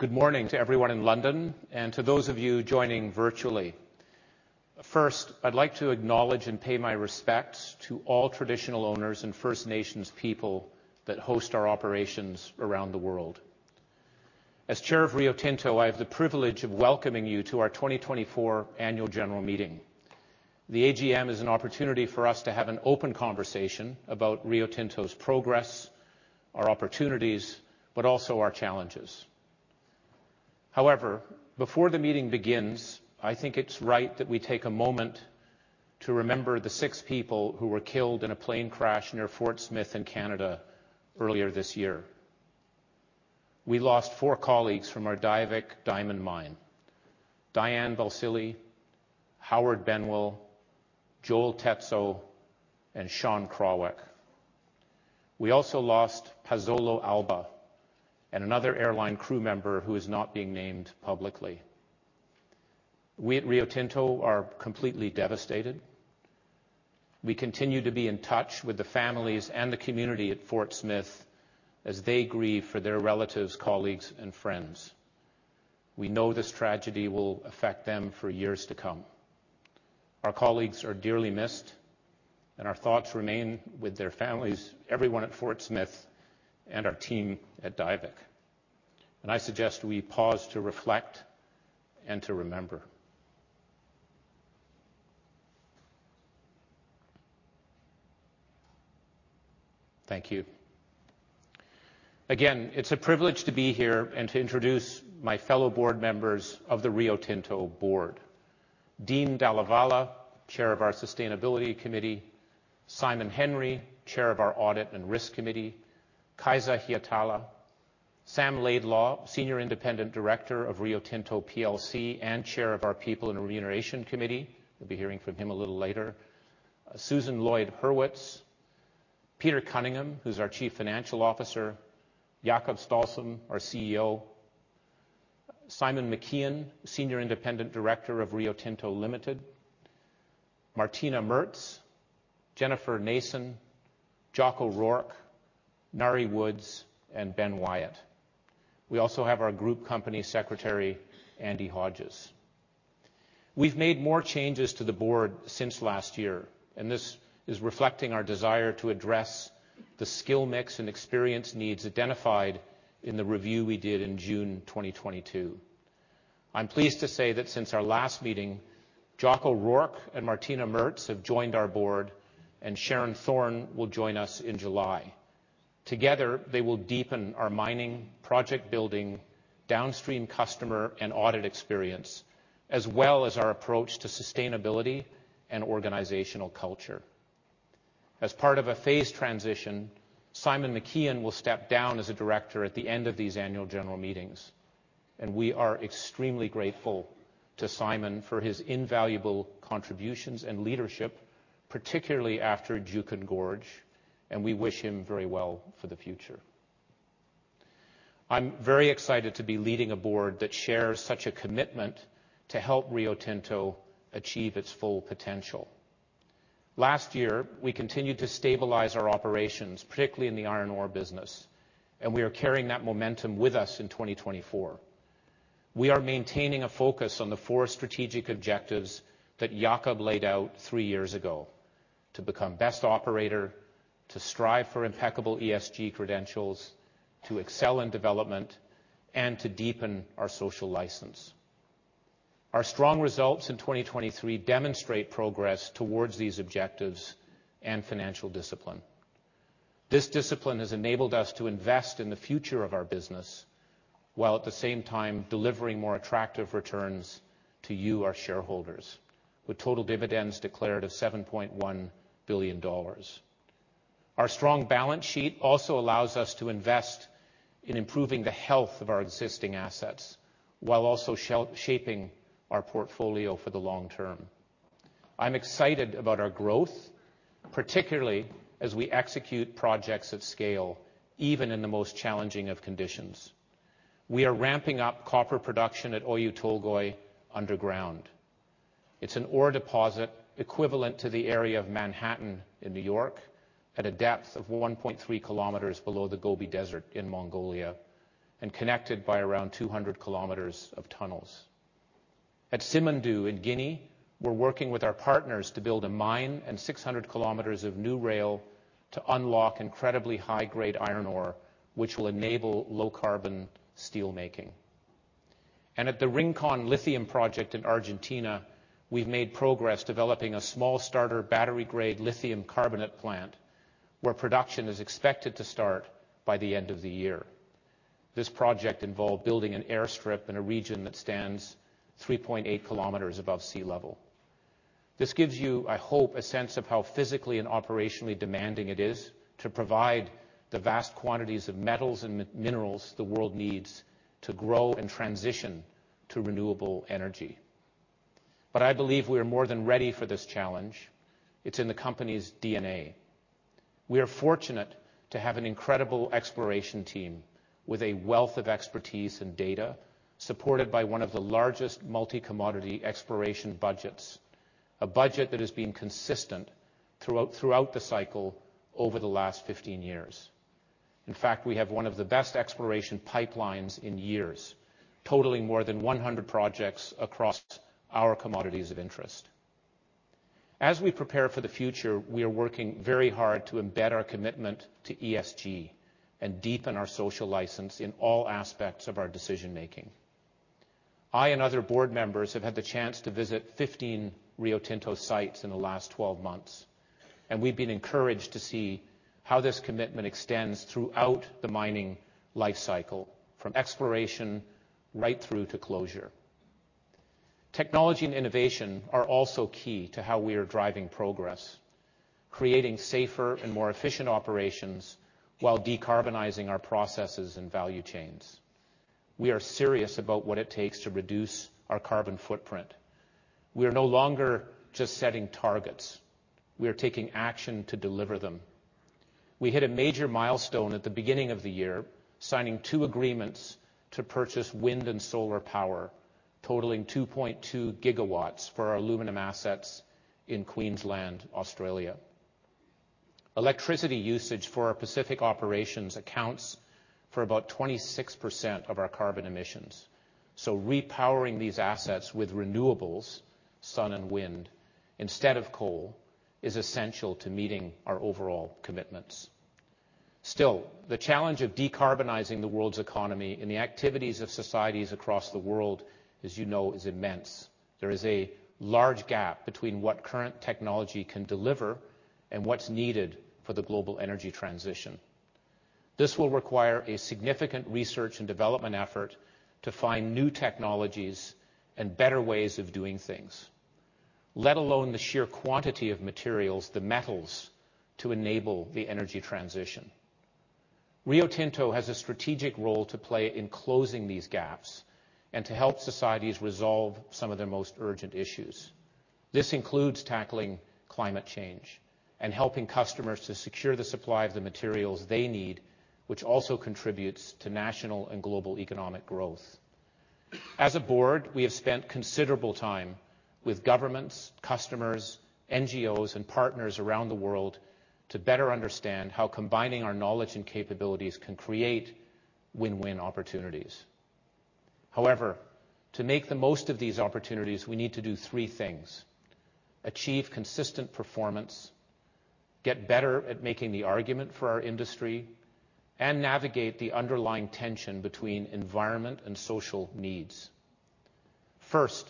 Good morning to everyone in London and to those of you joining virtually. First, I'd like to acknowledge and pay my respects to all traditional owners and First Nations people that host our operations around the world. As Chair of Rio Tinto, I have the privilege of welcoming you to our 2024 annual general meeting. The AGM is an opportunity for us to have an open conversation about Rio Tinto's progress, our opportunities, but also our challenges. However, before the meeting begins, I think it's right that we take a moment to remember the six people who were killed in a plane crash near Fort Smith in Canada earlier this year. We lost four colleagues from our Diavik Diamond Mine: Diane Balsillie, Howard Benwell, Joel Tetso, and Sean Krawec. We also lost Paszolo Alba and another airline crew member who is not being named publicly. We at Rio Tinto are completely devastated. We continue to be in touch with the families and the community at Fort Smith as they grieve for their relatives, colleagues, and friends. We know this tragedy will affect them for years to come. Our colleagues are dearly missed, and our thoughts remain with their families, everyone at Fort Smith, and our team at Diavik. I suggest we pause to reflect and to remember. Thank you. Again, it's a privilege to be here and to introduce my fellow board members of the Rio Tinto Board: Dean Dalla Valle, Chair of our Sustainability Committee, Simon Henry, Chair of our Audit and Risk Committee, Kaisa Hietala, Sam Laidlaw, Senior Independent Director of Rio Tinto plc and Chair of our People and Remuneration Committee, you'll be hearing from him a little later, Susan Lloyd-Hurwitz, Peter Cunningham, who's our Chief Financial Officer, Jakob Stausholm, our CEO, Simon McKeon, Senior Independent Director of Rio Tinto Limited, Martina Merz, Jennifer Nason, Joc O'Rourke, Ngaire Woods, and Ben Wyatt. We also have our Group Company Secretary, Andy Hodges. We've made more changes to the board since last year, and this is reflecting our desire to address the skill mix and experience needs identified in the review we did in June 2022. I'm pleased to say that since our last meeting, Joc O'Rourke and Martina Merz have joined our board, and Sharon Thorne will join us in July. Together, they will deepen our mining, project building, downstream customer and audit experience, as well as our approach to sustainability and organizational culture. As part of a phased transition, Simon McKeon will step down as a director at the end of these annual general meetings, and we are extremely grateful to Simon for his invaluable contributions and leadership, particularly after Juukan Gorge, and we wish him very well for the future. I'm very excited to be leading a board that shares such a commitment to help Rio Tinto achieve its full potential. Last year, we continued to stabilize our operations, particularly in the iron ore business, and we are carrying that momentum with us in 2024. We are maintaining a focus on the four strategic objectives that Jakob laid out three years ago: to become best operator, to strive for impeccable ESG credentials, to excel in development, and to deepen our social license. Our strong results in 2023 demonstrate progress towards these objectives and financial discipline. This discipline has enabled us to invest in the future of our business while at the same time delivering more attractive returns to you, our shareholders, with total dividends declared of $7.1 billion. Our strong balance sheet also allows us to invest in improving the health of our existing assets while also shaping our portfolio for the long term. I'm excited about our growth, particularly as we execute projects at scale, even in the most challenging of conditions. We are ramping up copper production at Oyu Tolgoi underground. It's an ore deposit equivalent to the area of Manhattan in New York, at a depth of 1.3 km below the Gobi Desert in Mongolia, and connected by around 200 km of tunnels. At Simandou in Guinea, we're working with our partners to build a mine and 600 km of new rail to unlock incredibly high-grade iron ore, which will enable low-carbon steelmaking. At the Rincon Lithium Project in Argentina, we've made progress developing a small starter battery-grade lithium carbonate plant where production is expected to start by the end of the year. This project involved building an airstrip in a region that stands 3.8 km above sea level. This gives you, I hope, a sense of how physically and operationally demanding it is to provide the vast quantities of metals and minerals the world needs to grow and transition to renewable energy. But I believe we are more than ready for this challenge. It's in the company's DNA. We are fortunate to have an incredible exploration team with a wealth of expertise and data supported by one of the largest multi-commodity exploration budgets, a budget that has been consistent throughout the cycle over the last 15 years. In fact, we have one of the best exploration pipelines in years, totaling more than 100 projects across our commodities of interest. As we prepare for the future, we are working very hard to embed our commitment to ESG and deepen our social license in all aspects of our decision-making. I and other board members have had the chance to visit 15 Rio Tinto sites in the last 12 months, and we've been encouraged to see how this commitment extends throughout the mining lifecycle, from exploration right through to closure. Technology and innovation are also key to how we are driving progress, creating safer and more efficient operations while decarbonizing our processes and value chains. We are serious about what it takes to reduce our carbon footprint. We are no longer just setting targets. We are taking action to deliver them. We hit a major milestone at the beginning of the year signing two agreements to purchase wind and solar power, totaling 2.2 GW for our aluminum assets in Queensland, Australia. Electricity usage for our Pacific operations accounts for about 26% of our carbon emissions, so repowering these assets with renewables, sun and wind, instead of coal, is essential to meeting our overall commitments. Still, the challenge of decarbonizing the world's economy and the activities of societies across the world, as you know, is immense. There is a large gap between what current technology can deliver and what's needed for the global energy transition. This will require a significant research and development effort to find new technologies and better ways of doing things, let alone the sheer quantity of materials, the metals, to enable the energy transition. Rio Tinto has a strategic role to play in closing these gaps and to help societies resolve some of their most urgent issues. This includes tackling climate change and helping customers to secure the supply of the materials they need, which also contributes to national and global economic growth. As a board, we have spent considerable time with governments, customers, NGOs, and partners around the world to better understand how combining our knowledge and capabilities can create win-win opportunities. However, to make the most of these opportunities, we need to do three things: achieve consistent performance, get better at making the argument for our industry, and navigate the underlying tension between environment and social needs. First,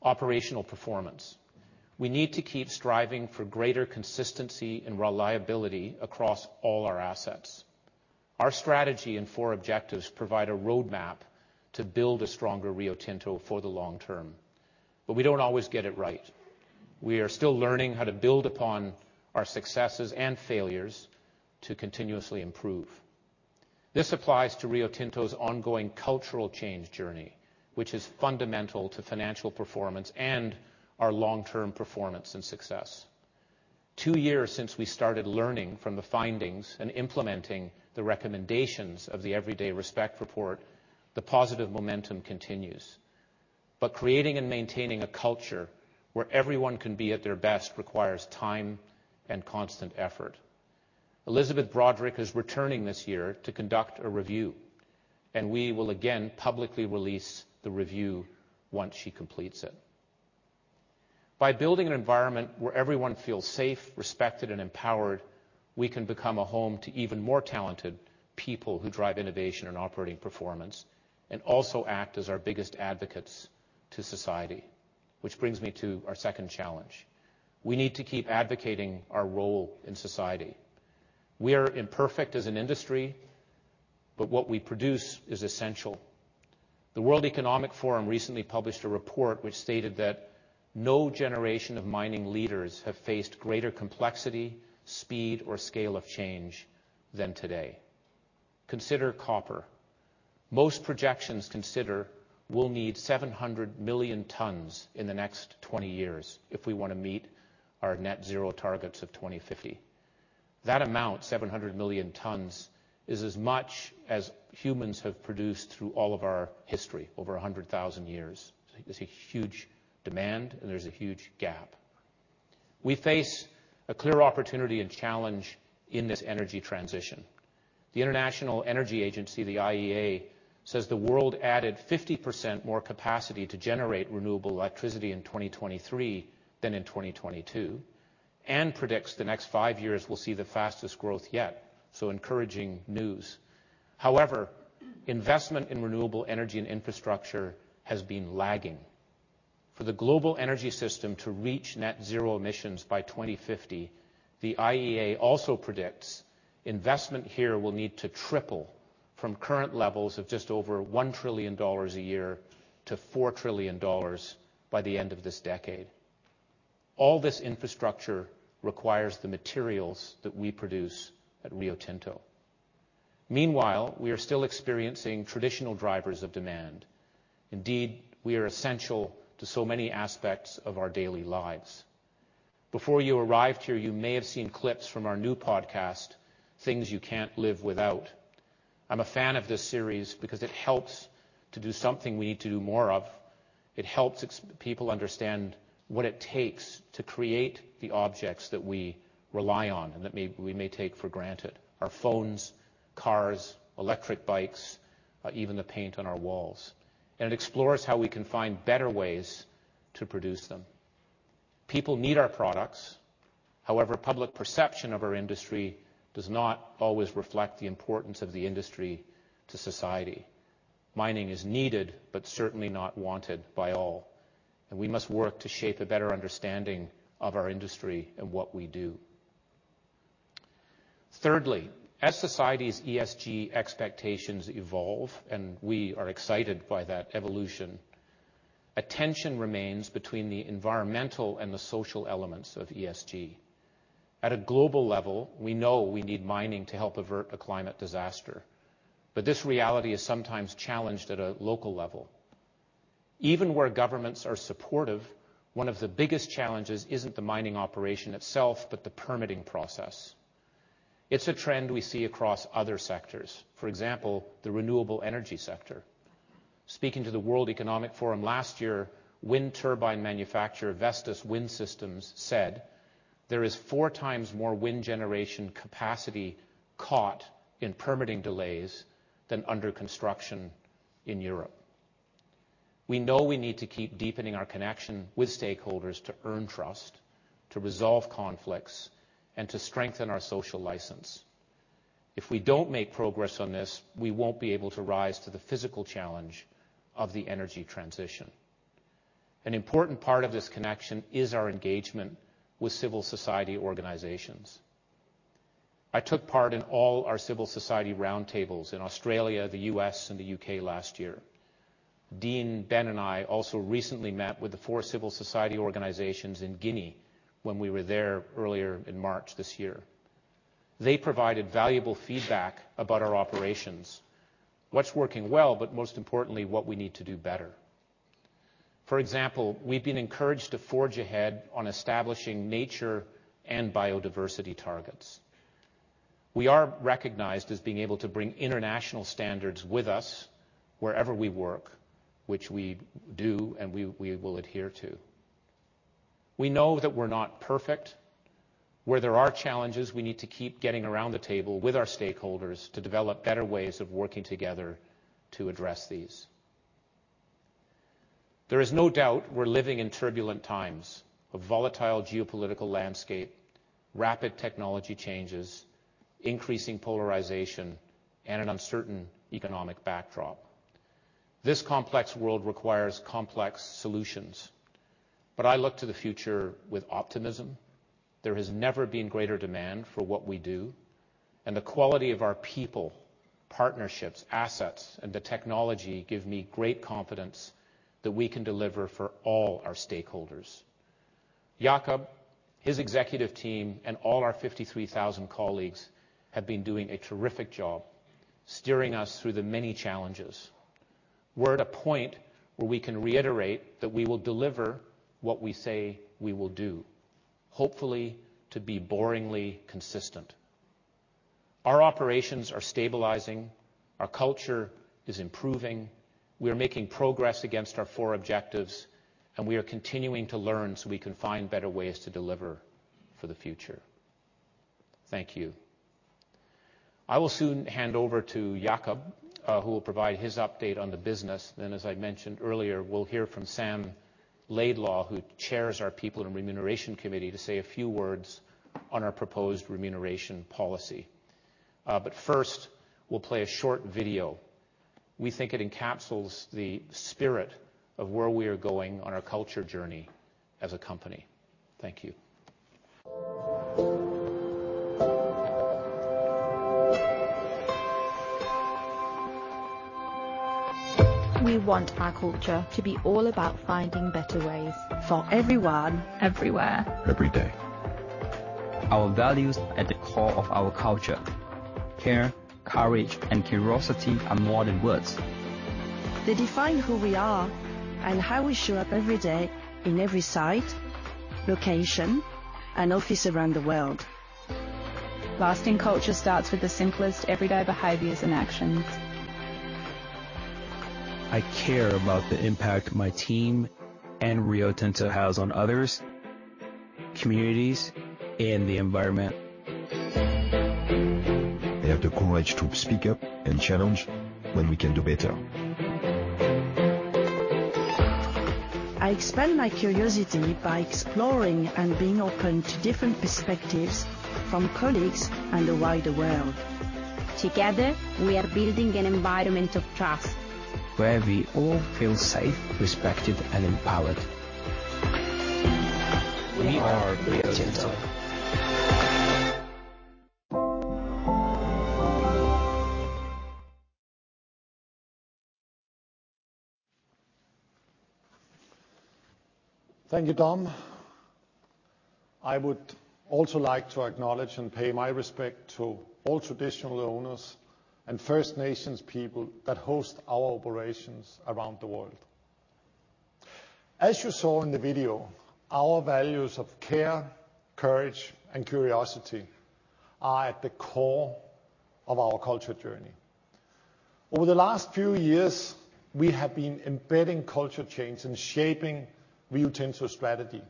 operational performance. We need to keep striving for greater consistency and reliability across all our assets. Our strategy and four objectives provide a roadmap to build a stronger Rio Tinto for the long term, but we don't always get it right. We are still learning how to build upon our successes and failures to continuously improve. This applies to Rio Tinto's ongoing cultural change journey, which is fundamental to financial performance and our long-term performance and success. Two years since we started learning from the findings and implementing the recommendations of the Everyday Respect Report, the positive momentum continues. But creating and maintaining a culture where everyone can be at their best requires time and constant effort. Elizabeth Broderick is returning this year to conduct a review, and we will again publicly release the review once she completes it. By building an environment where everyone feels safe, respected, and empowered, we can become a home to even more talented people who drive innovation and operating performance and also act as our biggest advocates to society, which brings me to our second challenge. We need to keep advocating our role in society. We are imperfect as an industry, but what we produce is essential. The World Economic Forum recently published a report which stated that no generation of mining leaders have faced greater complexity, speed, or scale of change than today. Consider copper. Most projections consider we'll need 700 million tons in the next 20 years if we want to meet our net-zero targets of 2050. That amount, 700 million tons, is as much as humans have produced through all of our history, over 100,000 years. It's a huge demand, and there's a huge gap. We face a clear opportunity and challenge in this energy transition. The International Energy Agency, the IEA, says the world added 50% more capacity to generate renewable electricity in 2023 than in 2022 and predicts the next five years we'll see the fastest growth yet, so encouraging news. However, investment in renewable energy and infrastructure has been lagging. For the global energy system to reach net-zero emissions by 2050, the IEA also predicts investment here will need to triple from current levels of just over $1 trillion a year to $4 trillion by the end of this decade. All this infrastructure requires the materials that we produce at Rio Tinto. Meanwhile, we are still experiencing traditional drivers of demand. Indeed, we are essential to so many aspects of our daily lives. Before you arrived here, you may have seen clips from our new podcast, Things You Can't Live Without. I'm a fan of this series because it helps to do something we need to do more of. It helps people understand what it takes to create the objects that we rely on and that we may take for granted: our phones, cars, electric bikes, even the paint on our walls. And it explores how we can find better ways to produce them. People need our products. However, public perception of our industry does not always reflect the importance of the industry to society. Mining is needed but certainly not wanted by all, and we must work to shape a better understanding of our industry and what we do. Thirdly, as society's ESG expectations evolve, and we are excited by that evolution, a tension remains between the environmental and the social elements of ESG. At a global level, we know we need mining to help avert a climate disaster, but this reality is sometimes challenged at a local level. Even where governments are supportive, one of the biggest challenges isn't the mining operation itself but the permitting process. It's a trend we see across other sectors, for example, the renewable energy sector. Speaking to the World Economic Forum last year, wind turbine manufacturer Vestas Wind Systems said, "There is four times more wind generation capacity caught in permitting delays than under construction in Europe." We know we need to keep deepening our connection with stakeholders to earn trust, to resolve conflicts, and to strengthen our social license. If we don't make progress on this, we won't be able to rise to the physical challenge of the energy transition. An important part of this connection is our engagement with civil society organizations. I took part in all our civil society roundtables in Australia, the U.S., and the U.K. last year. Dean and Ben and I also recently met with the four civil society organizations in Guinea when we were there earlier in March this year. They provided valuable feedback about our operations, what's working well, but most importantly, what we need to do better. For example, we've been encouraged to forge ahead on establishing nature and biodiversity targets. We are recognized as being able to bring international standards with us wherever we work, which we do and we will adhere to. We know that we're not perfect. Where there are challenges, we need to keep getting around the table with our stakeholders to develop better ways of working together to address these. There is no doubt we're living in turbulent times of volatile geopolitical landscape, rapid technology changes, increasing polarization, and an uncertain economic backdrop. This complex world requires complex solutions, but I look to the future with optimism. There has never been greater demand for what we do, and the quality of our people, partnerships, assets, and the technology give me great confidence that we can deliver for all our stakeholders. Jakob, his executive team, and all our 53,000 colleagues have been doing a terrific job steering us through the many challenges. We're at a point where we can reiterate that we will deliver what we say we will do, hopefully to be boringly consistent. Our operations are stabilizing. Our culture is improving. We are making progress against our four objectives, and we are continuing to learn so we can find better ways to deliver for the future. Thank you. I will soon hand over to Jakob, who will provide his update on the business. Then, as I mentioned earlier, we'll hear from Sam Laidlaw, who chairs our People and Remuneration Committee, to say a few words on our proposed remuneration policy. But first, we'll play a short video. We think it encapsulates the spirit of where we are going on our culture journey as a company. Thank you. We want our culture to be all about finding better ways for everyone, everywhere, every day. Our values at the core of our culture, care, courage, and curiosity are more than words. They define who we are and how we show up every day in every site, location, and office around the world. Lasting culture starts with the simplest everyday behaviors and actions. I care about the impact my team and Rio Tinto has on others, communities, and the environment. I have the courage to speak up and challenge when we can do better. I expand my curiosity by exploring and being open to different perspectives from colleagues and the wider world. Together, we are building an environment of trust where we all feel safe, respected, and empowered. We are Rio Tinto. Thank you, Dom. I would also like to acknowledge and pay my respect to all traditional owners and First Nations people that host our operations around the world. As you saw in the video, our values of care, courage, and curiosity are at the core of our culture journey. Over the last few years, we have been embedding culture change and shaping Rio Tinto's strategy.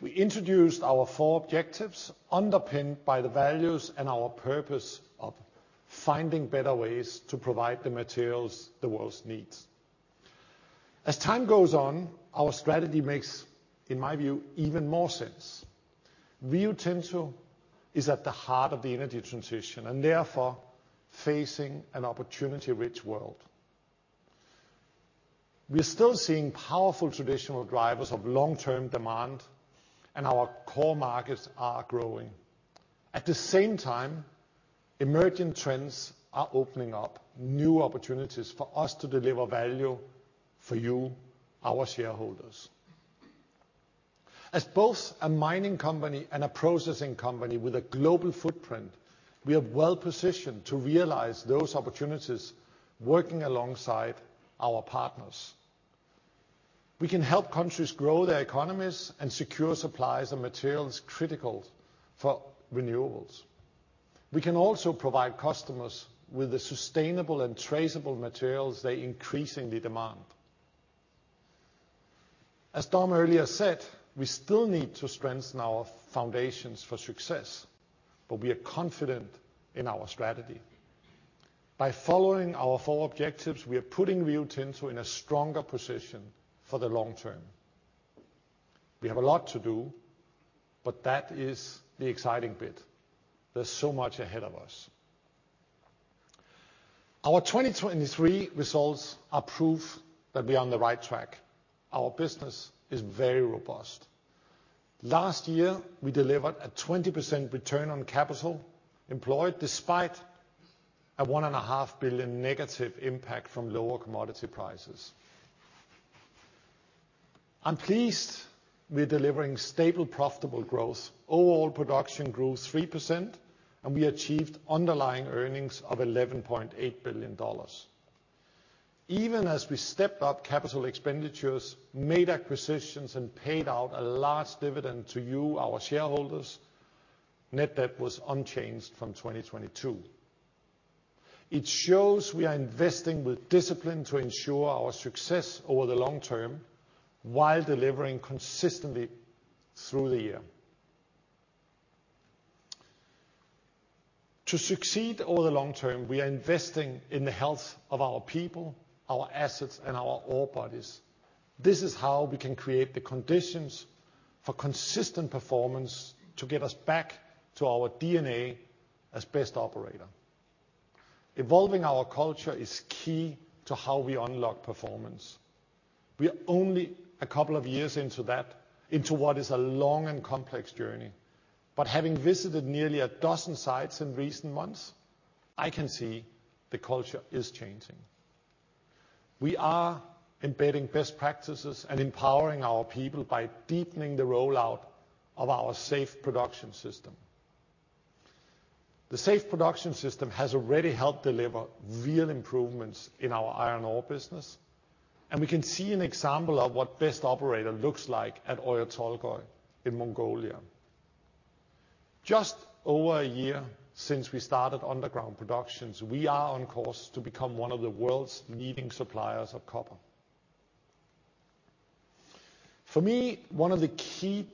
We introduced our four objectives underpinned by the values and our purpose of finding better ways to provide the materials the world needs. As time goes on, our strategy makes, in my view, even more sense. Rio Tinto is at the heart of the energy transition and therefore facing an opportunity-rich world. We are still seeing powerful traditional drivers of long-term demand, and our core markets are growing. At the same time, emerging trends are opening up new opportunities for us to deliver value for you, our shareholders. As both a mining company and a processing company with a global footprint, we are well positioned to realize those opportunities working alongside our partners. We can help countries grow their economies and secure supplies and materials critical for renewables. We can also provide customers with the sustainable and traceable materials they increasingly demand. As Dom earlier said, we still need to strengthen our foundations for success, but we are confident in our strategy. By following our four objectives, we are putting Rio Tinto in a stronger position for the long term. We have a lot to do, but that is the exciting bit. There's so much ahead of us. Our 2023 results prove that we are on the right track. Our business is very robust. Last year, we delivered a 20% return on capital employed despite a $1.5 billion negative impact from lower commodity prices. I'm pleased we're delivering stable, profitable growth. Overall, production grew 3%, and we achieved underlying earnings of $11.8 billion. Even as we stepped up capital expenditures, made acquisitions, and paid out a large dividend to you, our shareholders, net debt was unchanged from 2022. It shows we are investing with discipline to ensure our success over the long term while delivering consistently through the year. To succeed over the long term, we are investing in the health of our people, our assets, and our alliances. This is how we can create the conditions for consistent performance to get us back to our DNA as best operators. Evolving our culture is key to how we unlock performance. We are only a couple of years into that, into what is a long and complex journey, but having visited nearly a dozen sites in recent months, I can see the culture is changing. We are embedding best practices and empowering our people by deepening the rollout of our Safe Production System. The Safe Production System has already helped deliver real improvements in our iron ore business, and we can see an example of what best operator looks like at Oyu Tolgoi in Mongolia. Just over a year since we started underground production, we are on course to become one of the world's leading suppliers of copper. For me, one of the key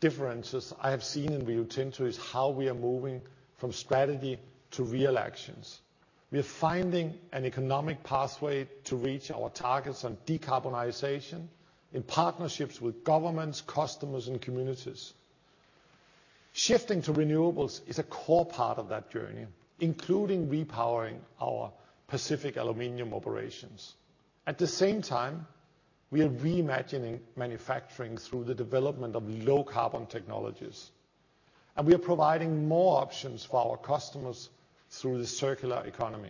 differences I have seen in Rio Tinto is how we are moving from strategy to real actions. We are finding an economic pathway to reach our targets on decarbonization in partnerships with governments, customers, and communities. Shifting to renewables is a core part of that journey, including repowering our Pacific Aluminium operations. At the same time, we are reimagining manufacturing through the development of low-carbon technologies, and we are providing more options for our customers through the circular economy.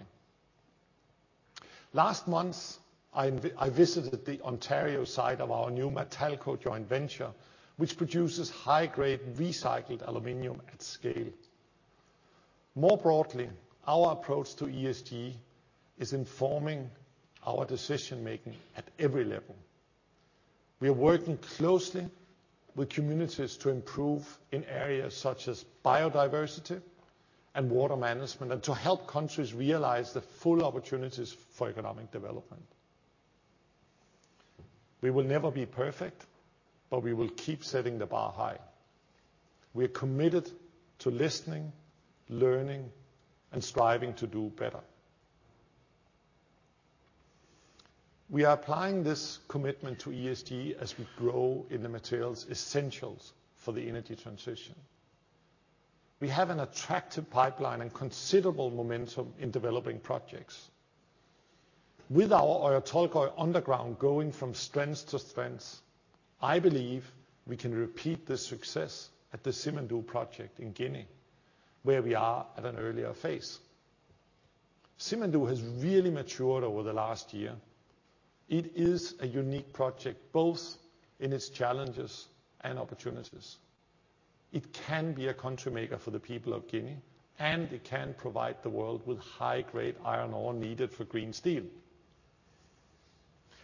Last month, I visited the Ontario site of our new Matalco joint venture, which produces high-grade recycled aluminum at scale. More broadly, our approach to ESG is informing our decision-making at every level. We are working closely with communities to improve in areas such as biodiversity and water management and to help countries realize the full opportunities for economic development. We will never be perfect, but we will keep setting the bar high. We are committed to listening, learning, and striving to do better. We are applying this commitment to ESG as we grow in the materials essentials for the energy transition. We have an attractive pipeline and considerable momentum in developing projects. With our Oyu Tolgoi underground going from strength to strength, I believe we can repeat the success at the Simandou project in Guinea, where we are at an earlier phase. Simandou has really matured over the last year. It is a unique project, both in its challenges and opportunities. It can be a country maker for the people of Guinea, and it can provide the world with high-grade iron ore needed for green steel.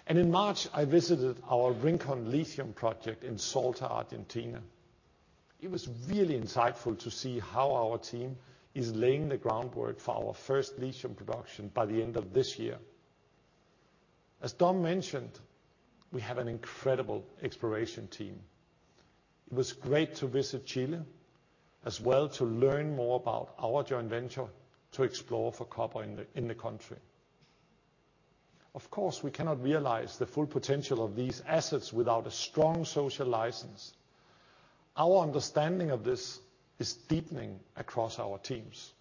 And in March, I visited our Rincon lithium project in Salta, Argentina. It was really insightful to see how our team is laying the groundwork for our first lithium production by the end of this year. As Dom mentioned, we have an incredible exploration team. It was great to visit Chile as well to learn more about our joint venture to explore for copper in the country. Of course, we cannot realize the full potential of these assets without a strong social license. Our understanding of this is deepening across our teams.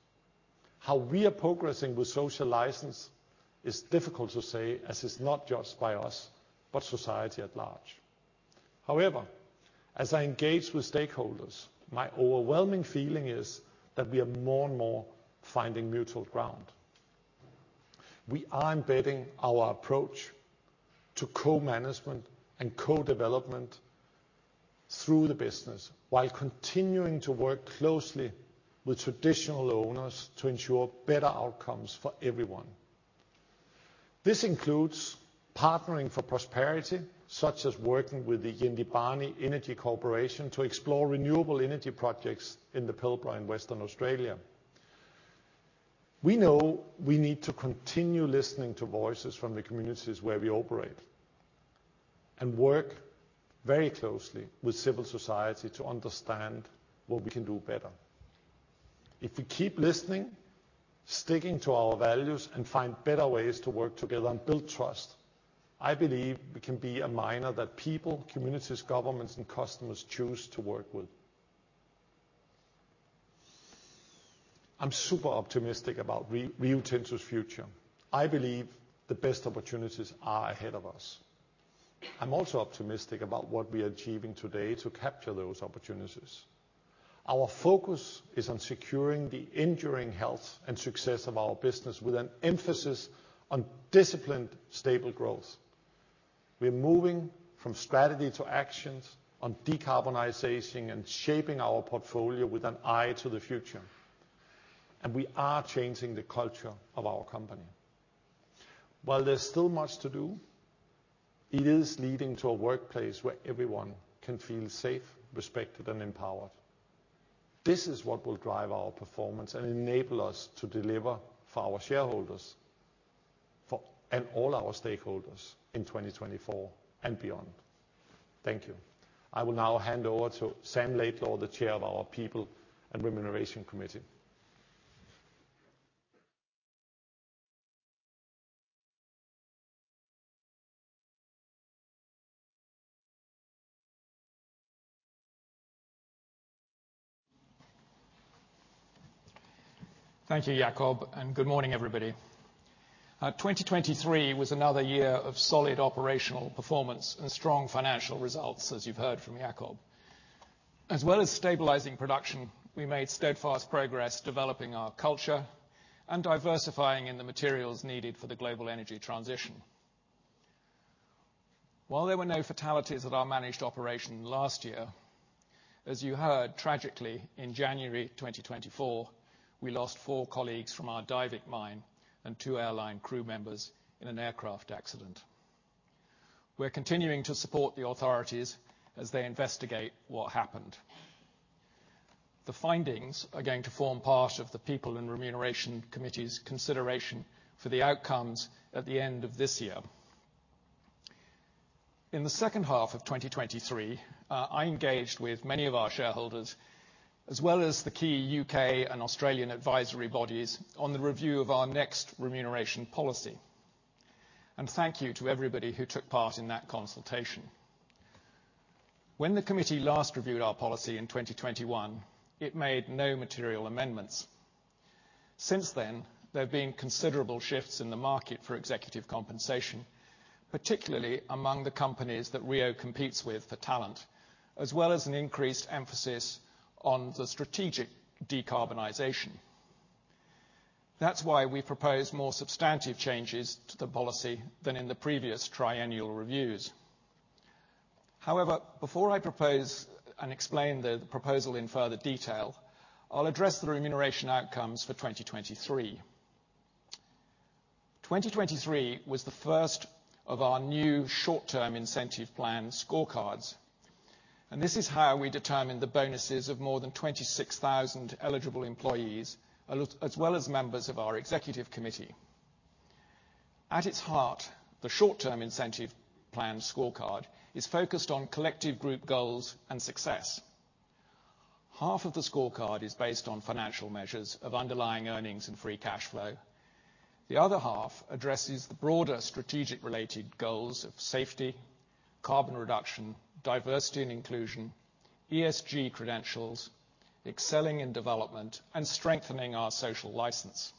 How we are progressing with social license is difficult to say, as it's not judged by us but society at large. However, as I engage with stakeholders, my overwhelming feeling is that we are more and more finding mutual ground. We are embedding our approach to co-management and co-development through the business while continuing to work closely with traditional owners to ensure better outcomes for everyone. This includes partnering for prosperity, such as working with the Yindjibarndi Energy Corporation to explore renewable energy projects in the Pilbara in Western Australia. We know we need to continue listening to voices from the communities where we operate and work very closely with civil society to understand what we can do better. If we keep listening, sticking to our values, and find better ways to work together and build trust, I believe we can be a miner that people, communities, governments, and customers choose to work with. I'm super optimistic about Rio Tinto's future. I believe the best opportunities are ahead of us. I'm also optimistic about what we are achieving today to capture those opportunities. Our focus is on securing the enduring health and success of our business with an emphasis on disciplined, stable growth. We are moving from strategy to actions on decarbonization and shaping our portfolio with an eye to the future, and we are changing the culture of our company. While there's still much to do, it is leading to a workplace where everyone can feel safe, respected, and empowered. This is what will drive our performance and enable us to deliver for our shareholders and all our stakeholders in 2024 and beyond. Thank you. I will now hand over to Sam Laidlaw, the chair of our People and Remuneration Committee. Thank you, Jakob, and good morning, everybody. 2023 was another year of solid operational performance and strong financial results, as you've heard from Jakob. As well as stabilizing production, we made steadfast progress developing our culture and diversifying in the materials needed for the global energy transition. While there were no fatalities at our managed operation last year, as you heard, tragically, in January 2024, we lost four colleagues from our Diavik mine and two airline crew members in an aircraft accident. We're continuing to support the authorities as they investigate what happened. The findings are going to form part of the People and Remuneration Committee's consideration for the outcomes at the end of this year. In the second half of 2023, I engaged with many of our shareholders as well as the key UK and Australian advisory bodies on the review of our next remuneration policy. Thank you to everybody who took part in that consultation. When the committee last reviewed our policy in 2021, it made no material amendments. Since then, there have been considerable shifts in the market for executive compensation, particularly among the companies that Rio competes with for talent, as well as an increased emphasis on the strategic decarbonization. That's why we propose more substantive changes to the policy than in the previous triennial reviews. However, before I propose and explain the proposal in further detail, I'll address the remuneration outcomes for 2023. 2023 was the first of our new short-term incentive plan scorecards, and this is how we determined the bonuses of more than 26,000 eligible employees as well as members of our executive committee. At its heart, the short-term incentive plan scorecard is focused on collective group goals and success. Half of the scorecard is based on financial measures of underlying earnings and free cash flow. The other half addresses the broader strategic-related goals of safety, carbon reduction, diversity and inclusion, ESG credentials, excelling in development, and strengthening our social license.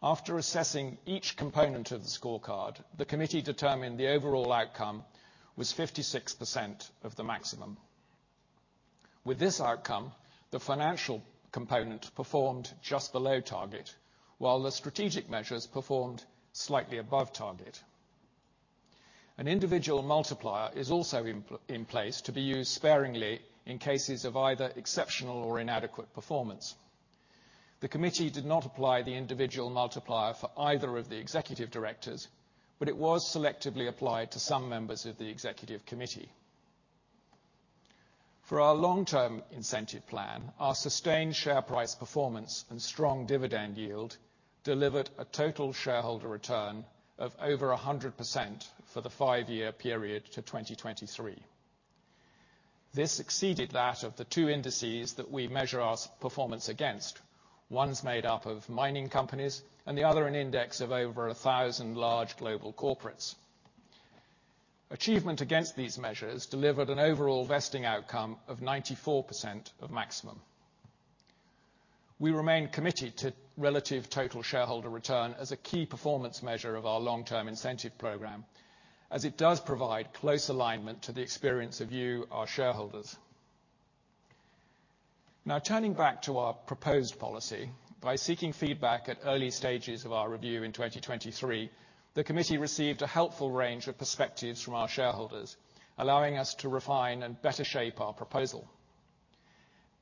After assessing each component of the scorecard, the committee determined the overall outcome was 56% of the maximum. With this outcome, the financial component performed just below target, while the strategic measures performed slightly above target. An individual multiplier is also in place to be used sparingly in cases of either exceptional or inadequate performance. The committee did not apply the individual multiplier for either of the executive directors, but it was selectively applied to some members of the executive committee. For our long-term incentive plan, our sustained share price performance and strong dividend yield delivered a total shareholder return of over 100% for the five-year period to 2023. This exceeded that of the two indices that we measure our performance against. One's made up of mining companies, and the other an index of over 1,000 large global corporates. Achievement against these measures delivered an overall vesting outcome of 94% of maximum. We remain committed to relative total shareholder return as a key performance measure of our long-term incentive program, as it does provide close alignment to the experience of you, our shareholders. Now, turning back to our proposed policy, by seeking feedback at early stages of our review in 2023, the committee received a helpful range of perspectives from our shareholders, allowing us to refine and better shape our proposal.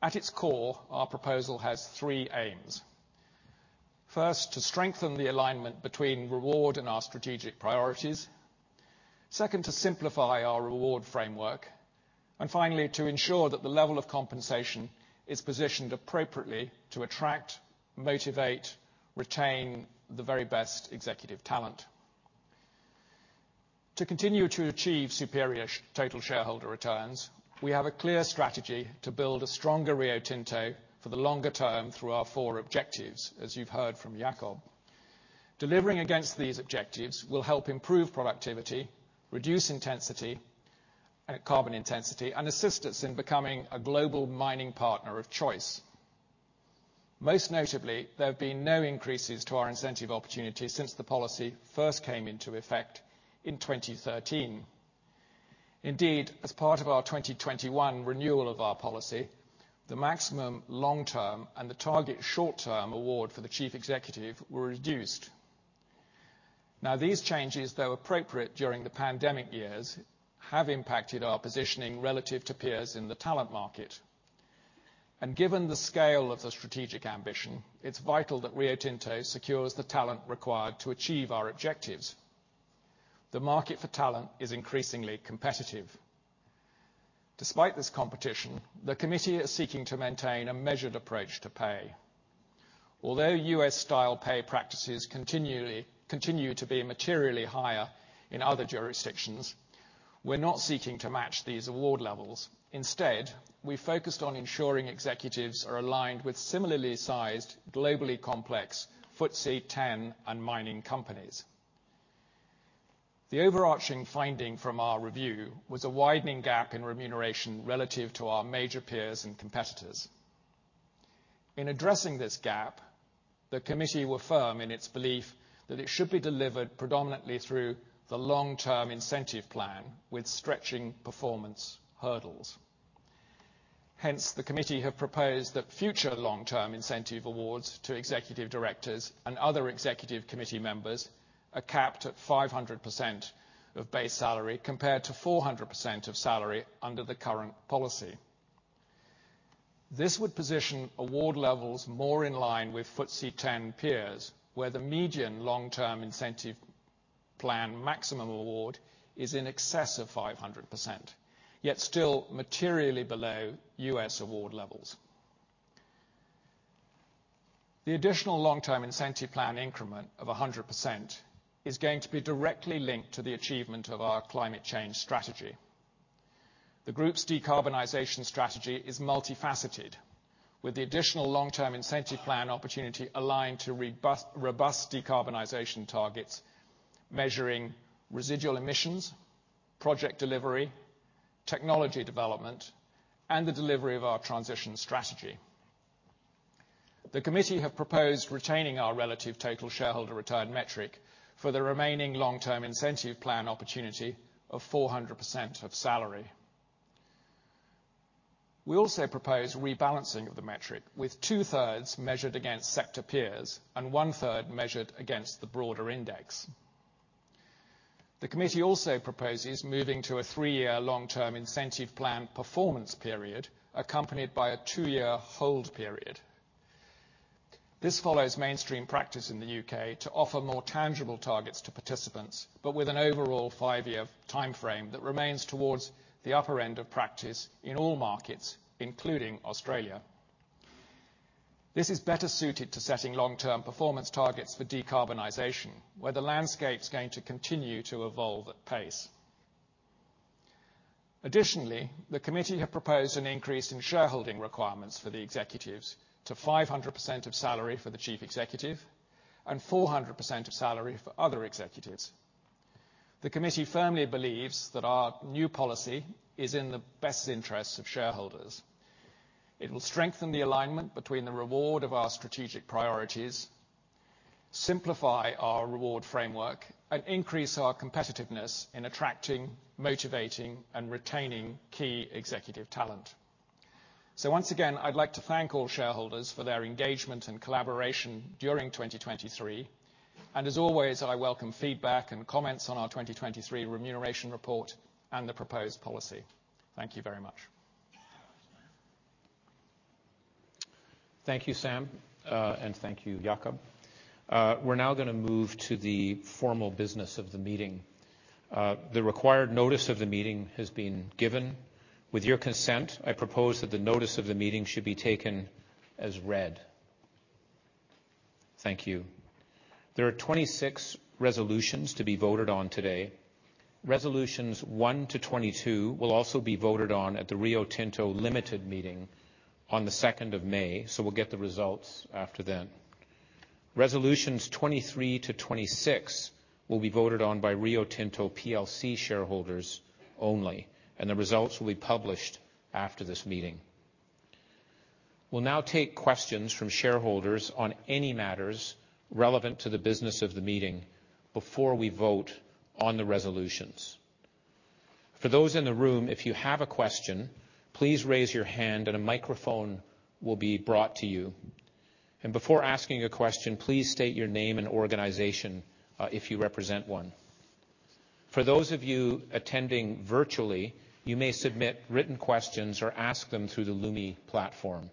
At its core, our proposal has three aims. First, to strengthen the alignment between reward and our strategic priorities. Second, to simplify our reward framework. Finally, to ensure that the level of compensation is positioned appropriately to attract, motivate, retain the very best executive talent. To continue to achieve superior total shareholder returns, we have a clear strategy to build a stronger Rio Tinto for the longer term through our four objectives, as you've heard from Jakob. Delivering against these objectives will help improve productivity, reduce carbon intensity, and assist us in becoming a global mining partner of choice. Most notably, there have been no increases to our incentive opportunities since the policy first came into effect in 2013. Indeed, as part of our 2021 renewal of our policy, the maximum long-term and the target short-term award for the Chief Executive were reduced. Now, these changes, though appropriate during the pandemic years, have impacted our positioning relative to peers in the talent market. Given the scale of the strategic ambition, it's vital that Rio Tinto secures the talent required to achieve our objectives. The market for talent is increasingly competitive. Despite this competition, the committee is seeking to maintain a measured approach to pay. Although U.S.-style pay practices continue to be materially higher in other jurisdictions, we're not seeking to match these award levels. Instead, we focused on ensuring executives are aligned with similarly sized, globally complex FTSE 100 and mining companies. The overarching finding from our review was a widening gap in remuneration relative to our major peers and competitors. In addressing this gap, the committee were firm in its belief that it should be delivered predominantly through the long-term incentive plan with stretching performance hurdles. Hence, the committee have proposed that future long-term incentive awards to executive directors and other executive committee members are capped at 500% of base salary compared to 400% of salary under the current policy. This would position award levels more in line with FTSE 100 peers, where the median long-term incentive plan maximum award is in excess of 500%, yet still materially below U.S. award levels. The additional long-term incentive plan increment of 100% is going to be directly linked to the achievement of our climate change strategy. The group's decarbonization strategy is multifaceted, with the additional long-term incentive plan opportunity aligned to robust decarbonization targets measuring residual emissions, project delivery, technology development, and the delivery of our transition strategy. The committee have proposed retaining our relative total shareholder return metric for the remaining long-term incentive plan opportunity of 400% of salary. We also propose rebalancing of the metric, with 2/3 measured against sector peers and 1/3 measured against the broader index. The committee also proposes moving to a three-year long-term incentive plan performance period accompanied by a two-year hold period. This follows mainstream practice in the U.K. to offer more tangible targets to participants, but with an overall five-year timeframe that remains towards the upper end of practice in all markets, including Australia. This is better suited to setting long-term performance targets for decarbonization, where the landscape's going to continue to evolve at pace. Additionally, the committee have proposed an increase in shareholding requirements for the executives to 500% of salary for the Chief Executive and 400% of salary for other executives. The committee firmly believes that our new policy is in the best interests of shareholders. It will strengthen the alignment between the reward of our strategic priorities, simplify our reward framework, and increase our competitiveness in attracting, motivating, and retaining key executive talent. So once again, I'd like to thank all shareholders for their engagement and collaboration during 2023. As always, I welcome feedback and comments on our 2023 remuneration report and the proposed policy. Thank you very much. Thank you, Sam, and thank you, Jakob. We're now going to move to the formal business of the meeting. The required notice of the meeting has been given. With your consent, I propose that the notice of the meeting should be taken as read. Thank you. There are 26 resolutions to be voted on today. Resolutions one to 22 will also be voted on at the Rio Tinto Limited meeting on the 2nd of May, so we'll get the results after then. Resolutions 23 to 26 will be voted on by Rio Tinto Plc shareholders only, and the results will be published after this meeting. We'll now take questions from shareholders on any matters relevant to the business of the meeting before we vote on the resolutions. For those in the room, if you have a question, please raise your hand, and a microphone will be brought to you. Before asking a question, please state your name and organization if you represent one. For those of you attending virtually, you may submit written questions or ask them through the Lumi platform.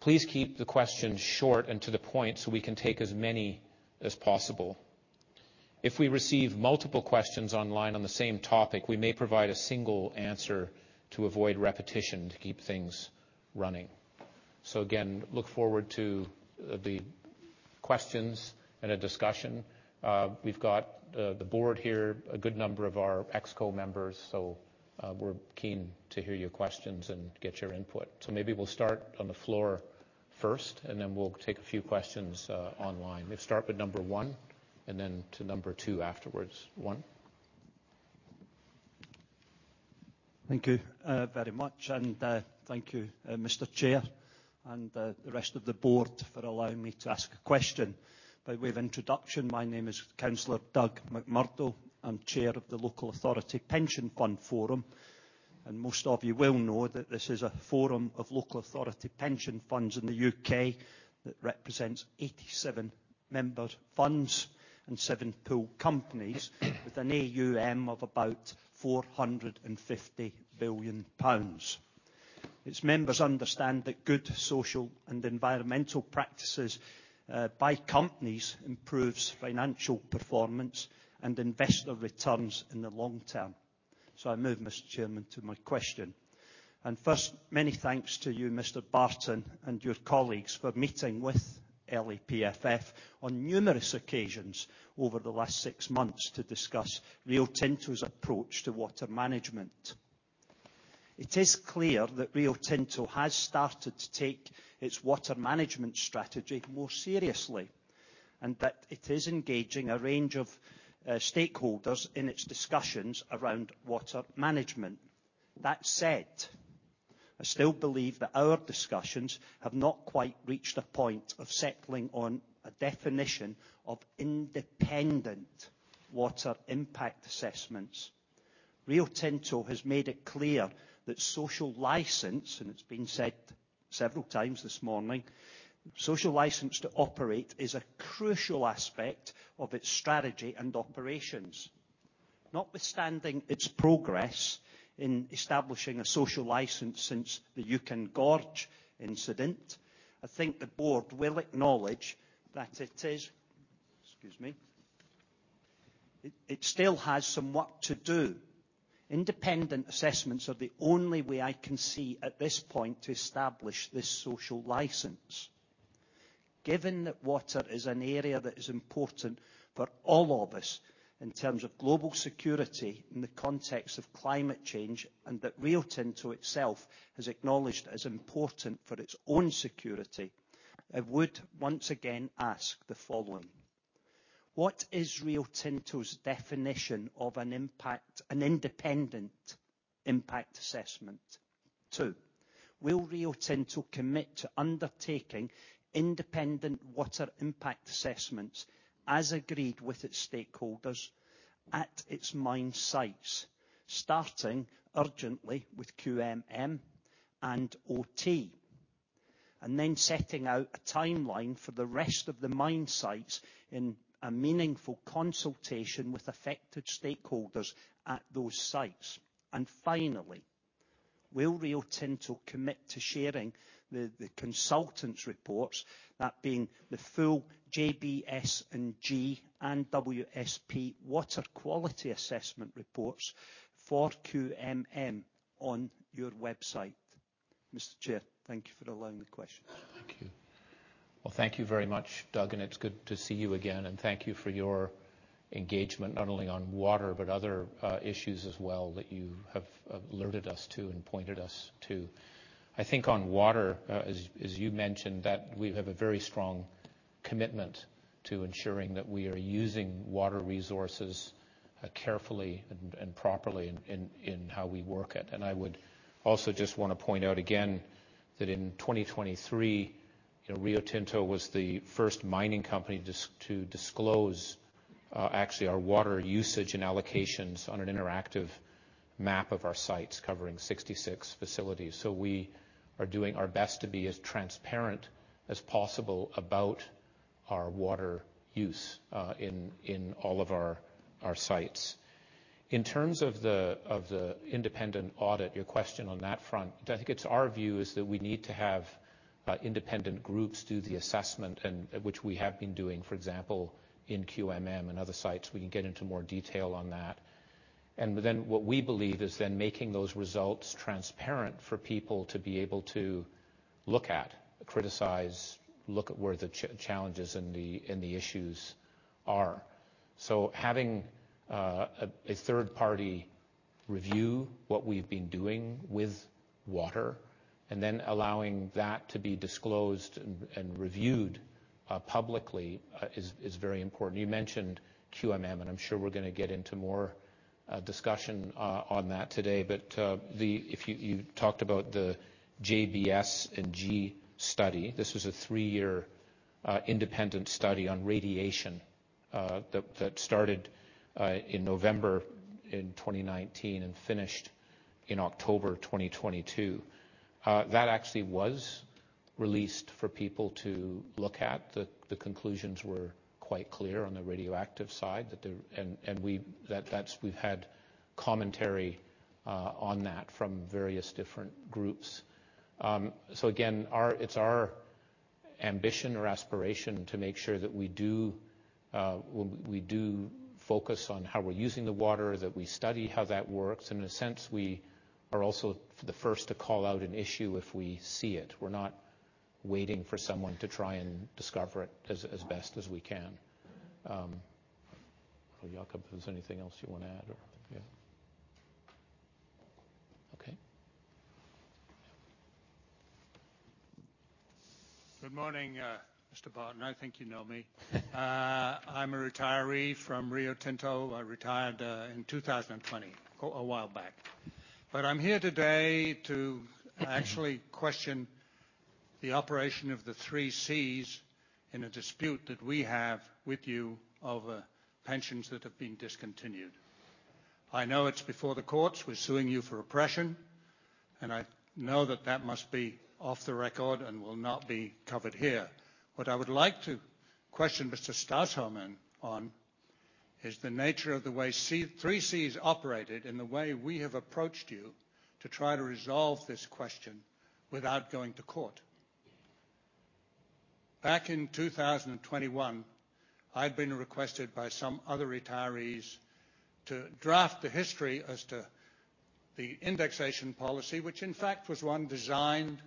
Please keep the questions short and to the point so we can take as many as possible. If we receive multiple questions online on the same topic, we may provide a single answer to avoid repetition to keep things running. Again, look forward to the questions and a discussion. We've got the board here, a good number of our exco members, so we're keen to hear your questions and get your input. So maybe we'll start on the floor first, and then we'll take a few questions online. We'll start with number one and then to number two afterwards. One. Thank you very much. And thank you, Mr. Chair, and the rest of the board for allowing me to ask a question. By way of introduction, my name is Councillor Doug McMurdo. I'm chair of the Local Authority Pension Fund Forum. And most of you will know that this is a forum of local authority pension funds in the U.K. that represents 87-member funds and seven pool companies with an AUM of about 450 billion pounds. Its members understand that good social and environmental practices by companies improve financial performance and investor returns in the long term. So I move, Mr. Chairman, to my question. And first, many thanks to you, Mr. Barton, and your colleagues for meeting with LAPFF on numerous occasions over the last six months to discuss Rio Tinto's approach to water management. It is clear that Rio Tinto has started to take its water management strategy more seriously and that it is engaging a range of stakeholders in its discussions around water management. That said, I still believe that our discussions have not quite reached a point of settling on a definition of independent water impact assessments. Rio Tinto has made it clear that social licence - and it's been said several times this morning - social licence to operate is a crucial aspect of its strategy and operations. Notwithstanding its progress in establishing a social licence since the Juukan Gorge incident, I think the board will acknowledge that it is - excuse me - it still has some work to do. Independent assessments are the only way I can see at this point to establish this social licence. Given that water is an area that is important for all of us in terms of global security in the context of climate change and that Rio Tinto itself has acknowledged it as important for its own security, I would once again ask the following: What is Rio Tinto's definition of an independent impact assessment? Two, will Rio Tinto commit to undertaking independent water impact assessments as agreed with its stakeholders at its mine sites, starting urgently with QMM and OT, and then setting out a timeline for the rest of the mine sites in a meaningful consultation with affected stakeholders at those sites? And finally, will Rio Tinto commit to sharing the consultants' reports, that being the full JBS&G and WSP water quality assessment reports, for QMM on your website? Mr. Chair, thank you for allowing the questions. Thank you. Well, thank you very much, Doug, and it's good to see you again. Thank you for your engagement not only on water but other issues as well that you have alerted us to and pointed us to. I think on water, as you mentioned, that we have a very strong commitment to ensuring that we are using water resources carefully and properly in how we work it. I would also just want to point out again that in 2023, Rio Tinto was the first mining company to disclose actually our water usage and allocations on an interactive map of our sites covering 66 facilities. We are doing our best to be as transparent as possible about our water use in all of our sites. In terms of the independent audit, your question on that front, I think it's our view is that we need to have independent groups do the assessment, which we have been doing, for example, in QMM and other sites. We can get into more detail on that. Then what we believe is then making those results transparent for people to be able to look at, criticize, look at where the challenges and the issues are. So having a third-party review what we've been doing with water and then allowing that to be disclosed and reviewed publicly is very important. You mentioned QMM, and I'm sure we're going to get into more discussion on that today. But you talked about the JBS&G study. This was a three-year independent study on radiation that started in November in 2019 and finished in October 2022. That actually was released for people to look at. The conclusions were quite clear on the radioactive side, and we've had commentary on that from various different groups. So again, it's our ambition or aspiration to make sure that we do focus on how we're using the water, that we study how that works. And in a sense, we are also the first to call out an issue if we see it. We're not waiting for someone to try and discover it as best as we can. I don't know, Jakob, if there's anything else you want to add or yeah. Okay. Good morning, Mr. Barton. I think you know me. I'm a retiree from Rio Tinto. I retired in 2020, a while back. But I'm here today to actually question the operation of the 3Cs in a dispute that we have with you over pensions that have been discontinued. I know it's before the courts. We're suing you for oppression, and I know that that must be off the record and will not be covered here. What I would like to question Mr. Stausholm on is the nature of the way 3Cs operated in the way we have approached you to try to resolve this question without going to court. Back in 2021, I'd been requested by some other retirees to draft the history as to the indexation policy, which in fact was one designed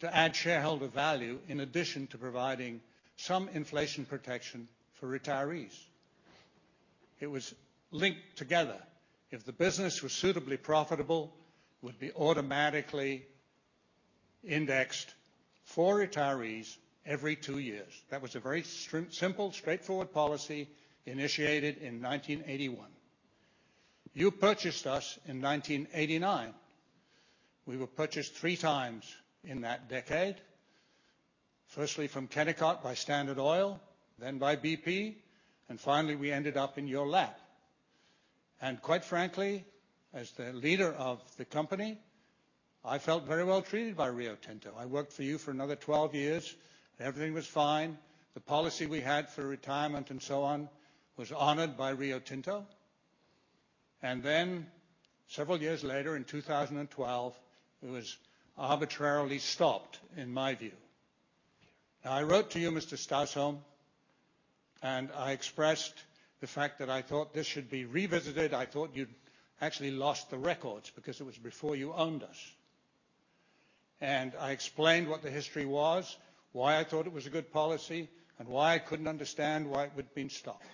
to add shareholder value in addition to providing some inflation protection for retirees. It was linked together. If the business was suitably profitable, it would be automatically indexed for retirees every two years. That was a very simple, straightforward policy initiated in 1981. You purchased us in 1989. We were purchased three times in that decade, firstly from Kennecott by Standard Oil, then by BP, and finally, we ended up in your lap. And quite frankly, as the leader of the company, I felt very well treated by Rio Tinto. I worked for you for another 12 years. Everything was fine. The policy we had for retirement and so on was honored by Rio Tinto. And then several years later, in 2012, it was arbitrarily stopped, in my view. Now, I wrote to you, Mr. Stausholm, and I expressed the fact that I thought this should be revisited. I thought you'd actually lost the records because it was before you owned us. I explained what the history was, why I thought it was a good policy, and why I couldn't understand why it would have been stopped.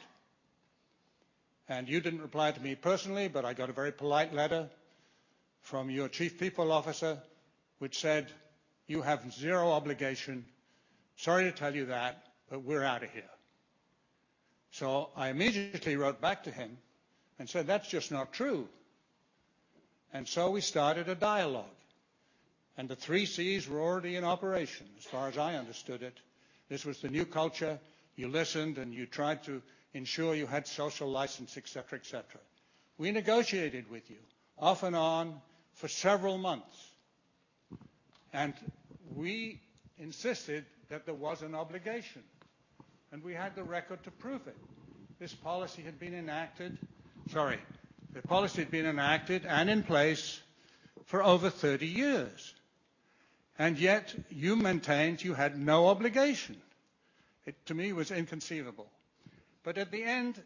You didn't reply to me personally, but I got a very polite letter from your Chief People Officer, which said, "You have zero obligation. Sorry to tell you that, but we're out of here." I immediately wrote back to him and said, "That's just not true." We started a dialogue. The 3Cs were already in operation, as far as I understood it. This was the new culture. You listened, and you tried to ensure you had social license, etc., etc. We negotiated with you off and on for several months, and we insisted that there was an obligation, and we had the record to prove it. The policy had been enacted and in place for over 30 years. And yet, you maintained you had no obligation. It, to me, was inconceivable. But at the end,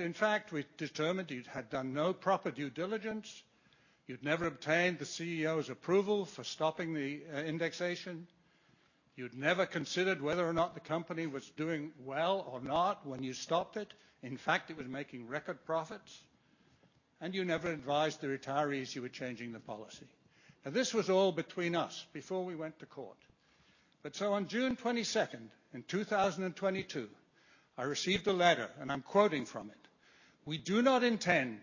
in fact, we determined you'd had done no proper due diligence. You'd never obtained the CEO's approval for stopping the indexation. You'd never considered whether or not the company was doing well or not when you stopped it. In fact, it was making record profits. And you never advised the retirees you were changing the policy. Now, this was all between us before we went to court. But so on June 22nd, in 2022, I received a letter, and I'm quoting from it, "We do not intend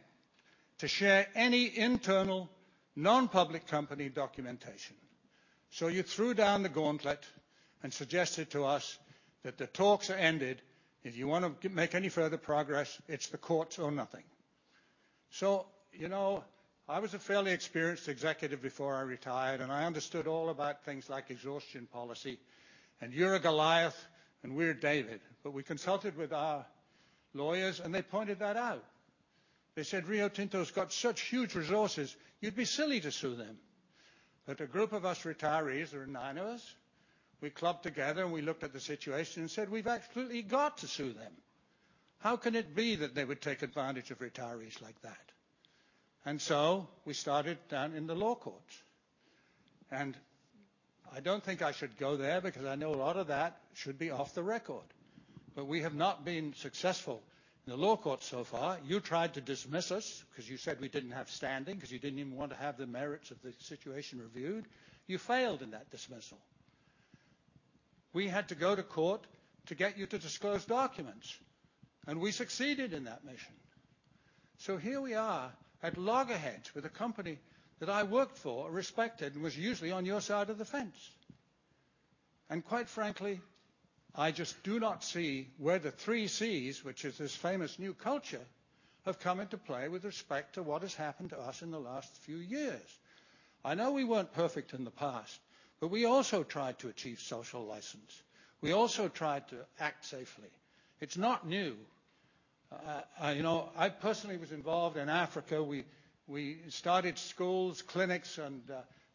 to share any internal non-public company documentation." So you threw down the gauntlet and suggested to us that the talks are ended. If you want to make any further progress, it's the courts or nothing. So I was a fairly experienced executive before I retired, and I understood all about things like exhaustion policy. And you're a Goliath and we're David. But we consulted with our lawyers, and they pointed that out. They said, "Rio Tinto's got such huge resources. You'd be silly to sue them." But a group of us retirees, there were nine of us, we clubbed together, and we looked at the situation and said, "We've absolutely got to sue them. How can it be that they would take advantage of retirees like that?" And so we started down in the law courts. And I don't think I should go there because I know a lot of that should be off the record. But we have not been successful in the law courts so far. You tried to dismiss us because you said we didn't have standing, because you didn't even want to have the merits of the situation reviewed. You failed in that dismissal. We had to go to court to get you to disclose documents. We succeeded in that mission. Here we are at loggerheads with a company that I worked for, respected, and was usually on your side of the fence. Quite frankly, I just do not see where the 3Cs, which is this famous new culture, have come into play with respect to what has happened to us in the last few years. I know we weren't perfect in the past, but we also tried to achieve social licence. We also tried to act safely. It's not new. I personally was involved in Africa. We started schools, clinics, and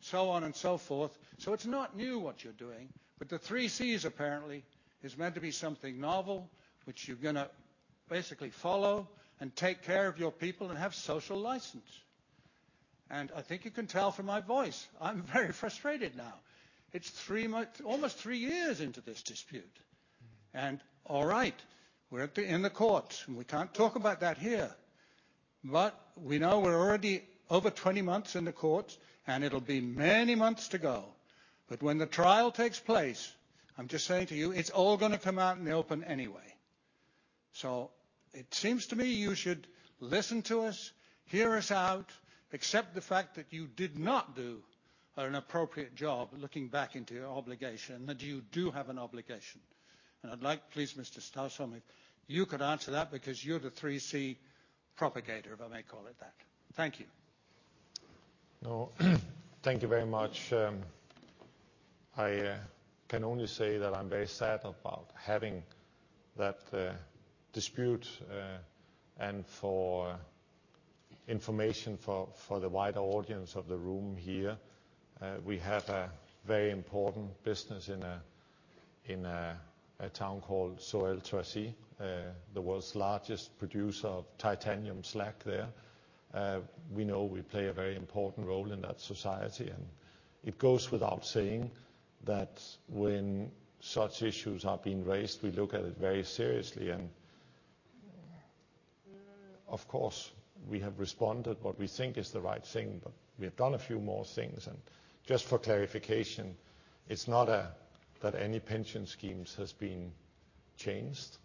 so on and so forth. So it's not new what you're doing. But the 3Cs, apparently, is meant to be something novel which you're going to basically follow and take care of your people and have social licence. And I think you can tell from my voice. I'm very frustrated now. It's almost three years into this dispute. And all right, we're in the courts, and we can't talk about that here. But we know we're already over 20 months in the courts, and it'll be many months to go. But when the trial takes place, I'm just saying to you, it's all going to come out in the open anyway. So it seems to me you should listen to us, hear us out, accept the fact that you did not do an appropriate job looking back into your obligation, that you do have an obligation. And I'd like, please, Mr. Stausholm, if you could answer that because you're the 3C propagator, if I may call it that. Thank you. No, thank you very much. I can only say that I'm very sad about having that dispute. And for information for the wider audience of the room here, we have a very important business in a town called Sorel-Tracy, the world's largest producer of titanium slag there. We know we play a very important role in that society. And it goes without saying that when such issues are being raised, we look at it very seriously. And of course, we have responded what we think is the right thing, but we have done a few more things. And just for clarification, it's not that any pension schemes has been changed.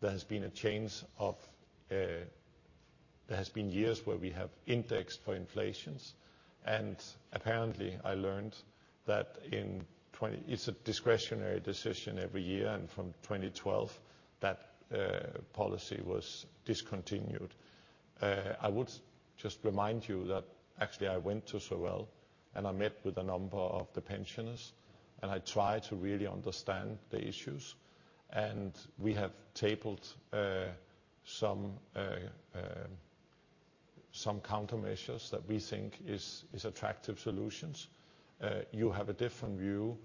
There has been a change of there have been years where we have indexed for inflation. And apparently, I learned that it is a discretionary decision every year. And from 2012, that policy was discontinued. I would just remind you that actually, I went to Sorel, and I met with a number of the pensioners, and I tried to really understand the issues. We have tabled some countermeasures that we think are attractive solutions. You have a different view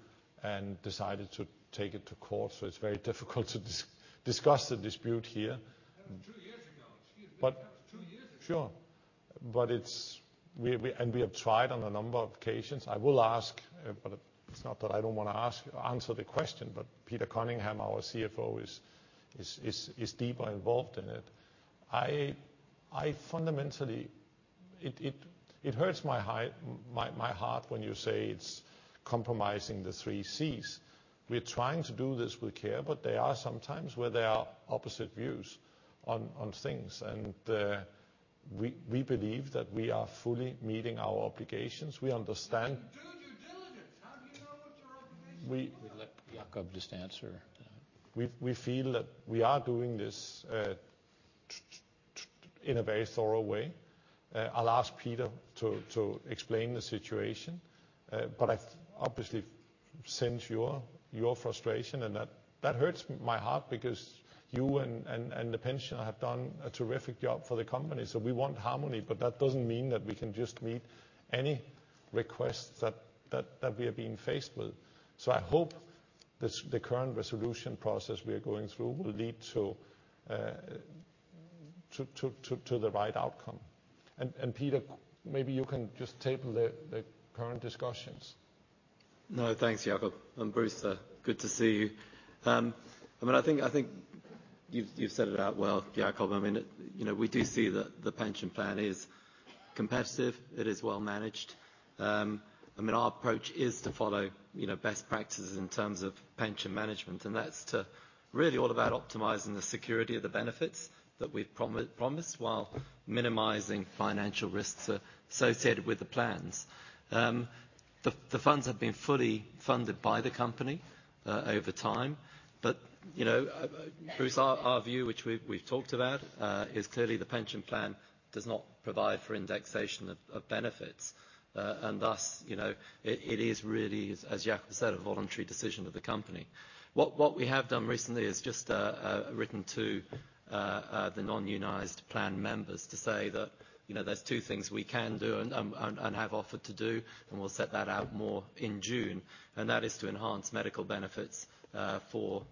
and decided to take it to court. It's very difficult to discuss the dispute here. That was two years ago. Jeez, that was two years ago. Sure. And we have tried on a number of occasions. I will ask, but it's not that I don't want to answer the question, but Peter Cunningham, our CFO, is deeper involved in it. It hurts my heart when you say it's compromising the 3Cs. We're trying to do this with care, but there are sometimes where there are opposite views on things. And we believe that we are fully meeting our obligations. We understand. You do due diligence. How do you know what your obligations are? We let Jakob just answer. We feel that we are doing this in a very thorough way. I'll ask Peter to explain the situation. But I obviously sense your frustration, and that hurts my heart because you and the pensioner have done a terrific job for the company. So we want harmony, but that doesn't mean that we can just meet any requests that we are being faced with. So I hope the current resolution process we are going through will lead to the right outcome. And Peter, maybe you can just table the current discussions. No, thanks, Jakob. And Bruce. Good to see you. I mean, I think you've set it out well, Jakob. I mean, we do see that the pension plan is competitive. It is well-managed. I mean, our approach is to follow best practices in terms of pension management, and that's really all about optimizing the security of the benefits that we've promised while minimizing financial risks associated with the plans. The funds have been fully funded by the company over time. But our view, which we've talked about, is clearly the pension plan does not provide for indexation of benefits. And thus, it is really, as Jakob said, a voluntary decision of the company. What we have done recently is just written to the non-unionized plan members to say that there's two things we can do and have offered to do, and we'll set that out more in June. And that is to enhance medical benefits for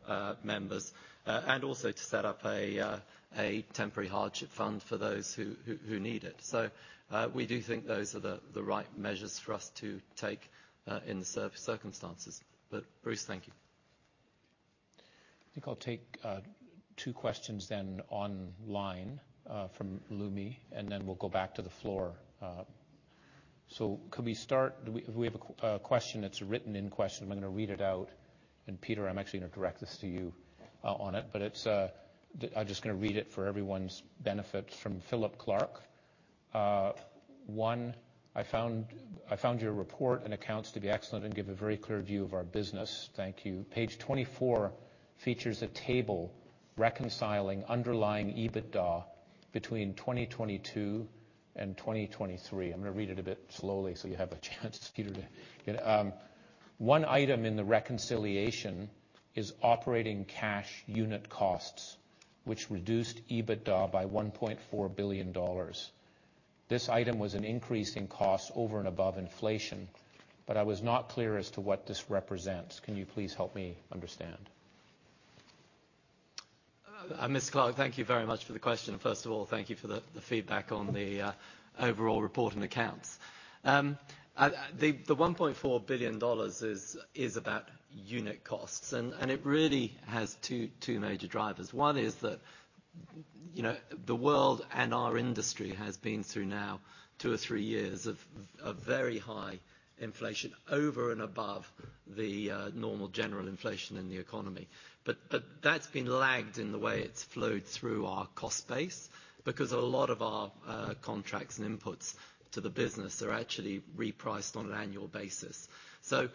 members and also to set up a temporary hardship fund for those who need it. So we do think those are the right measures for us to take in the circumstances. But Bruce, thank you. I think I'll take two questions then online from Lumi, and then we'll go back to the floor. So could we start if we have a question that's a written-in question? I'm going to read it out. And Peter, I'm actually going to direct this to you on it. But I'm just going to read it for everyone's benefit from Philip Clark. One, I found your report and accounts to be excellent and give a very clear view of our business. Thank you. Page 24 features a table reconciling underlying EBITDA between 2022 and 2023. I'm going to read it a bit slowly so you have a chance, Peter, to get it. One item in the reconciliation is operating cash unit costs, which reduced EBITDA by $1.4 billion. This item was an increase in costs over and above inflation, but I was not clear as to what this represents. Can you please help me understand? Mr. Clark, thank you very much for the question. First of all, thank you for the feedback on the overall report and accounts. The $1.4 billion is about unit costs, and it really has two major drivers. One is that the world and our industry has been through now two or three years of very high inflation over and above the normal general inflation in the economy. But that's been lagged in the way it's flowed through our cost base because a lot of our contracts and inputs to the business are actually repriced on an annual basis. So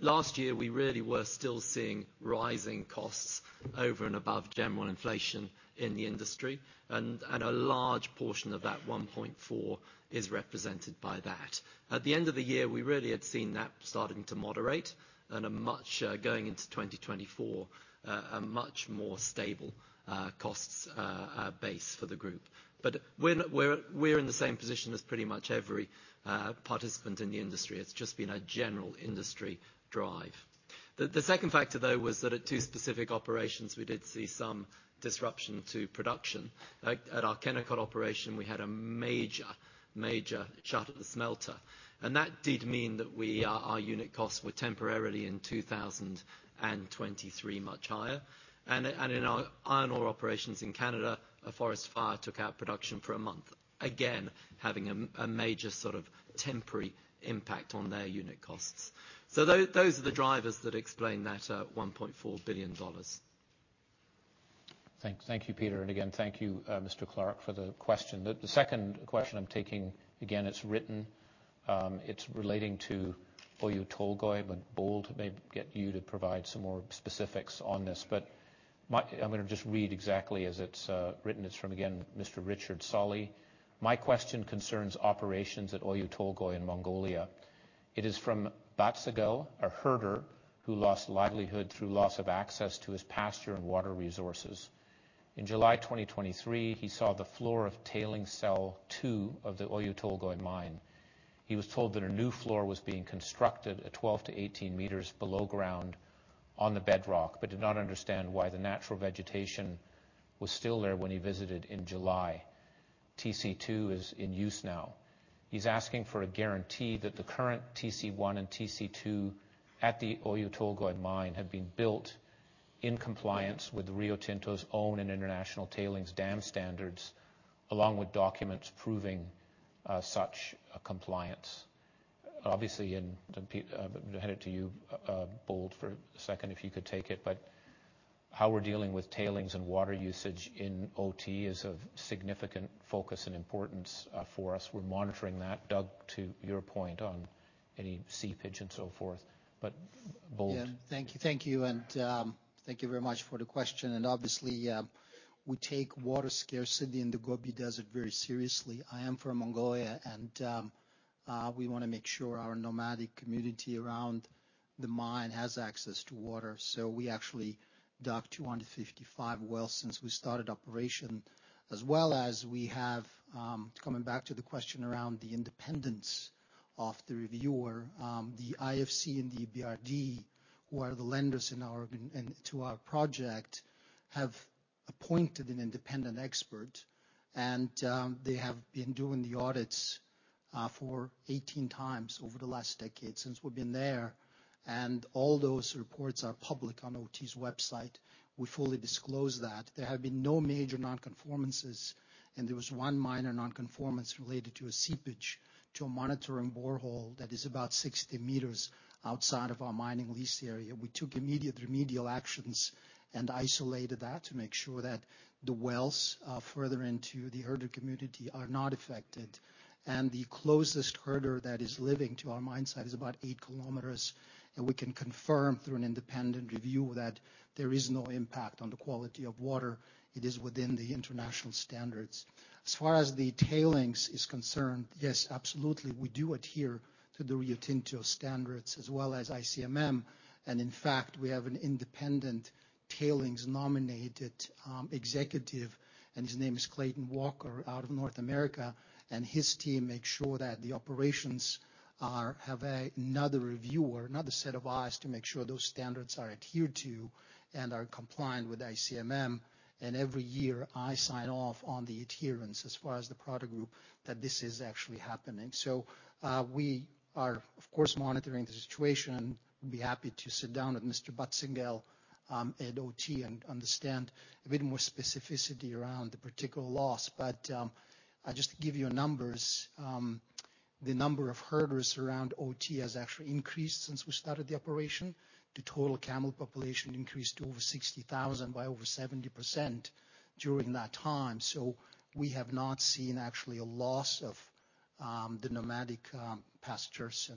last year, we really were still seeing rising costs over and above general inflation in the industry, and a large portion of that $1.4 billion is represented by that. At the end of the year, we really had seen that starting to moderate and going into 2024, a much more stable cost base for the group. But we're in the same position as pretty much every participant in the industry. It's just been a general industry drive. The second factor, though, was that at two specific operations, we did see some disruption to production. At our Kennecott operation, we had a major, major shutdown of the smelter. And that did mean that our unit costs were temporarily in 2023 much higher. And in our iron ore operations in Canada, a forest fire took out production for a month, again having a major sort of temporary impact on their unit costs. So those are the drivers that explain that $1.4 billion. Thank you, Peter. And again, thank you, Mr. Clark, for the question. The second question I'm taking, again, it's written. It's relating to Oyu Tolgoi, but Bold may get you to provide some more specifics on this. But I'm going to just read exactly as it's written. It's from, again, Mr. Richard Solley. My question concerns operations at Oyu Tolgoi in Mongolia. It is from Battsengel, a herder who lost livelihood through loss of access to his pasture and water resources. In July 2023, he saw the floor of tailings cell two of the Oyu Tolgoi mine. He was told that a new floor was being constructed at 12-18 meters below ground on the bedrock but did not understand why the natural vegetation was still there when he visited in July. TC2 is in use now. He's asking for a guarantee that the current TC1 and TC2 at the Oyu Tolgoi mine have been built in compliance with Rio Tinto's own and international tailings dam standards, along with documents proving such compliance. Obviously, I'm going to hand it to you, Bold, for a second if you could take it. But how we're dealing with tailings and water usage in OT is of significant focus and importance for us. We're monitoring that, Doug, to your point on any seepage and so forth. But Bold. Yeah, thank you. Thank you. And thank you very much for the question. And obviously, we take water scarcity in the Gobi Desert very seriously. I am from Mongolia, and we want to make sure our nomadic community around the mine has access to water. So we actually dug 255 wells since we started operation, as well as we have coming back to the question around the independence of the reviewer. The IFC and the EBRD, who are the lenders to our project, have appointed an independent expert. And they have been doing the audits for 18 times over the last decade since we've been there. And all those reports are public on OT's website. We fully disclose that. There have been no major nonconformances. And there was one minor nonconformance related to a seepage to a monitoring borehole that is about 60 meters outside of our mining lease area. We took immediate remedial actions and isolated that to make sure that the wells further into the herder community are not affected. The closest herder that is living to our mine site is about 8 km. We can confirm through an independent review that there is no impact on the quality of water. It is within the international standards. As far as the tailings is concerned, yes, absolutely, we do adhere to the Rio Tinto standards as well as ICMM. In fact, we have an independent tailings-nominated executive, and his name is Clayton Walker, out of North America. His team makes sure that the operations have another reviewer, another set of eyes to make sure those standards are adhered to and are compliant with ICMM. Every year, I sign off on the adherence as far as the product group that this is actually happening. We are, of course, monitoring the situation. We'd be happy to sit down with Mr. Battsengel at OT and understand a bit more specificity around the particular loss. I'll just give you numbers. The number of herders around OT has actually increased since we started the operation. The total camel population increased to over 60,000 by over 70% during that time. We have not seen actually a loss of the nomadic pastures.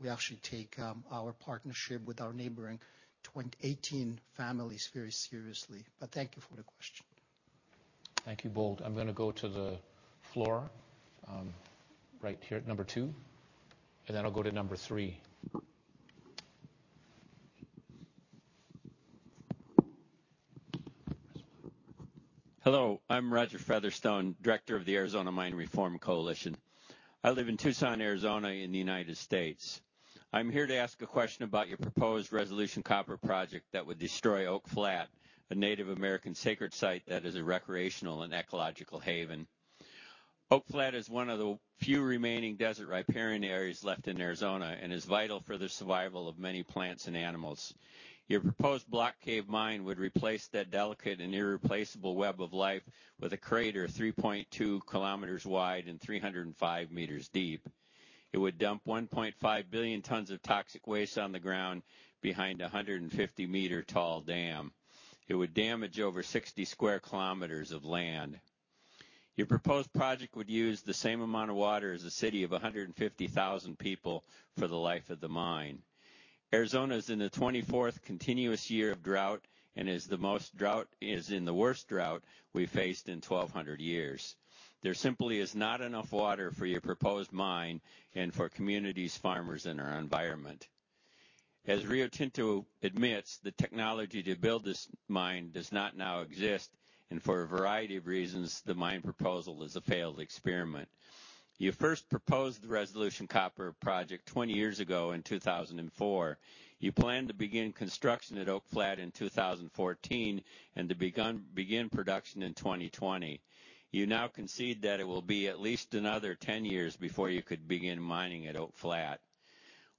We actually take our partnership with our neighboring 18 families very seriously. Thank you for the question. Thank you, Bold. I'm going to go to the floor right here, number two. Then I'll go to number three. Hello. I'm Roger Featherstone, director of the Arizona Mining Reform Coalition. I live in Tucson, Arizona, in the United States. I'm here to ask a question about your proposed Resolution Copper project that would destroy Oak Flat, a Native American sacred site that is a recreational and ecological haven. Oak Flat is one of the few remaining desert riparian areas left in Arizona and is vital for the survival of many plants and animals. Your proposed block cave mine would replace that delicate and irreplaceable web of life with a crater 3.2 km wide and 305 m deep. It would dump 1.5 billion tons of toxic waste on the ground behind a 150 m tall dam. It would damage over 60 sq km of land. Your proposed project would use the same amount of water as a city of 150,000 people for the life of the mine. Arizona is in the 24th continuous year of drought and is in the worst drought we've faced in 1,200 years. There simply is not enough water for your proposed mine and for communities, farmers, and our environment. As Rio Tinto admits, the technology to build this mine does not now exist. For a variety of reasons, the mine proposal is a failed experiment. You first proposed the Resolution Copper project 20 years ago, in 2004. You planned to begin construction at Oak Flat in 2014 and to begin production in 2020. You now concede that it will be at least another 10 years before you could begin mining at Oak Flat.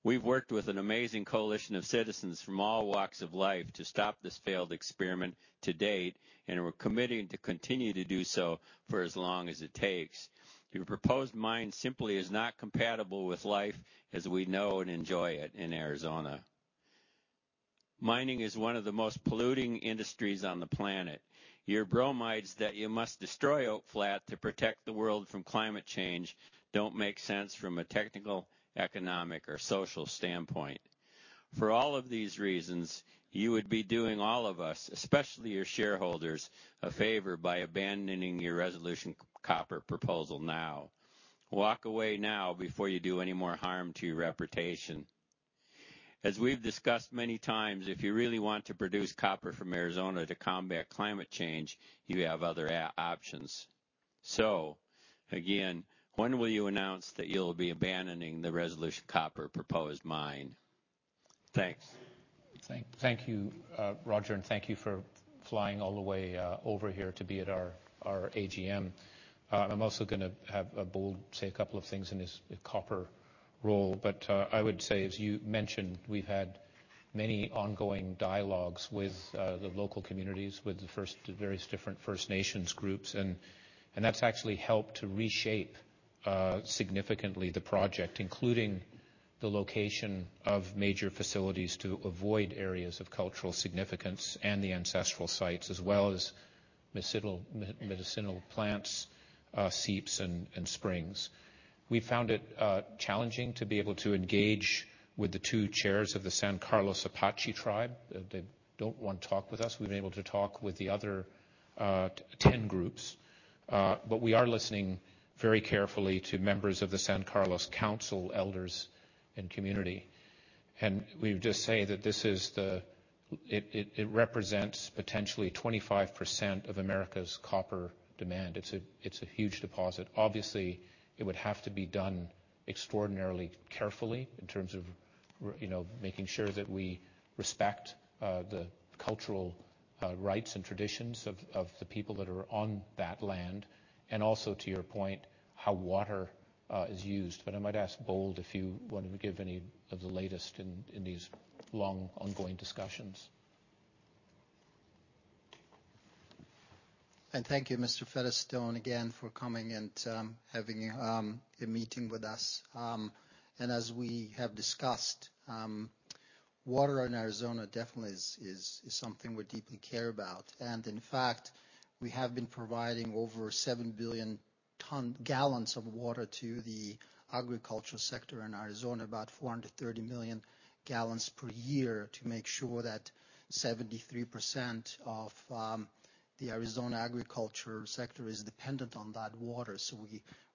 We've worked with an amazing coalition of citizens from all walks of life to stop this failed experiment to date, and we're committing to continue to do so for as long as it takes. Your proposed mine simply is not compatible with life as we know and enjoy it in Arizona. Mining is one of the most polluting industries on the planet. Your bromides that you must destroy Oak Flat to protect the world from climate change don't make sense from a technical, economic, or social standpoint. For all of these reasons, you would be doing all of us, especially your shareholders, a favor by abandoning your Resolution Copper proposal now. Walk away now before you do any more harm to your reputation. As we've discussed many times, if you really want to produce copper from Arizona to combat climate change, you have other options. So again, when will you announce that you'll be abandoning the Resolution Copper proposed mine? Thanks. Thank you, Roger. Thank you for flying all the way over here to be at our AGM. I'm also going to have Bold say a couple of things in his copper role. I would say, as you mentioned, we've had many ongoing dialogues with the local communities, with the various different First Nations groups. That's actually helped to reshape significantly the project, including the location of major facilities to avoid areas of cultural significance and the ancestral sites, as well as medicinal plants, seeps, and springs. We found it challenging to be able to engage with the two chairs of the San Carlos Apache tribe. They don't want to talk with us. We've been able to talk with the other 10 groups. We are listening very carefully to members of the San Carlos council, elders, and community. We would just say that it represents potentially 25% of America's copper demand. It's a huge deposit. Obviously, it would have to be done extraordinarily carefully in terms of making sure that we respect the cultural rights and traditions of the people that are on that land, and also to your point, how water is used. But I might ask Bold if you want to give any of the latest in these long ongoing discussions. Thank you, Mr. Featherstone, again for coming and having a meeting with us. As we have discussed, water in Arizona definitely is something we deeply care about. In fact, we have been providing over 7 billion gallons of water to the agricultural sector in Arizona, about 430 million gallons per year, to make sure that 73% of the Arizona agriculture sector is dependent on that water.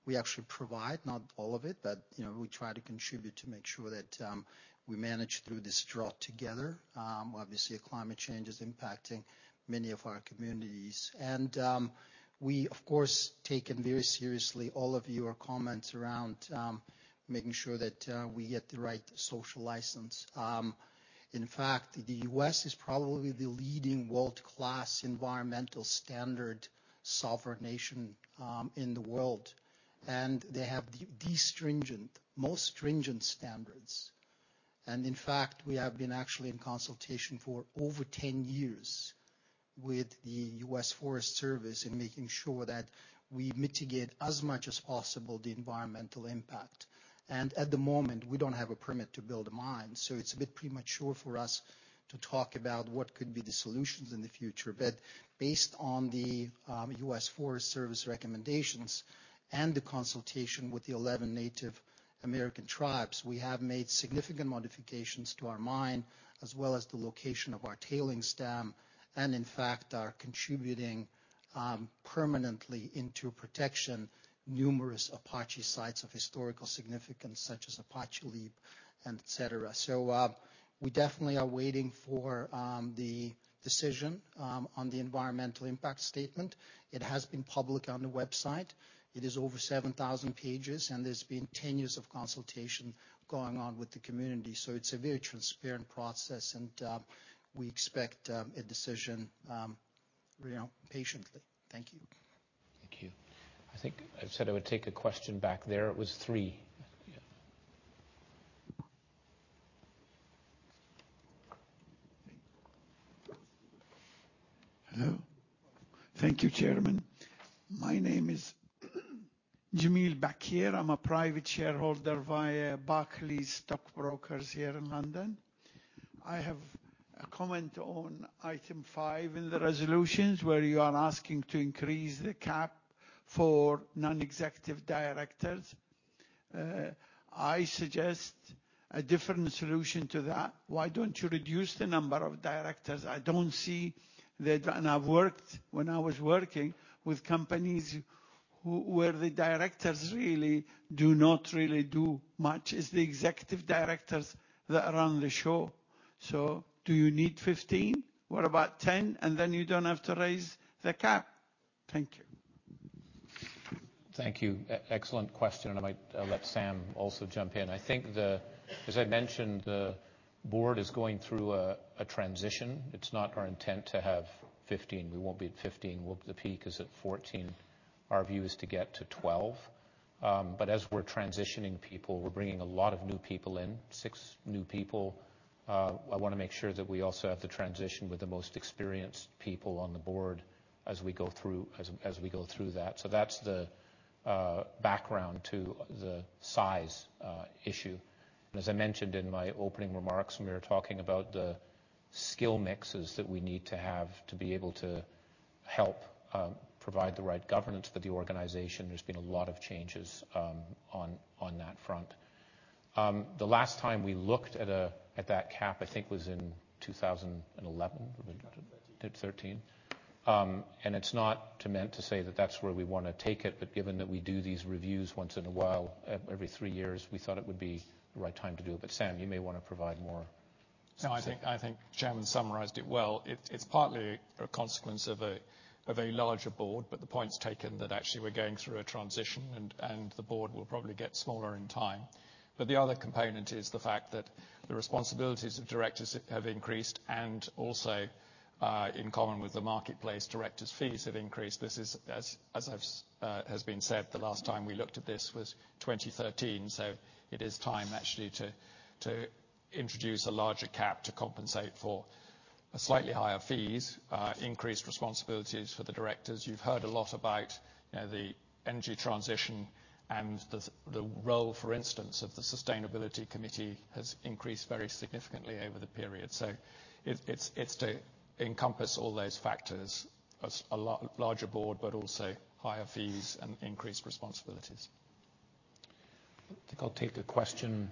We actually provide not all of it, but we try to contribute to make sure that we manage through this drought together. Obviously, climate change is impacting many of our communities. We, of course, taken very seriously all of your comments around making sure that we get the right social licence. In fact, the U.S. is probably the leading world-class environmental standard sovereign nation in the world. They have the most stringent standards. In fact, we have been actually in consultation for over 10 years with the U.S. Forest Service in making sure that we mitigate as much as possible the environmental impact. At the moment, we don't have a permit to build a mine. So it's a bit premature for us to talk about what could be the solutions in the future. But based on the U.S. Forest Service recommendations and the consultation with the 11 Native American tribes, we have made significant modifications to our mine as well as the location of our tailings dam and, in fact, are contributing permanently into protection numerous Apache sites of historical significance such as Apache Leap, etc. So we definitely are waiting for the decision on the environmental impact statement. It has been public on the website. It is over 7,000 pages. There's been 10 years of consultation going on with the community. It's a very transparent process. We expect a decision patiently. Thank you. Thank you. I think I said I would take a question back there. It was three. Yeah. Hello. Thank you, Chairman. My name is Jamil Bakhir. I'm a private shareholder via Barclays Stock Brokers here in London. I have a comment on item five in the resolutions where you are asking to increase the cap for non-executive directors. I suggest a different solution to that. Why don't you reduce the number of directors? I don't see the, and I've worked when I was working with companies where the directors really do not really do much. It's the executive directors that run the show. So do you need 15? What about 10? And then you don't have to raise the cap. Thank you. Thank you. Excellent question. And I might let Sam also jump in. I think, as I mentioned, the board is going through a transition. It's not our intent to have 15. We won't be at 15. The peak is at 14. Our view is to get to 12. But as we're transitioning people, we're bringing a lot of new people in, six new people. I want to make sure that we also have the transition with the most experienced people on the board as we go through that. So that's the background to the size issue. And as I mentioned in my opening remarks, we were talking about the skill mixes that we need to have to be able to help provide the right governance for the organization. There's been a lot of changes on that front. The last time we looked at that cap, I think, was in 2013. And it's not meant to say that that's where we want to take it. But given that we do these reviews once in a while, every three years, we thought it would be the right time to do it. But Sam, you may want to provide more specifics. No, I think Chairman summarised it well. It's partly a consequence of a larger board. But the point's taken that actually we're going through a transition. And the board will probably get smaller in time. But the other component is the fact that the responsibilities of directors have increased. And also, in common with the marketplace, directors' fees have increased. This is, as has been said, the last time we looked at this was 2013. It is time actually to introduce a larger cap to compensate for slightly higher fees, increased responsibilities for the directors. You've heard a lot about the energy transition. The role, for instance, of the Sustainability Committee has increased very significantly over the period. It's to encompass all those factors, a larger board, but also higher fees and increased responsibilities. I think I'll take a question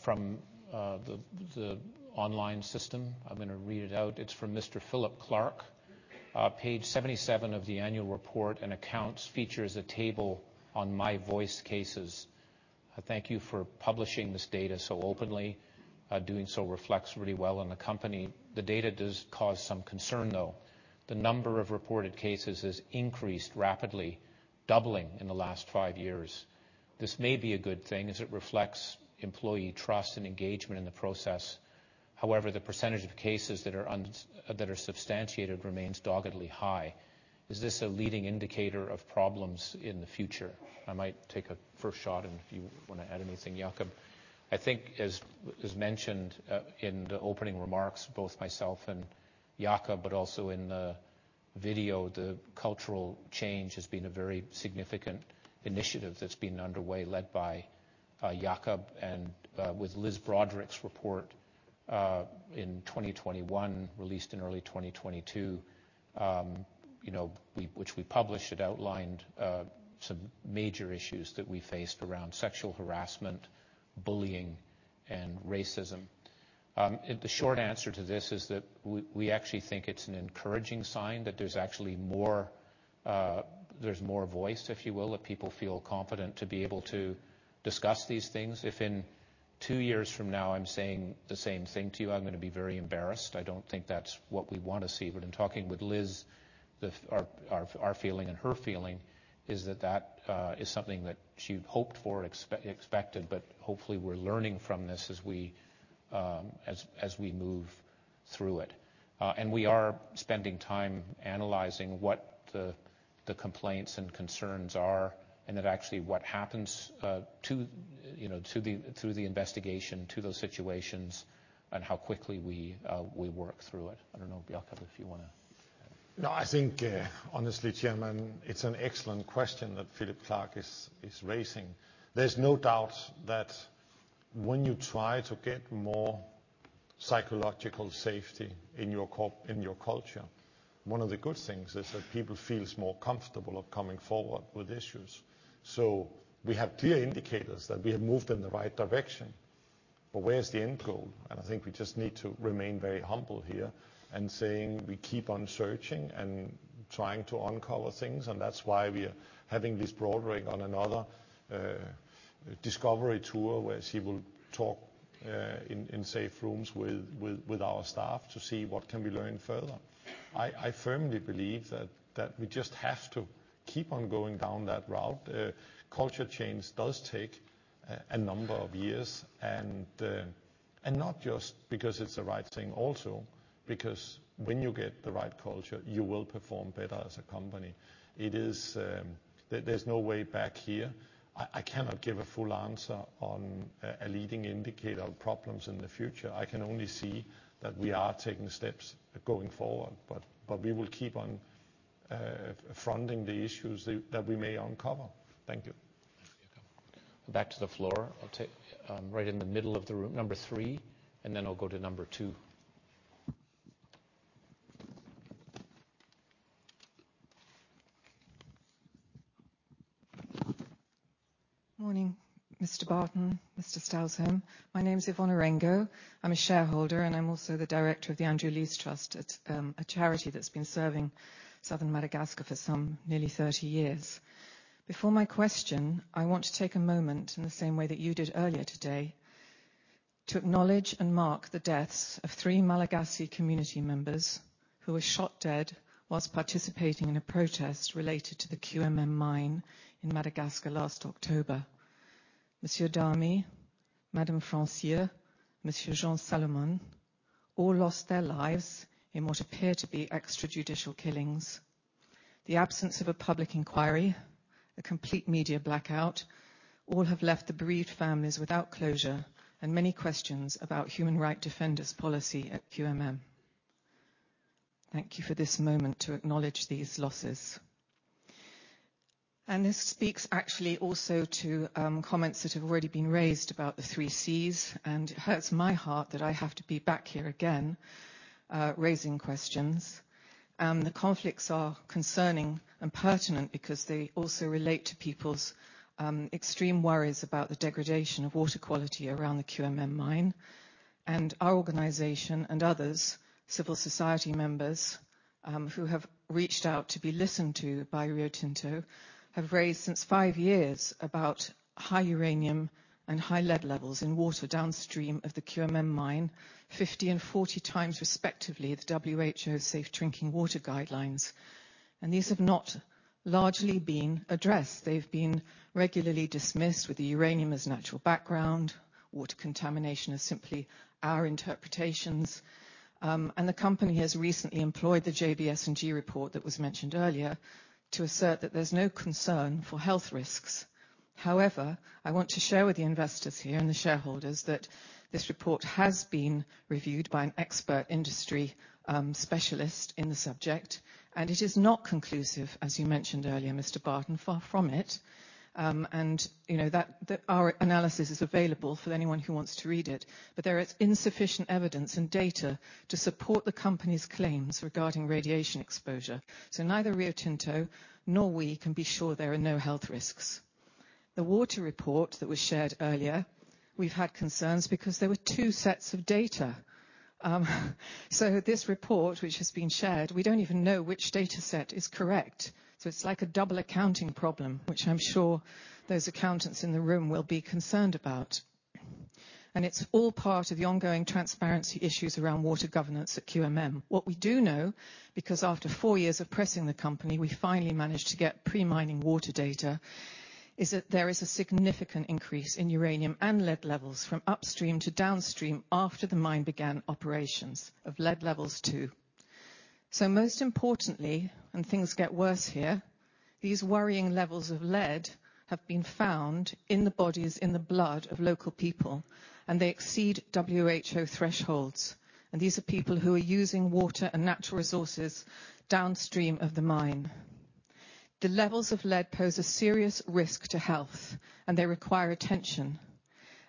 from the online system. I'm going to read it out. It's from Mr. Philip Clark. Page 77 of the annual report and accounts features a table on MyVoice cases. Thank you for publishing this data so openly. Doing so reflects really well on the company. The data does cause some concern, though. The number of reported cases has increased rapidly, doubling in the last five years. This may be a good thing as it reflects employee trust and engagement in the process. However, the percentage of cases that are substantiated remains doggedly high. Is this a leading indicator of problems in the future? I might take a first shot. If you want to add anything, Jacob. I think, as mentioned in the opening remarks, both myself and Jacob, but also in the video, the cultural change has been a very significant initiative that's been underway led by Jacob. With Liz Broderick's report in 2021, released in early 2022, which we published, it outlined some major issues that we faced around sexual harassment, bullying, and racism. The short answer to this is that we actually think it's an encouraging sign that there's actually more voice, if you will, that people feel confident to be able to discuss these things. If in two years from now I'm saying the same thing to you, I'm going to be very embarrassed. I don't think that's what we want to see. But in talking with Liz, our feeling and her feeling is that that is something that she hoped for, expected. But hopefully, we're learning from this as we move through it. And we are spending time analyzing what the complaints and concerns are and then actually what happens through the investigation, to those situations, and how quickly we work through it. I don't know, Jakob, if you want to. No, I think, honestly, Chairman, it's an excellent question that Philip Clark is raising. There's no doubt that when you try to get more psychological safety in your culture, one of the good things is that people feel more comfortable of coming forward with issues. So we have clear indicators that we have moved in the right direction. But where's the end goal? And I think we just need to remain very humble here and saying we keep on searching and trying to uncover things. And that's why we are having this Broderick on another discovery tour where she will talk in safe rooms with our staff to see what can be learned further. I firmly believe that we just have to keep on going down that route. Culture change does take a number of years. Not just because it's the right thing, also because when you get the right culture, you will perform better as a company. There's no way back here. I cannot give a full answer on a leading indicator of problems in the future. I can only see that we are taking steps going forward. But we will keep on fronting the issues that we may uncover. Thank you. Thank you, Jakob. Back to the floor. I'll take right in the middle of the room, number three. And then I'll go to number two. Morning, Mr. Barton, Mr. Stausholm. My name's Yvonne Orengo. I'm a shareholder. I'm also the director of the Andrew Lees Trust, a charity that's been serving Southern Madagascar for nearly 30 years. Before my question, I want to take a moment, in the same way that you did earlier today, to acknowledge and mark the deaths of three Malagasy community members who were shot dead while participating in a protest related to the QMM mine in Madagascar last October. Monsieur Damy, Madame Francie, Monsieur Jean Salomon all lost their lives in what appear to be extrajudicial killings. The absence of a public inquiry, a complete media blackout, all have left the bereaved families without closure and many questions about human rights defenders' policy at QMM. Thank you for this moment to acknowledge these losses. This speaks actually also to comments that have already been raised about the 3Cs. It hurts my heart that I have to be back here again raising questions. The conflicts are concerning and pertinent because they also relate to people's extreme worries about the degradation of water quality around the QMM mine. Our organization and others, civil society members who have reached out to be listened to by Rio Tinto, have raised since five years about high uranium and high lead levels in water downstream of the QMM mine, 50 and 40 times respectively the WHO's Safe Drinking Water Guidelines. These have not largely been addressed. They've been regularly dismissed with the uranium as natural background, water contamination as simply our interpretations. The company has recently employed the JBS&G report that was mentioned earlier to assert that there's no concern for health risks. However, I want to share with the investors here and the shareholders that this report has been reviewed by an expert industry specialist in the subject. And it is not conclusive, as you mentioned earlier, Mr. Barton, far from it. And our analysis is available for anyone who wants to read it. But there is insufficient evidence and data to support the company's claims regarding radiation exposure. So neither Rio Tinto nor we can be sure there are no health risks. The water report that was shared earlier, we've had concerns because there were two sets of data. So this report, which has been shared, we don't even know which dataset is correct. So it's like a double accounting problem, which I'm sure those accountants in the room will be concerned about. And it's all part of the ongoing transparency issues around water governance at QMM. What we do know, because after four years of pressing the company, we finally managed to get pre-mining water data, is that there is a significant increase in uranium and lead levels from upstream to downstream after the mine began operations, of lead levels, too. So most importantly, and things get worse here, these worrying levels of lead have been found in the bodies, in the blood, of local people. They exceed WHO thresholds. These are people who are using water and natural resources downstream of the mine. The levels of lead pose a serious risk to health. They require attention.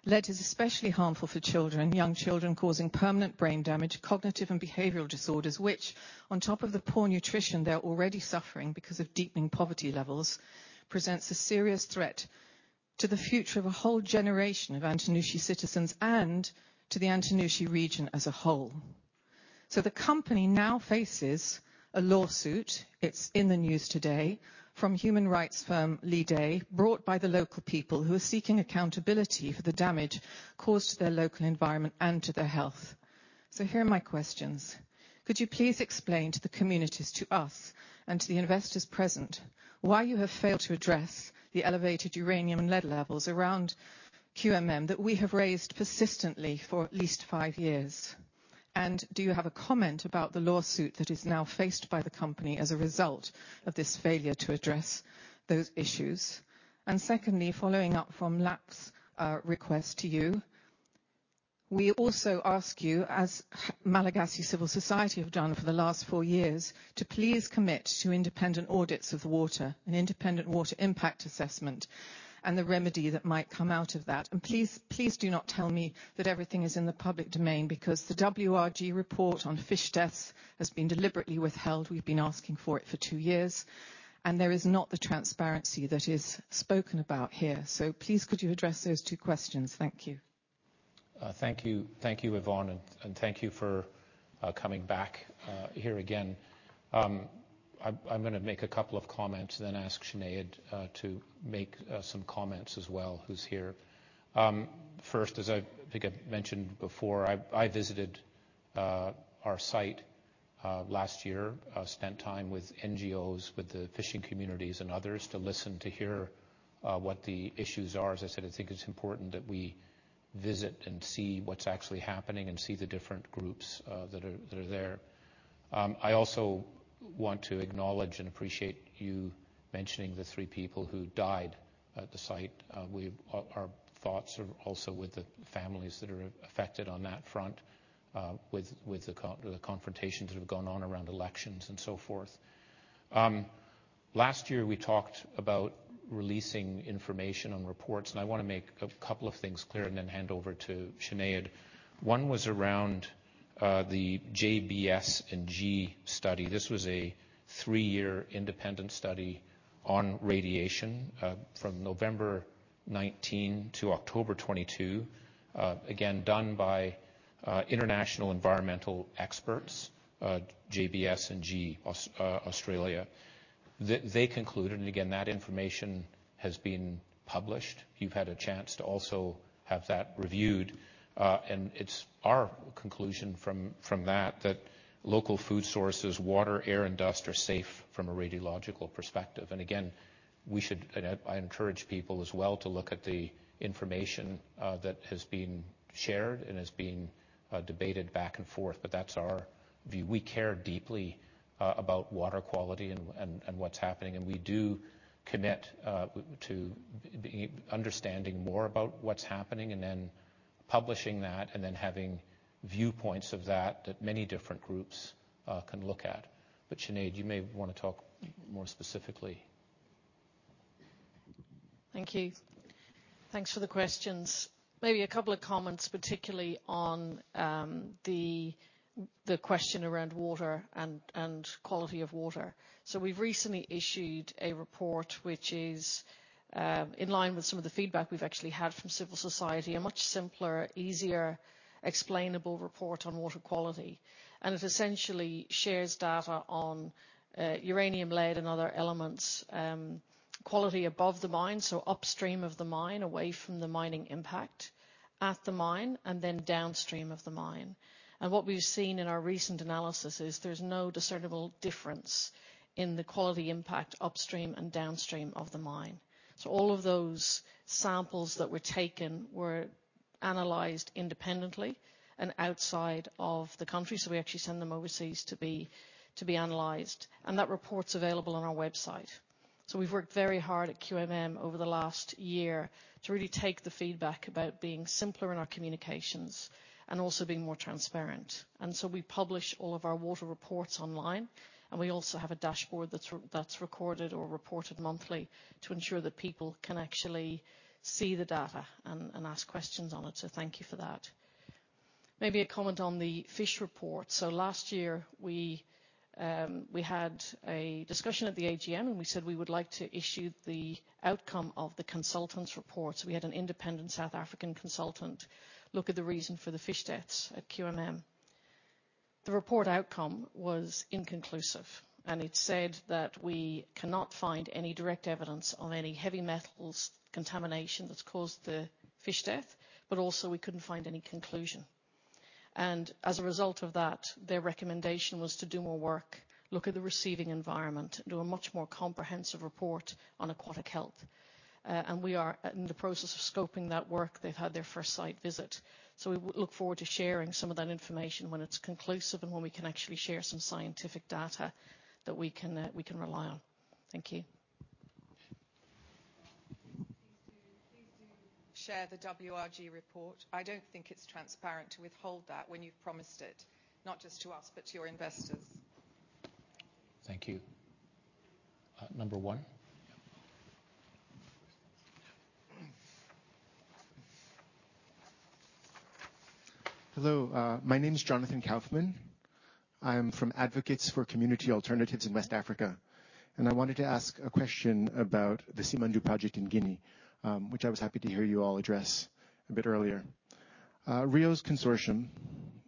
Lead is especially harmful for children, young children, causing permanent brain damage, cognitive and behavioral disorders, which, on top of the poor nutrition they're already suffering because of deepening poverty levels, presents a serious threat to the future of a whole generation of Antanosy citizens and to the Antanosy region as a whole. So the company now faces a lawsuit. It's in the news today from human rights firm Leigh Day, brought by the local people who are seeking accountability for the damage caused to their local environment and to their health. So here are my questions. Could you please explain to the communities, to us, and to the investors present, why you have failed to address the elevated uranium and lead levels around QMM that we have raised persistently for at least five years? Do you have a comment about the lawsuit that is now faced by the company as a result of this failure to address those issues? Secondly, following up from Lap's request to you, we also ask you, as Malagasy civil society have done for the last four years, to please commit to independent audits of the water, an independent water impact assessment, and the remedy that might come out of that. Please do not tell me that everything is in the public domain because the WRG report on fish deaths has been deliberately withheld. We've been asking for it for two years. There is not the transparency that is spoken about here. So please, could you address those two questions? Thank you. Thank you. Thank you, Yvonne. Thank you for coming back here again. I'm going to make a couple of comments and then ask Sinead to make some comments as well, who's here. First, as I think I've mentioned before, I visited our site last year, spent time with NGOs, with the fishing communities, and others to listen, to hear what the issues are. As I said, I think it's important that we visit and see what's actually happening and see the different groups that are there. I also want to acknowledge and appreciate you mentioning the three people who died at the site. Our thoughts are also with the families that are affected on that front, with the confrontations that have gone on around elections and so forth. Last year, we talked about releasing information on reports. I want to make a couple of things clear and then hand over to Sinead. One was around the JBS&G study. This was a three-year independent study on radiation from November 2019 to October 2022, again done by international environmental experts, JBS&G, Australia. They concluded, and again, that information has been published. You've had a chance to also have that reviewed. It's our conclusion from that that local food sources, water, air, and dust are safe from a radiological perspective. Again, I encourage people as well to look at the information that has been shared and has been debated back and forth. But that's our view. We care deeply about water quality and what's happening. We do commit to understanding more about what's happening and then publishing that and then having viewpoints of that that many different groups can look at. But Sinead, you may want to talk more specifically. Thank you. Thanks for the questions. Maybe a couple of comments, particularly on the question around water and quality of water. We've recently issued a report which is in line with some of the feedback we've actually had from civil society, a much simpler, easier, explainable report on water quality. It essentially shares data on uranium, lead, and other elements, quality above the mine, so upstream of the mine, away from the mining impact, at the mine, and then downstream of the mine. What we've seen in our recent analysis is there's no discernible difference in the quality impact upstream and downstream of the mine. All of those samples that were taken were analyzed independently and outside of the country. We actually send them overseas to be analyzed. That report's available on our website. So we've worked very hard at QMM over the last year to really take the feedback about being simpler in our communications and also being more transparent. And so we publish all of our water reports online. And we also have a dashboard that's recorded or reported monthly to ensure that people can actually see the data and ask questions on it. So thank you for that. Maybe a comment on the fish report. So last year, we had a discussion at the AGM. And we said we would like to issue the outcome of the consultants' report. So we had an independent South African consultant look at the reason for the fish deaths at QMM. The report outcome was inconclusive. And it said that we cannot find any direct evidence of any heavy metals contamination that's caused the fish death. But also, we couldn't find any conclusion. As a result of that, their recommendation was to do more work, look at the receiving environment, and do a much more comprehensive report on aquatic health. We are in the process of scoping that work. They've had their first site visit. We look forward to sharing some of that information when it's conclusive and when we can actually share some scientific data that we can rely on. Thank you. Please do share the WRG report. I don't think it's transparent to withhold that when you've promised it, not just to us but to your investors. Thank you. Number one. Hello. My name's Jonathan Kaufman. I'm from Advocates for Community Alternatives in West Africa. I wanted to ask a question about the Simandou project in Guinea, which I was happy to hear you all address a bit earlier. Rio's consortium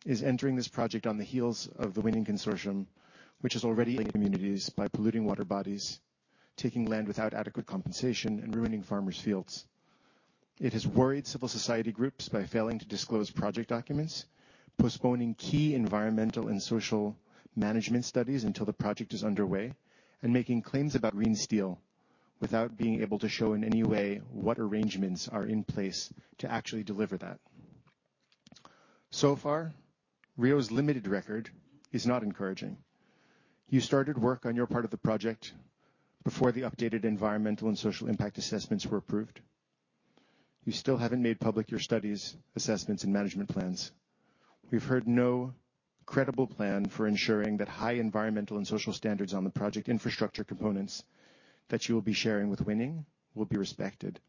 is entering this project on the heels of the winning consortium, which is already affecting communities by polluting water bodies, taking land without adequate compensation, and ruining farmers' fields. It has worried civil society groups by failing to disclose project documents, postponing key environmental and social management studies until the project is underway, and making claims about green steel without being able to show in any way what arrangements are in place to actually deliver that. So far, Rio's limited record is not encouraging. You started work on your part of the project before the updated environmental and social impact assessments were approved. You still haven't made public your studies, assessments, and management plans. We've heard no credible plan for ensuring that high environmental and social standards on the project infrastructure components that you will be sharing with winning will be respected.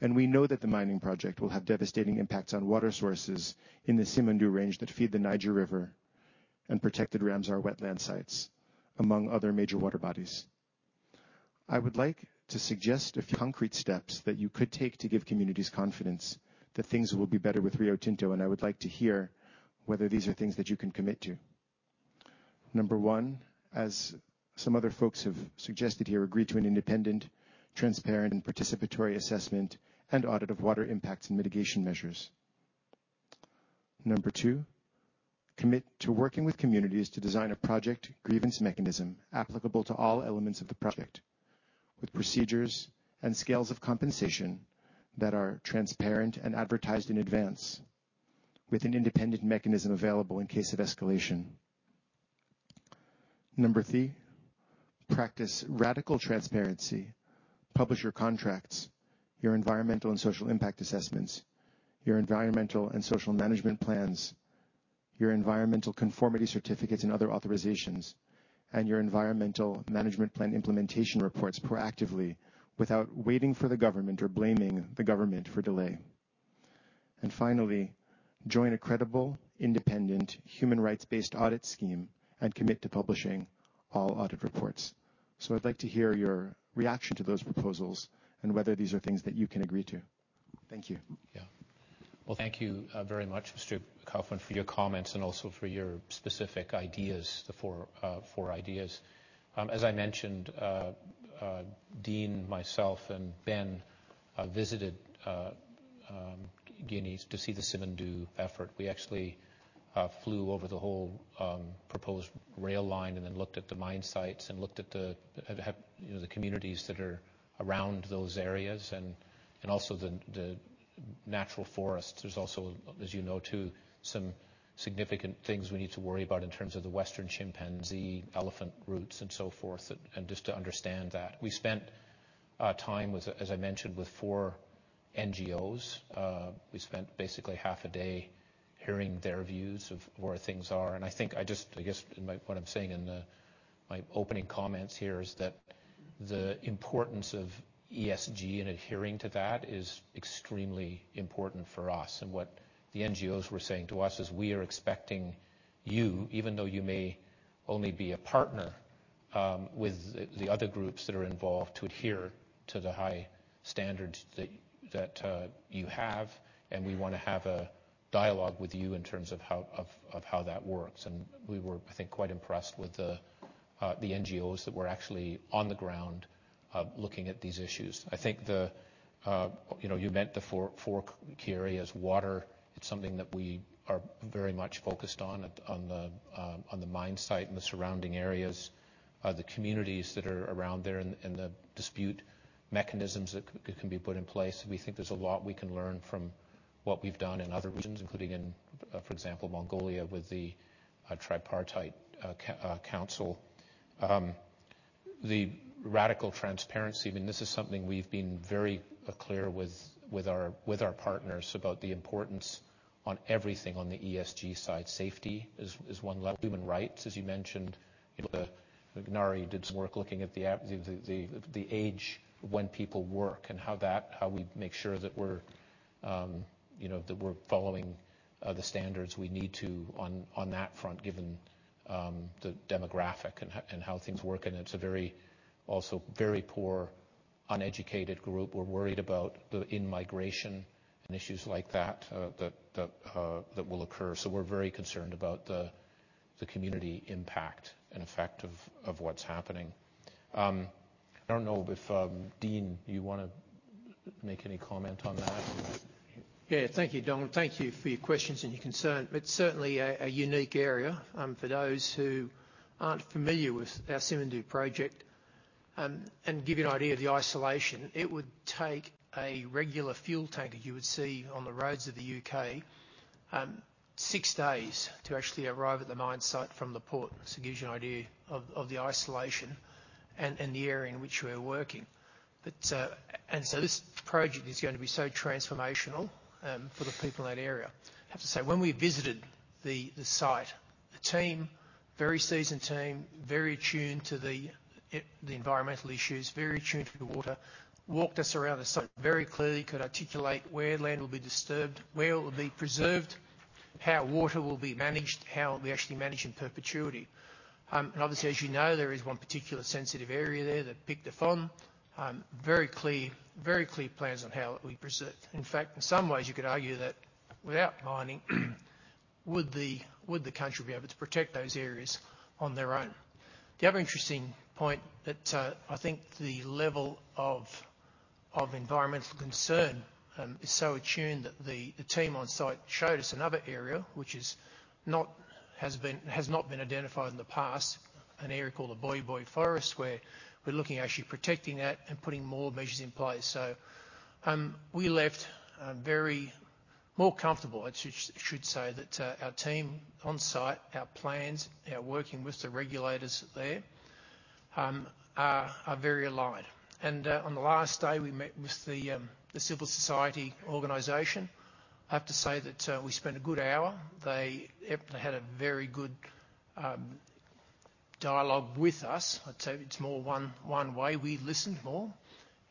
We know that the mining project will have devastating impacts on water sources in the Simandou range that feed the Niger River and protected Ramsar wetland sites, among other major water bodies. I would like to suggest a few concrete steps that you could take to give communities confidence that things will be better with Rio Tinto. I would like to hear whether these are things that you can commit to. Number one, as some other folks have suggested here, agree to an independent, transparent, and participatory assessment and audit of water impacts and mitigation measures. Number two, commit to working with communities to design a project grievance mechanism applicable to all elements of the project, with procedures and scales of compensation that are transparent and advertised in advance, with an independent mechanism available in case of escalation. Number three, practice radical transparency. Publish your contracts, your environmental and social impact assessments, your environmental and social management plans, your environmental conformity certificates and other authorizations, and your environmental management plan implementation reports proactively, without waiting for the government or blaming the government for delay. And finally, join a credible, independent, human rights-based audit scheme and commit to publishing all audit reports. So I'd like to hear your reaction to those proposals and whether these are things that you can agree to. Thank you. Yeah. Well, thank you very much, Mr. Kaufman, for your comments and also for your specific ideas, the four ideas. As I mentioned, Dean, myself, and Ben visited Guinea to see the Simandou effort. We actually flew over the whole proposed rail line and then looked at the mine sites and looked at the communities that are around those areas and also the natural forests. There's also, as you know, too, some significant things we need to worry about in terms of the western chimpanzee, elephant routes, and so forth, and just to understand that. We spent time, as I mentioned, with four NGOs. We spent basically half a day hearing their views of where things are. I think I just I guess what I'm saying in my opening comments here is that the importance of ESG and adhering to that is extremely important for us. What the NGOs were saying to us is, "We are expecting you, even though you may only be a partner with the other groups that are involved, to adhere to the high standards that you have. And we want to have a dialogue with you in terms of how that works." And we were, I think, quite impressed with the NGOs that were actually on the ground looking at these issues. I think you mentioned the four key areas. Water, it's something that we are very much focused on, on the mine site and the surrounding areas, the communities that are around there and the dispute mechanisms that can be put in place. We think there's a lot we can learn from what we've done in other regions, including in, for example, Mongolia with the Tripartite Council. The radical transparency, I mean, this is something we've been very clear with our partners about the importance on everything on the ESG side. Safety is one level. Human rights, as you mentioned. Ngaire did some work looking at the age when people work and how we make sure that we're following the standards we need to on that front, given the demographic and how things work. It's also a very poor, uneducated group. We're worried about the immigration and issues like that that will occur. We're very concerned about the community impact and effect of what's happening. I don't know if, Dean, you want to make any comment on that. Yeah. Thank you, Dom. Thank you for your questions and your concern. It's certainly a unique area for those who aren't familiar with our Simandou project. To give you an idea of the isolation, it would take a regular fuel tanker you would see on the roads of the U.K. six days to actually arrive at the mine site from the port. So it gives you an idea of the isolation and the area in which we're working. This project is going to be so transformational for the people in that area. I have to say, when we visited the site, the team, very seasoned team, very attuned to the environmental issues, very attuned to the water, walked us around the site very clearly, could articulate where land will be disturbed, where it will be preserved, how water will be managed, how it will be actually managed in perpetuity. And obviously, as you know, there is one particular sensitive area there that Pic de Fon, very clear plans on how it would be preserved. In fact, in some ways, you could argue that without mining, would the country be able to protect those areas on their own? The other interesting point that I think the level of environmental concern is so attuned that the team on site showed us another area which has not been identified in the past, an area called the Boye-Boye Forest, where we're looking at actually protecting that and putting more measures in place. So we left more comfortable, I should say, that our team on site, our plans, our working with the regulators there are very aligned. And on the last day, we met with the civil society organization. I have to say that we spent a good hour. They had a very good dialogue with us. I'd say it's more one-way. We listened more.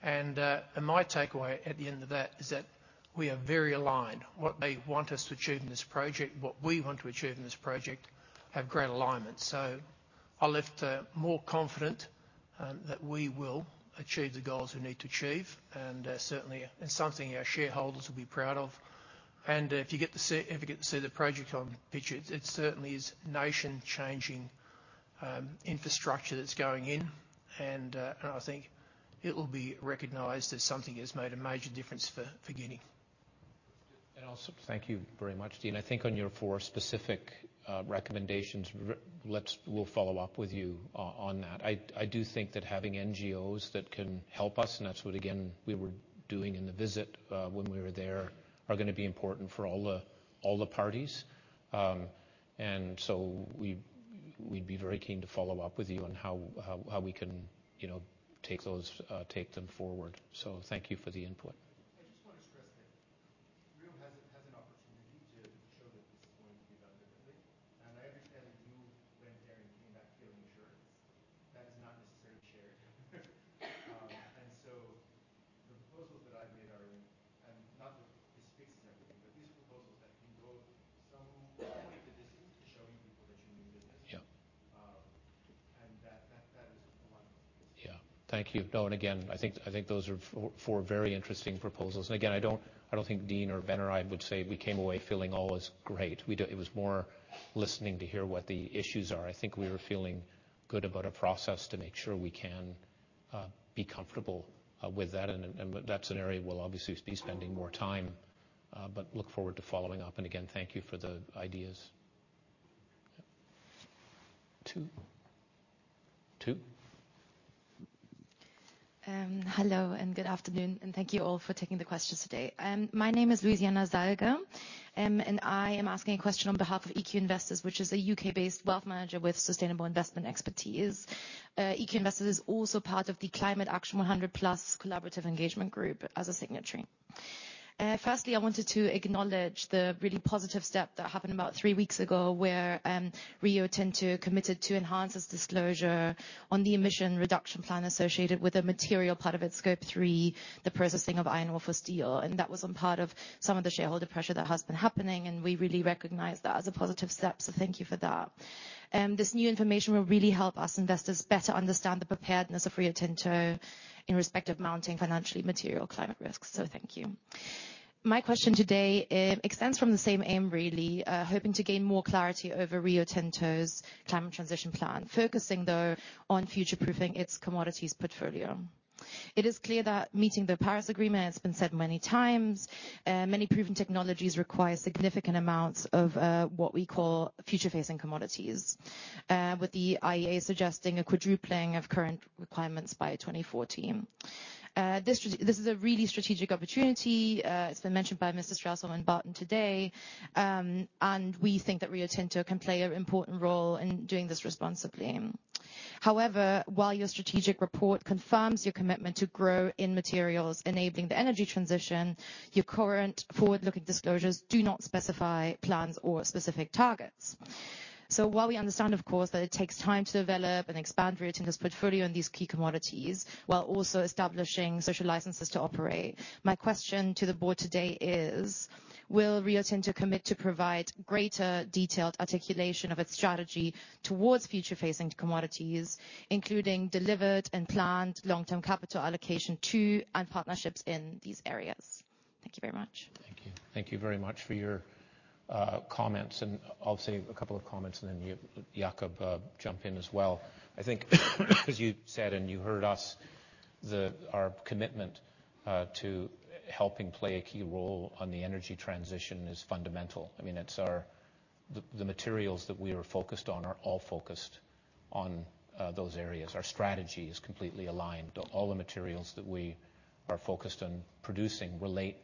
And my takeaway at the end of that is that we are very aligned. What they want us to achieve in this project, what we want to achieve in this project have great alignment. I left more confident that we will achieve the goals we need to achieve. Certainly, it's something our shareholders will be proud of. If you get to see the project on picture, it certainly is nation-changing infrastructure that's going in. I think it will be recognized as something that's made a major difference for Guinea. Also, thank you very much, Dean. I think on your four specific recommendations, we'll follow up with you on that. I do think that having NGOs that can help us, and that's what, again, we were doing in the visit when we were there, are going to be important for all the parties. So we'd be very keen to follow up with you on how we can take them forward. So thank you for the input. I just want to stress that Rio has an opportunity to show that this is going to be done differently. I understand that you, Ben, Darren came back feeling insecure. That is not necessarily shared. So the proposals that I've made are not that this fixes everything, but these are proposals that can go some way towards showing people that you mean business. That is a lot of what's being said. Yeah. Thank you, Donald. And again, I think those are 4 very interesting proposals. And again, I don't think Dean or Ben or I would say we came away feeling all as great. It was more listening to hear what the issues are. I think we were feeling good about a process to make sure we can be comfortable with that. And that's an area we'll obviously be spending more time, but look forward to following up. And again, thank you for the ideas. Two. Two. Hello. Good afternoon. Thank you all for taking the questions today. My name is Louisiana Salge. I am asking a question on behalf of EQ Investors, which is a UK-based wealth manager with sustainable investment expertise. EQ Investors is also part of the Climate Action 100+ Collaborative Engagement Group as a signatory. Firstly, I wanted to acknowledge the really positive step that happened about three weeks ago where Rio Tinto committed to enhance its disclosure on the emission reduction plan associated with a material part of its Scope 3, the processing of iron ore for steel. That was on part of some of the shareholder pressure that has been happening. We really recognize that as a positive step. So thank you for that. This new information will really help us investors better understand the preparedness of Rio Tinto in respect of mounting financially material climate risks. So thank you. My question today extends from the same aim, really, hoping to gain more clarity over Rio Tinto's climate transition plan, focusing, though, on future-proofing its commodities portfolio. It is clear that meeting the Paris Agreement, it's been said many times, many proven technologies require significant amounts of what we call future-facing commodities, with the IEA suggesting a quadrupling of current requirements by 2040. This is a really strategic opportunity. It's been mentioned by Mr. Stausholm and Barton today. And we think that Rio Tinto can play an important role in doing this responsibly. However, while your strategic report confirms your commitment to grow in materials enabling the energy transition, your current forward-looking disclosures do not specify plans or specific targets. So while we understand, of course, that it takes time to develop and expand Rio Tinto's portfolio in these key commodities while also establishing social licenses to operate, my question to the board today is, will Rio Tinto commit to provide greater detailed articulation of its strategy towards future-facing commodities, including delivered and planned long-term capital allocation to and partnerships in these areas? Thank you very much. Thank you. Thank you very much for your comments. I'll say a couple of comments, and then Jacob, jump in as well. I think, as you said and you heard us, our commitment to helping play a key role on the energy transition is fundamental. I mean, the materials that we are focused on are all focused on those areas. Our strategy is completely aligned. All the materials that we are focused on producing relate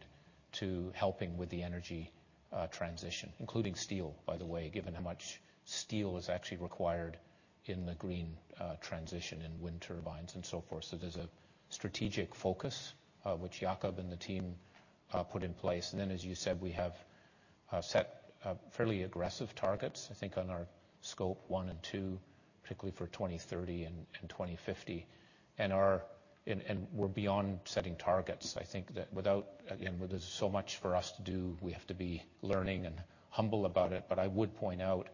to helping with the energy transition, including steel, by the way, given how much steel is actually required in the green transition in wind turbines and so forth. So there's a strategic focus which Jacob and the team put in place. And then, as you said, we have set fairly aggressive targets, I think, on our Scope 1 and 2, particularly for 2030 and 2050. And we're beyond setting targets. I think that, again, there's so much for us to do. We have to be learning and humble about it. But I would point out,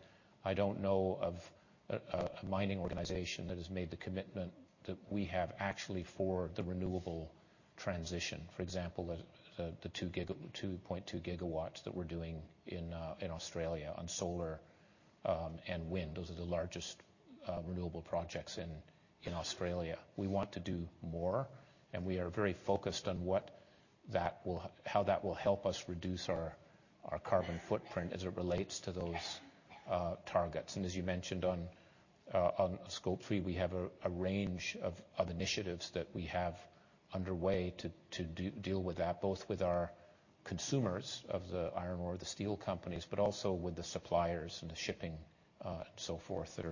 I don't know of a mining organization that has made the commitment that we have actually for the renewable transition, for example, the 2.2 GW that we're doing in Australia on solar and wind. Those are the largest renewable projects in Australia. We want to do more. And we are very focused on how that will help us reduce our carbon footprint as it relates to those targets. And as you mentioned, on Scope 3, we have a range of initiatives that we have underway to deal with that, both with our consumers of the iron ore, the steel companies, but also with the suppliers and the shipping and so forth that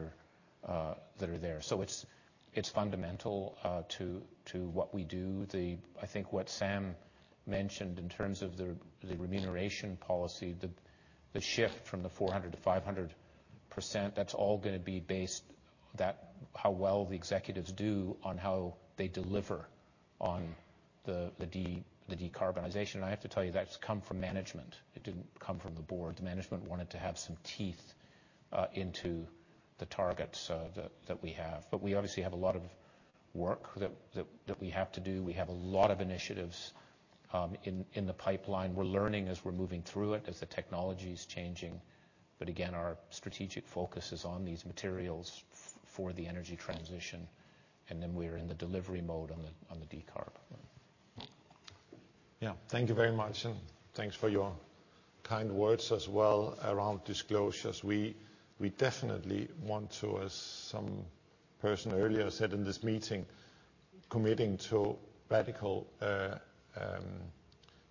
are there. So it's fundamental to what we do. I think what Sam mentioned in terms of the remuneration policy, the shift from 400%-500%, that's all going to be based on how well the executives do on how they deliver on the decarbonization. I have to tell you, that's come from management. It didn't come from the board. The management wanted to have some teeth into the targets that we have. We obviously have a lot of work that we have to do. We have a lot of initiatives in the pipeline. We're learning as we're moving through it, as the technology's changing. Again, our strategic focus is on these materials for the energy transition. Then we're in the delivery mode on the decarb. Yeah. Thank you very much. Thanks for your kind words as well around disclosures. We definitely want to, as some person earlier said in this meeting, committing to radical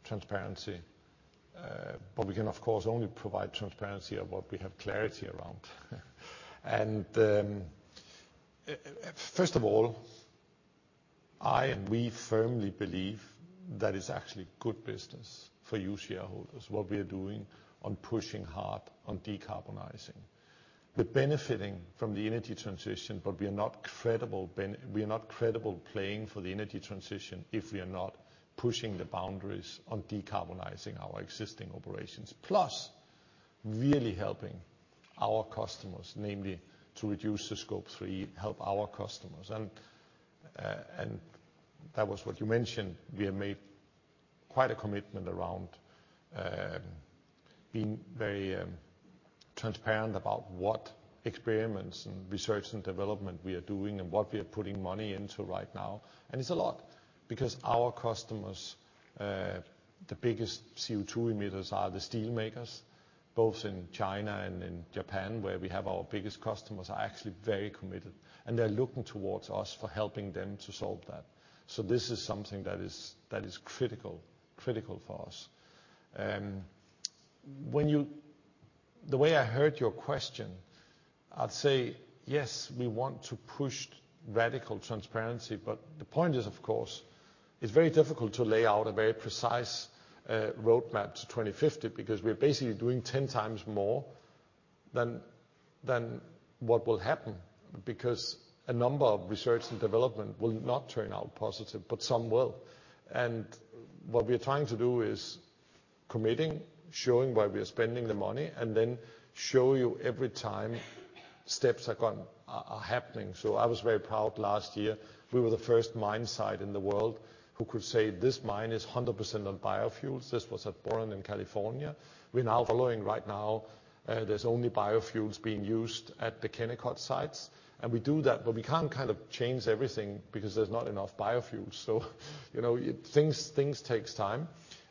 transparency. But we can, of course, only provide transparency of what we have clarity around. First of all, I and we firmly believe that it's actually good business for you shareholders, what we are doing, on pushing hard on decarbonizing, but benefiting from the energy transition. But we are not credible playing for the energy transition if we are not pushing the boundaries on decarbonizing our existing operations, plus really helping our customers, namely to reduce the Scope 3, help our customers. That was what you mentioned. We have made quite a commitment around being very transparent about what experiments and research and development we are doing and what we are putting money into right now. It's a lot because our customers, the biggest CO2 emitters, are the steelmakers, both in China and in Japan, where we have our biggest customers are actually very committed. And they're looking towards us for helping them to solve that. So this is something that is critical for us. The way I heard your question, I'd say, yes, we want to push radical transparency. But the point is, of course, it's very difficult to lay out a very precise roadmap to 2050 because we're basically doing 10x more than what will happen because a number of research and development will not turn out positive, but some will. And what we are trying to do is committing, showing where we are spending the money, and then show you every time steps are happening. So I was very proud last year. We were the first mine site in the world who could say, "This mine is 100% on biofuels." This was at Boron in California. We're now. Following right now, there's only biofuels being used at the Kennecott sites. And we do that, but we can't kind of change everything because there's not enough biofuels. So things take time.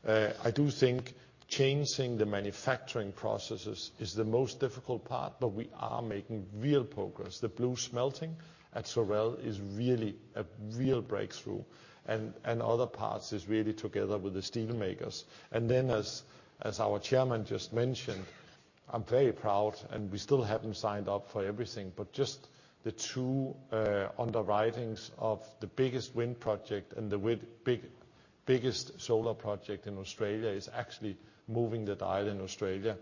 I do think changing the manufacturing processes is the most difficult part, but we are making real progress. The BlueSmelting at Sorel is really a real breakthrough. And other parts is really together with the steelmakers. And then, as our chairman just mentioned, I'm very proud, and we still haven't signed up for everything, but just the two underwritings of the biggest wind project and the biggest solar project in Australia is actually moving the dial in Australia.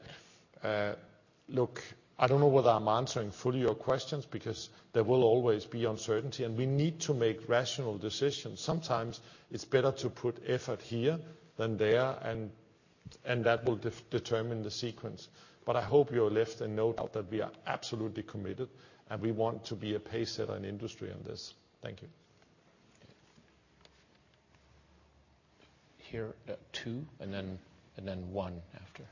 Look, I don't know whether I'm answering fully your questions because there will always be uncertainty. We need to make rational decisions. Sometimes it's better to put effort here than there, and that will determine the sequence. I hope I've left no doubt that we are absolutely committed, and we want to be a pace-setter in industry on this. Thank you. Hear two and then one after.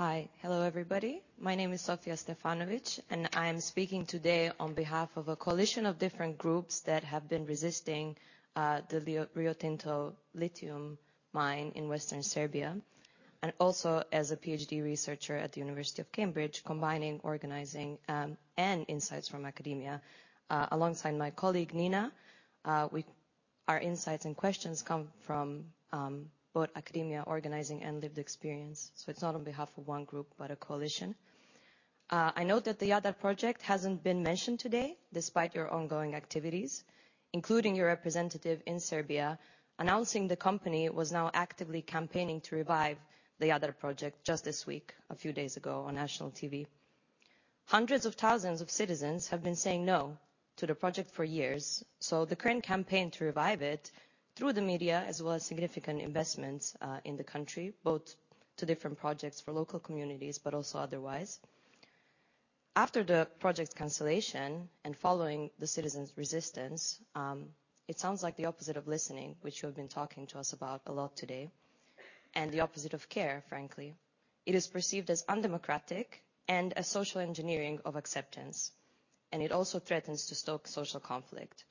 Yeah. Hi. Hello, everybody. My name is Sofia Stefanović, and I am speaking today on behalf of a coalition of different groups that have been resisting the Rio Tinto lithium mine in Western Serbia. Also, as a PhD researcher at the University of Cambridge, combining organizing and insights from academia, alongside my colleague Nina, our insights and questions come from both academia, organizing, and lived experience. It's not on behalf of one group but a coalition. I note that the Jadar project hasn't been mentioned today despite your ongoing activities, including your representative in Serbia announcing the company was now actively campaigning to revive the Jadar project just this week, a few days ago, on national TV. Hundreds of thousands of citizens have been saying no to the project for years. So the current campaign to revive it, through the media as well as significant investments in the country, both to different projects for local communities but also otherwise. After the project's cancellation and following the citizens' resistance, it sounds like the opposite of listening, which you have been talking to us about a lot today, and the opposite of care, frankly. It is perceived as undemocratic and a social engineering of acceptance. And it also threatens to stoke social conflict.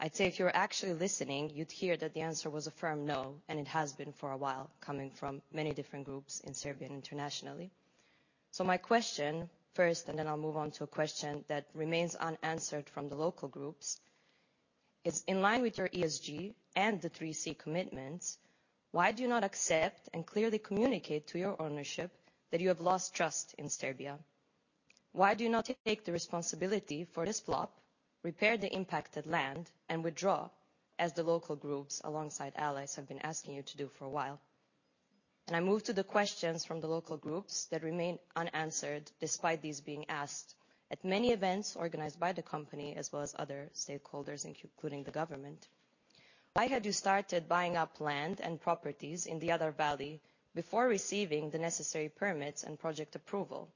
I'd say if you were actually listening, you'd hear that the answer was a firm no, and it has been for a while, coming from many different groups in Serbia and internationally. So my question first, and then I'll move on to a question that remains unanswered from the local groups, is, in line with your ESG and the 3C commitments, why do you not accept and clearly communicate to your ownership that you have lost trust in Serbia? Why do you not take the responsibility for this flop, repair the impacted land, and withdraw, as the local groups alongside allies have been asking you to do for a while? And I move to the questions from the local groups that remain unanswered despite these being asked at many events organized by the company as well as other stakeholders, including the government. Why had you started buying up land and properties in the Jadar Valley before receiving the necessary permits and project approval?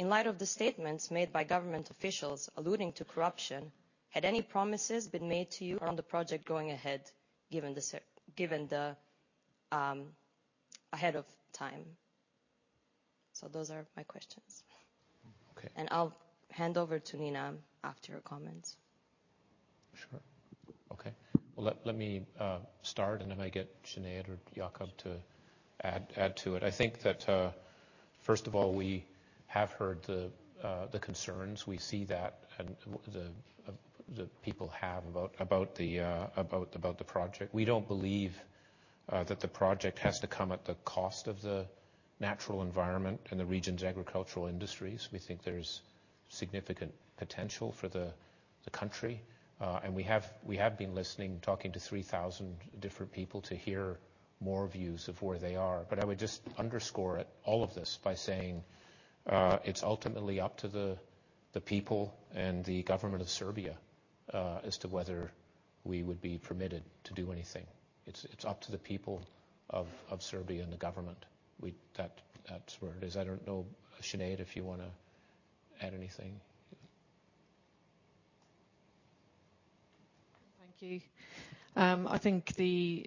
In light of the statements made by government officials alluding to corruption, had any promises been made to you around the project going ahead given the ahead of time? So those are my questions. I'll hand over to Nina after her comments. Sure. Okay. Well, let me start, and then I get Sinead or Jakob to add to it. I think that, first of all, we have heard the concerns. We see that the people have about the project. We don't believe that the project has to come at the cost of the natural environment and the region's agricultural industries. We think there's significant potential for the country. And we have been listening, talking to 3,000 different people to hear more views of where they are. But I would just underscore all of this by saying it's ultimately up to the people and the government of Serbia as to whether we would be permitted to do anything. It's up to the people of Serbia and the government. That's where it is. I don't know, Sinead, if you want to add anything. Thank you. I think the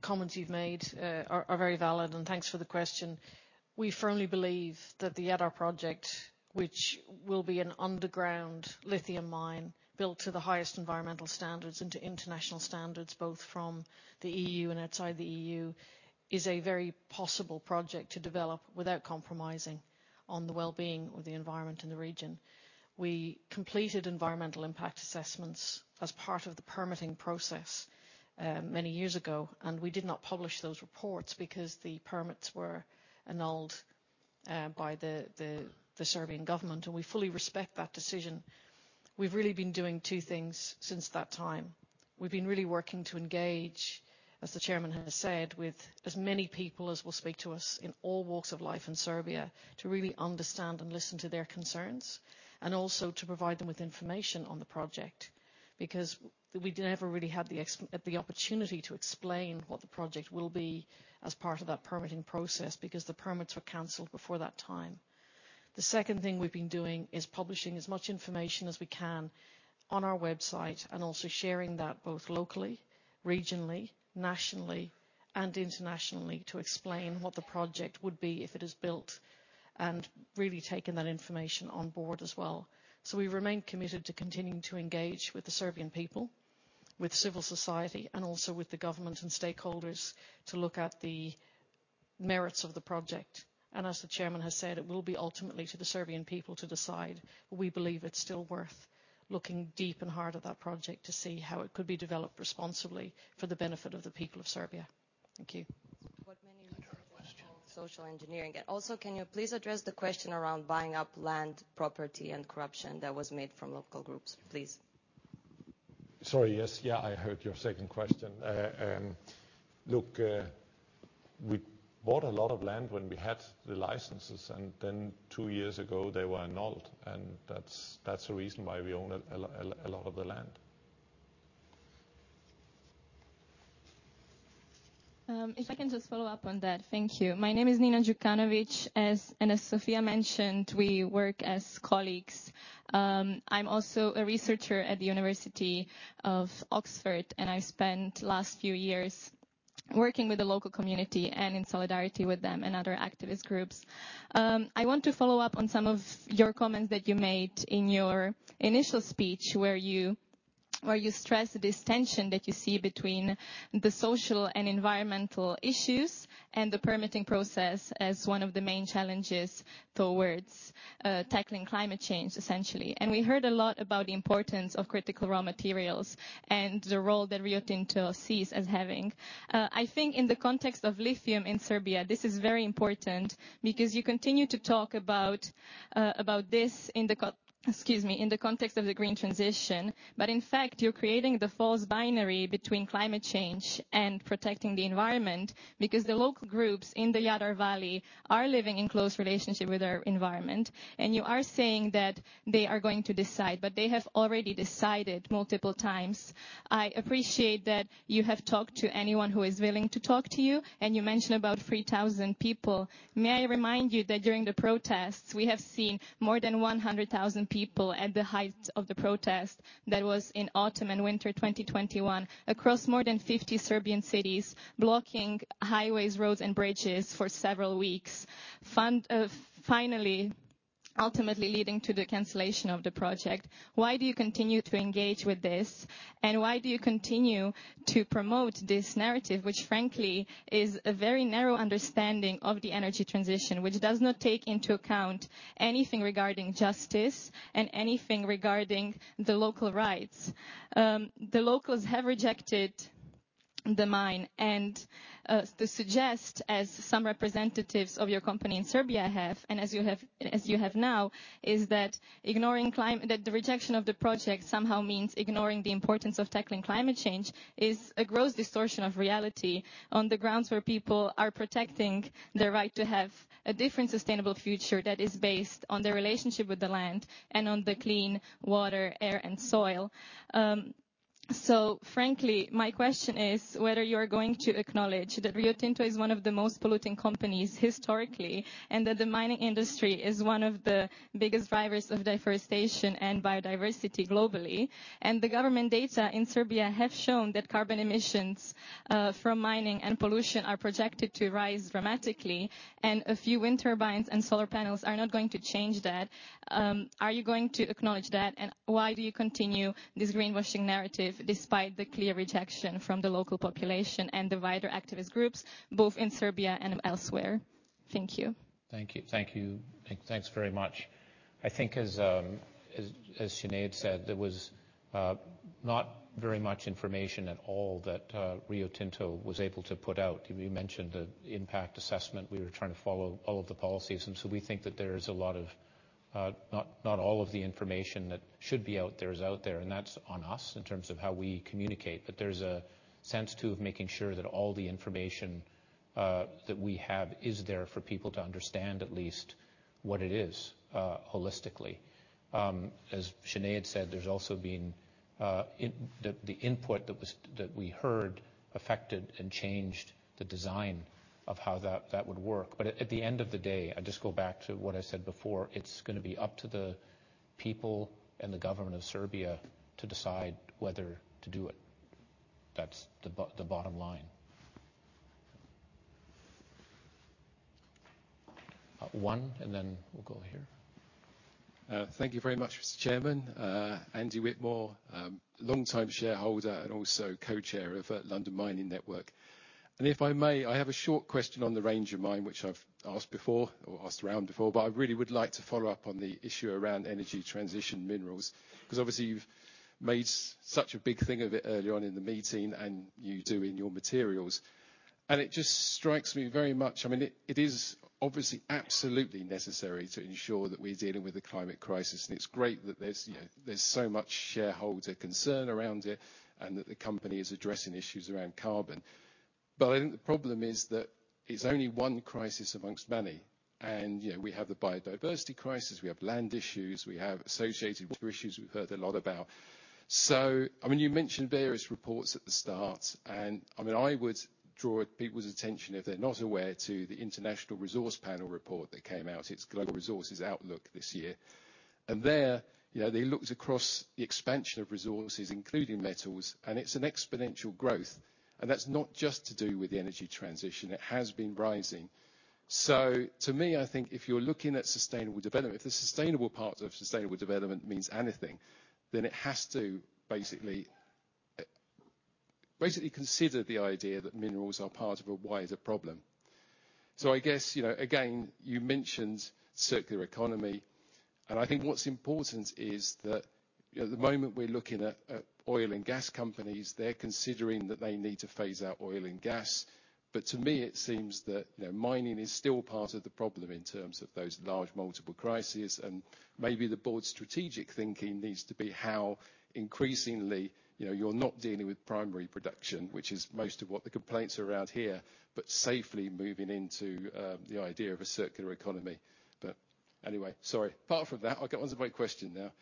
comments you've made are very valid, and thanks for the question. We firmly believe that the Jadar project, which will be an underground lithium mine built to the highest environmental standards and to international standards, both from the EU and outside the EU, is a very possible project to develop without compromising on the well-being of the environment and the region. We completed environmental impact assessments as part of the permitting process many years ago, and we did not publish those reports because the permits were annulled by the Serbian government, and we fully respect that decision. We've really been doing two things since that time. We've been really working to engage, as the chairman has said, with as many people as will speak to us in all walks of life in Serbia to really understand and listen to their concerns and also to provide them with information on the project because we never really had the opportunity to explain what the project will be as part of that permitting process because the permits were cancelled before that time. The second thing we've been doing is publishing as much information as we can on our website and also sharing that both locally, regionally, nationally, and internationally to explain what the project would be if it is built and really taking that information on board as well. So we remain committed to continuing to engage with the Serbian people, with civil society, and also with the government and stakeholders to look at the merits of the project. As the chairman has said, it will be ultimately to the Serbian people to decide, but we believe it's still worth looking deep and hard at that project to see how it could be developed responsibly for the benefit of the people of Serbia. Thank you. Second question. Social engineering. Also, can you please address the question around buying up land, property, and corruption that was made from local groups? Please. Sorry. Yes. Yeah, I heard your second question. Look, we bought a lot of land when we had the licenses, and then two years ago, they were annulled. And that's the reason why we own a lot of the land. If I can just follow up on that. Thank you. My name is Nina Djukanović. And as Sofia mentioned, we work as colleagues. I'm also a researcher at the University of Oxford, and I spent the last few years working with the local community and in solidarity with them and other activist groups. I want to follow up on some of your comments that you made in your initial speech where you stressed this tension that you see between the social and environmental issues and the permitting process as one of the main challenges toward tackling climate change, essentially. And we heard a lot about the importance of critical raw materials and the role that Rio Tinto sees as having. I think in the context of lithium in Serbia, this is very important because you continue to talk about this in the, excuse me, in the context of the green transition. But in fact, you're creating the false binary between climate change and protecting the environment because the local groups in the Jadar Valley are living in close relationship with their environment. And you are saying that they are going to decide, but they have already decided multiple times. I appreciate that you have talked to anyone who is willing to talk to you. And you mentioned about 3,000 people. May I remind you that during the protests, we have seen more than 100,000 people at the height of the protest that was in autumn and winter 2021 across more than 50 Serbian cities blocking highways, roads, and bridges for several weeks, ultimately leading to the cancellation of the project? Why do you continue to engage with this? And why do you continue to promote this narrative, which frankly is a very narrow understanding of the energy transition, which does not take into account anything regarding justice and anything regarding the local rights? The locals have rejected the mine. And to suggest, as some representatives of your company in Serbia have and as you have now, is that the rejection of the project somehow means ignoring the importance of tackling climate change is a gross distortion of reality on the grounds where people are protecting their right to have a different sustainable future that is based on their relationship with the land and on the clean water, air, and soil. So frankly, my question is whether you are going to acknowledge that Rio Tinto is one of the most polluting companies historically and that the mining industry is one of the biggest drivers of deforestation and biodiversity globally. And the government data in Serbia have shown that carbon emissions from mining and pollution are projected to rise dramatically, and a few wind turbines and solar panels are not going to change that. Are you going to acknowledge that? And why do you continue this greenwashing narrative despite the clear rejection from the local population and the wider activist groups, both in Serbia and elsewhere? Thank you. Thank you. Thank you. Thanks very much. I think, as Sinead said, there was not very much information at all that Rio Tinto was able to put out. You mentioned the impact assessment. We were trying to follow all of the policies. And so we think that there is a lot of not all of the information that should be out there is out there. And that's on us in terms of how we communicate. But there's a sense too of making sure that all the information that we have is there for people to understand at least what it is holistically. As Sinead said, there's also been the input that we heard affected and changed the design of how that would work. But at the end of the day, I just go back to what I said before, it's going to be up to the people and the government of Serbia to decide whether to do it. That's the bottom line. One, and then we'll go here. Thank you very much, Mr. Chairman. Andy Whitmore, longtime shareholder and also co-chair of London Mining Network. And if I may, I have a short question on the Ranger mine which I've asked before or asked around before, but I really would like to follow up on the issue around energy transition minerals because obviously, you've made such a big thing of it earlier on in the meeting, and you do in your materials. And it just strikes me very much I mean, it is obviously absolutely necessary to ensure that we're dealing with a climate crisis. It's great that there's so much shareholder concern around it and that the company is addressing issues around carbon. But I think the problem is that it's only one crisis amongst many. We have the biodiversity crisis. We have land issues. We have associated issues we've heard a lot about. So I mean, you mentioned various reports at the start. I mean, I would draw people's attention, if they're not aware, to the International Resource Panel report that came out, its Global Resources Outlook this year. And there, they looked across the expansion of resources, including metals. And it's an exponential growth. And that's not just to do with the energy transition. It has been rising. So, to me, I think if you're looking at sustainable development, if the sustainable part of sustainable development means anything, then it has to basically consider the idea that minerals are part of a wider problem. So, I guess, again, you mentioned circular economy. And I think what's important is that the moment we're looking at oil and gas companies, they're considering that they need to phase out oil and gas. But to me, it seems that mining is still part of the problem in terms of those large multiple crises. And maybe the board's strategic thinking needs to be how increasingly you're not dealing with primary production, which is most of what the complaints are around here, but safely moving into the idea of a circular economy. But anyway, sorry. Apart from that, I'll get on to my question now.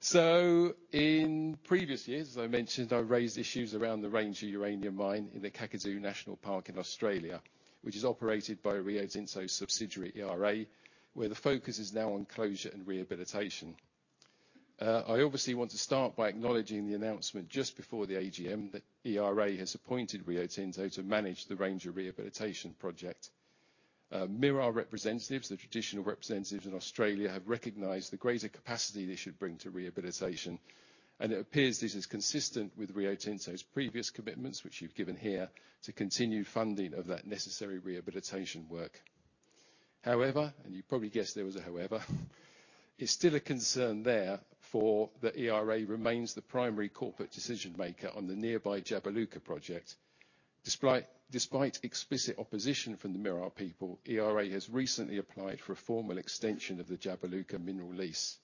So in previous years, as I mentioned, I raised issues around the Ranger Uranium Mine in the Kakadu National Park in Australia, which is operated by Rio Tinto's subsidiary, ERA, where the focus is now on closure and rehabilitation. I obviously want to start by acknowledging the announcement just before the AGM that ERA has appointed Rio Tinto to manage the Ranger Rehabilitation Project. Mirarr representatives, the traditional representatives in Australia, have recognized the greater capacity they should bring to rehabilitation. And it appears this is consistent with Rio Tinto's previous commitments, which you've given here, to continue funding of that necessary rehabilitation work. However - and you probably guessed there was a however - it's still a concern that the ERA remains the primary corporate decision-maker on the nearby Jabiluka project. Despite explicit opposition from the Mirarr people, ERA has recently applied for a formal extension of the Jabiluka mineral lease.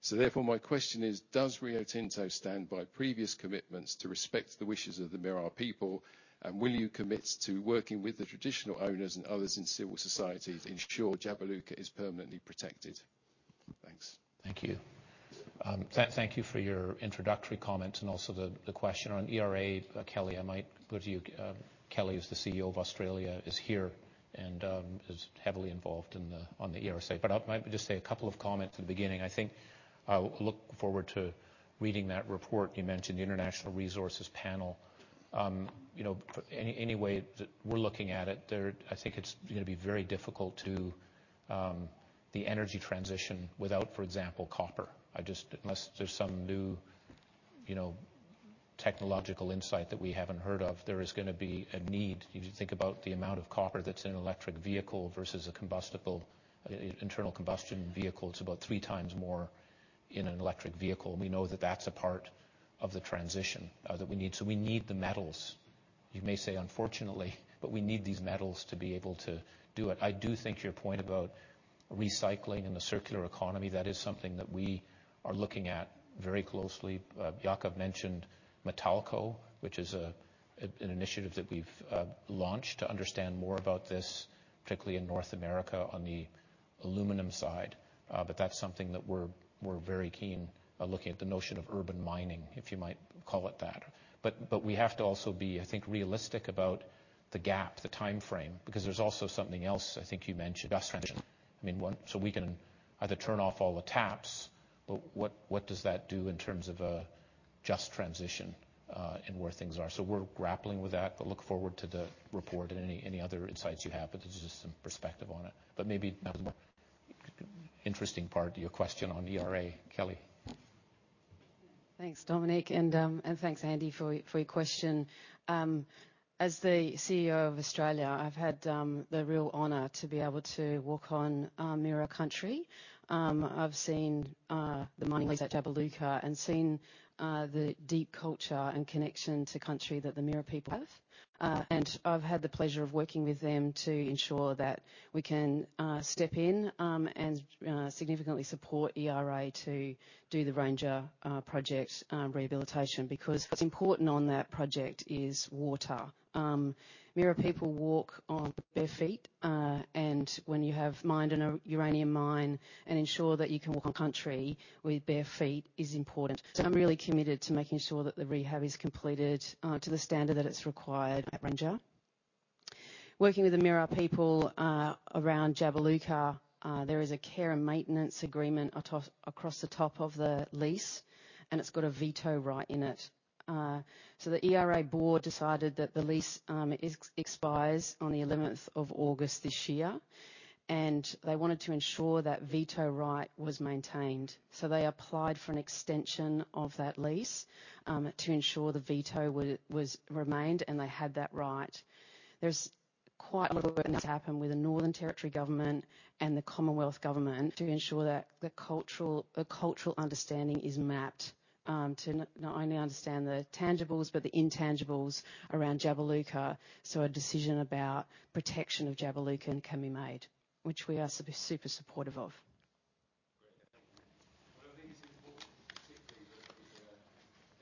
So therefore, my question is, does Rio Tinto stand by previous commitments to respect the wishes of the Mirarr people? And will you commit to working with the traditional owners and others in civil society to ensure Jabiluka is permanently protected? Thanks. Thank you. Thank you for your introductory comments and also the question on ERA. Kellie, I might go to you. Kellie is the CEO of Australia, is here, and is heavily involved on the ERA side. But I might just say a couple of comments at the beginning. I think I look forward to reading that report. You mentioned the International Resources Panel. Any way that we're looking at it, I think it's going to be very difficult to the energy transition without, for example, copper. Unless there's some new technological insight that we haven't heard of, there is going to be a need. If you think about the amount of copper that's in an electric vehicle versus an internal combustion vehicle, it's about three times more in an electric vehicle. We know that that's a part of the transition that we need. We need the metals. You may say, "Unfortunately," but we need these metals to be able to do it. I do think your point about recycling and the circular economy, that is something that we are looking at very closely. Jakob mentioned Matalco, which is an initiative that we've launched to understand more about this, particularly in North America on the aluminum side. But that's something that we're very keen looking at, the notion of urban mining, if you might call it that. But we have to also be, I think, realistic about the gap, the timeframe, because there's also something else, I think you mentioned, just transition. I mean, so we can either turn off all the taps, but what does that do in terms of a just transition and where things are? So we're grappling with that, but look forward to the report and any other insights you have. But this is just some perspective on it. But maybe that was the more interesting part, your question on ERA. Kellie. Thanks, Dominic. And thanks, Andy, for your question. As the CEO of Australia, I've had the real honour to be able to walk on Mirarr country. I've seen the mining lease at Jabiluka and seen the deep culture and connection to country that the Mirarr people have. I've had the pleasure of working with them to ensure that we can step in and significantly support ERA to do the Ranger project rehabilitation because what's important on that project is water. Mirarr people walk on bare feet. When you have mined in a uranium mine, ensuring that you can walk on country with bare feet is important. So I'm really committed to making sure that the rehab is completed to the standard that it's required at Ranger. Working with the Mirarr people around Jabiluka, there is a care and maintenance agreement across the top of the lease, and it's got a veto right in it. So the ERA board decided that the lease expires on the 11th of August this year. They wanted to ensure that veto right was maintained. So they applied for an extension of that lease to ensure the veto was remained, and they had that right. There's quite a lot of work that's happened with the Northern Territory Government and the Commonwealth Government to ensure that a cultural understanding is mapped to not only understand the tangibles but the intangibles around Jabiluka. So a decision about protection of Jabiluka can be made, which we are super supportive of. Great. Thank you. What I think is important, particularly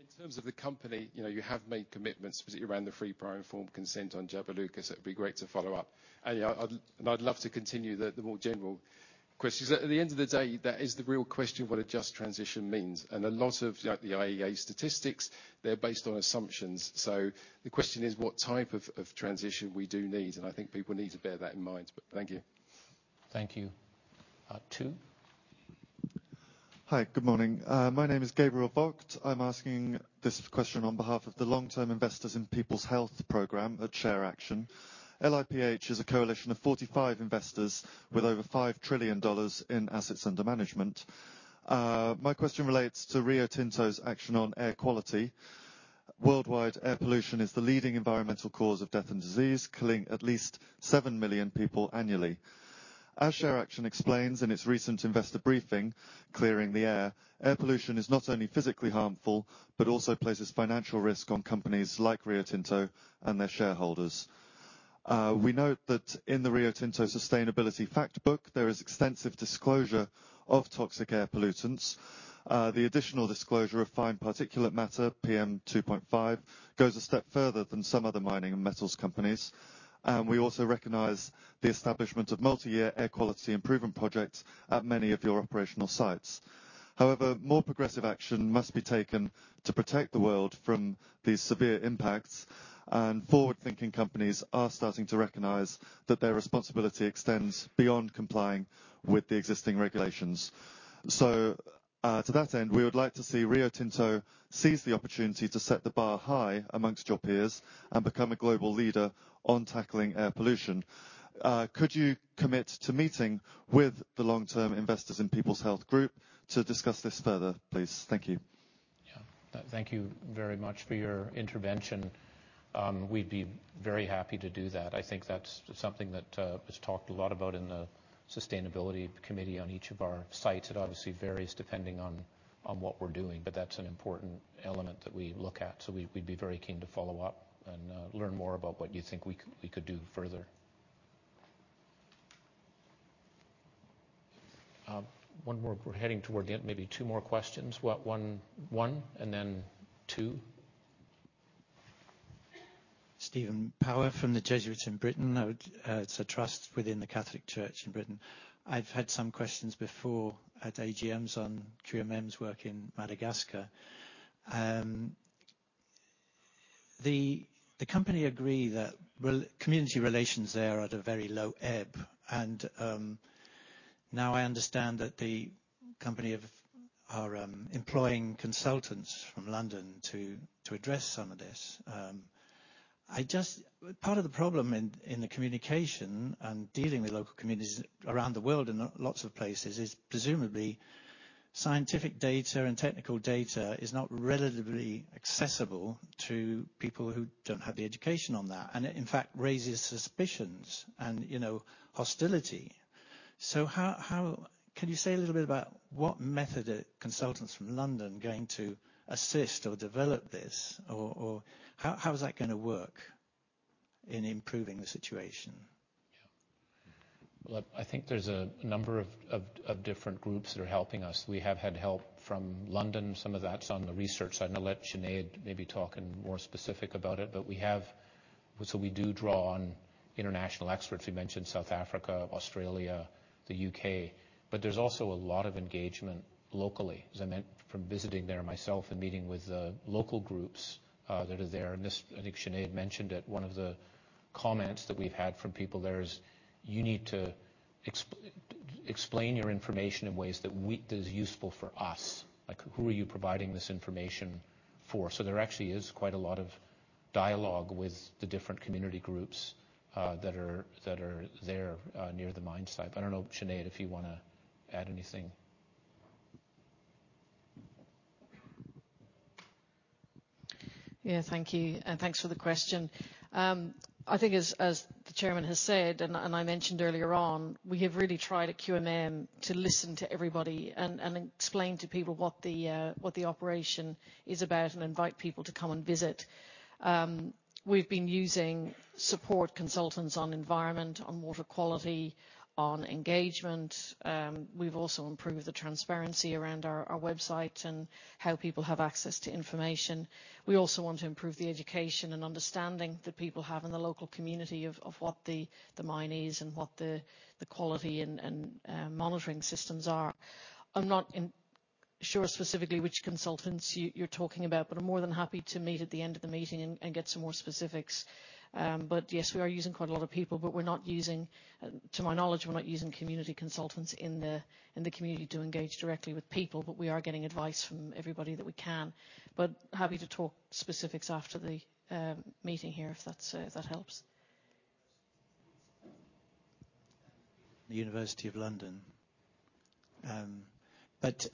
in terms of the company, you have made commitments, particularly around the free prior informed consent on Jabiluka. So it'd be great to follow up. And I'd love to continue the more general questions. At the end of the day, that is the real question, what a just transition means. And a lot of the IEA statistics, they're based on assumptions. So the question is, what type of transition we do need? And I think people need to bear that in mind. But thank you. Thank you. Two. Hi. Good morning. My name is Gabriel Voigt. I'm asking this question on behalf of the Long-term Investors in People's Health Program, a chair action. LIPH is a coalition of 45 investors with over $5 trillion in assets under management. My question relates to Rio Tinto's action on air quality. Worldwide, air pollution is the leading environmental cause of death and disease, killing at least 7 million people annually. As Climate Action 100+ explains in its recent investor briefing, Clearing the Air, air pollution is not only physically harmful but also places financial risk on companies like Rio Tinto and their shareholders. We note that in the Rio Tinto Sustainability Factbook, there is extensive disclosure of toxic air pollutants. The additional disclosure of fine particulate matter, PM 2.5, goes a step further than some other mining and metals companies. We also recognize the establishment of multi-year air quality improvement projects at many of your operational sites. However, more progressive action must be taken to protect the world from these severe impacts. Forward-thinking companies are starting to recognize that their responsibility extends beyond complying with the existing regulations. To that end, we would like to see Rio Tinto seize the opportunity to set the bar high amongst your peers and become a global leader on tackling air pollution. Could you commit to meeting with the long-term investors in People's Health Group to discuss this further, please? Thank you. Yeah. Thank you very much for your intervention. We'd be very happy to do that. I think that's something that was talked a lot about in the sustainability committee on each of our sites. It obviously varies depending on what we're doing. But that's an important element that we look at. So we'd be very keen to follow up and learn more about what you think we could do further. One more. We're heading toward the end. Maybe two more questions. One and then two. Stephen Power from the Jesuits in Britain. It's a trust within the Catholic Church in Britain. I've had some questions before at AGMs on QMM's work in Madagascar. The company agreed that community relations there are at a very low ebb. And now I understand that the company are employing consultants from London to address some of this. Part of the problem in the communication and dealing with local communities around the world in lots of places is, presumably, scientific data and technical data is not relatively accessible to people who don't have the education on that. It, in fact, raises suspicions and hostility. Can you say a little bit about what method are consultants from London going to assist or develop this? Or how is that going to work in improving the situation? Yeah. Well, I think there's a number of different groups that are helping us. We have had help from London. Some of that's on the research side. And I'll let Sinead maybe talk in more specific about it. But so we do draw on international experts. You mentioned South Africa, Australia, the U.K. But there's also a lot of engagement locally. As I mentioned, from visiting there myself and meeting with the local groups that are there. And I think Sinead mentioned it. One of the comments that we've had from people there is, "You need to explain your information in ways that is useful for us. Who are you providing this information for?" So there actually is quite a lot of dialogue with the different community groups that are there near the mine site. I don't know, Sinead, if you want to add anything. Yeah. Thank you. And thanks for the question. I think, as the chairman has said, and I mentioned earlier on, we have really tried at QMM to listen to everybody and explain to people what the operation is about and invite people to come and visit. We've been using support consultants on environment, on water quality, on engagement. We've also improved the transparency around our website and how people have access to information. We also want to improve the education and understanding that people have in the local community of what the mine is and what the quality and monitoring systems are. I'm not sure specifically which consultants you're talking about, but I'm more than happy to meet at the end of the meeting and get some more specifics. But yes, we are using quite a lot of people. But to my knowledge, we're not using community consultants in the community to engage directly with people. But we are getting advice from everybody that we can. But happy to talk specifics after the meeting here if that helps. University of London. But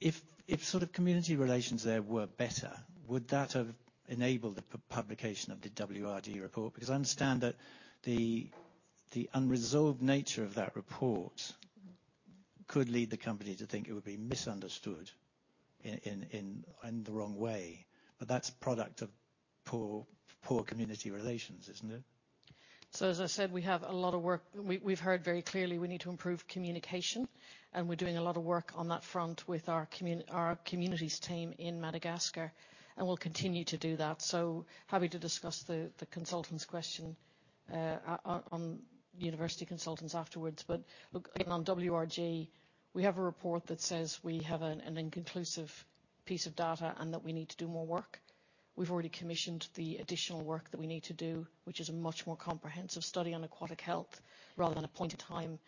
if sort of community relations there were better, would that have enabled the publication of the WRG report? Because I understand that the unresolved nature of that report could lead the company to think it would be misunderstood in the wrong way. But that's product of poor community relations, isn't it? So as I said, we have a lot of work. We've heard very clearly we need to improve communication. And we're doing a lot of work on that front with our communities team in Madagascar. And we'll continue to do that. So happy to discuss the consultants' question on university consultants afterwards. But look, again, on WRG, we have a report that says we have an inconclusive piece of data and that we need to do more work. We've already commissioned the additional work that we need to do, which is a much more comprehensive study on aquatic health rather than a point-in-time incident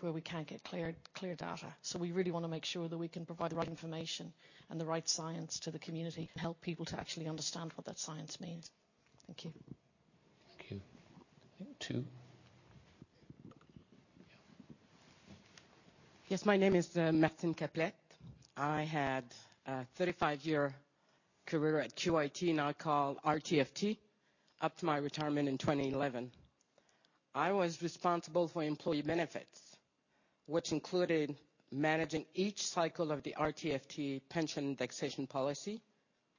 where we can't get clear data. So we really want to make sure that we can provide the right information and the right science to the community and help people to actually understand what that science means. Thank you. Thank you. Two. Yes. My name is Martine Caplette. I had a 35-year career at QIT now called RTFT up to my retirement in 2011. I was responsible for employee benefits, which included managing each cycle of the RTFT pension indexation policy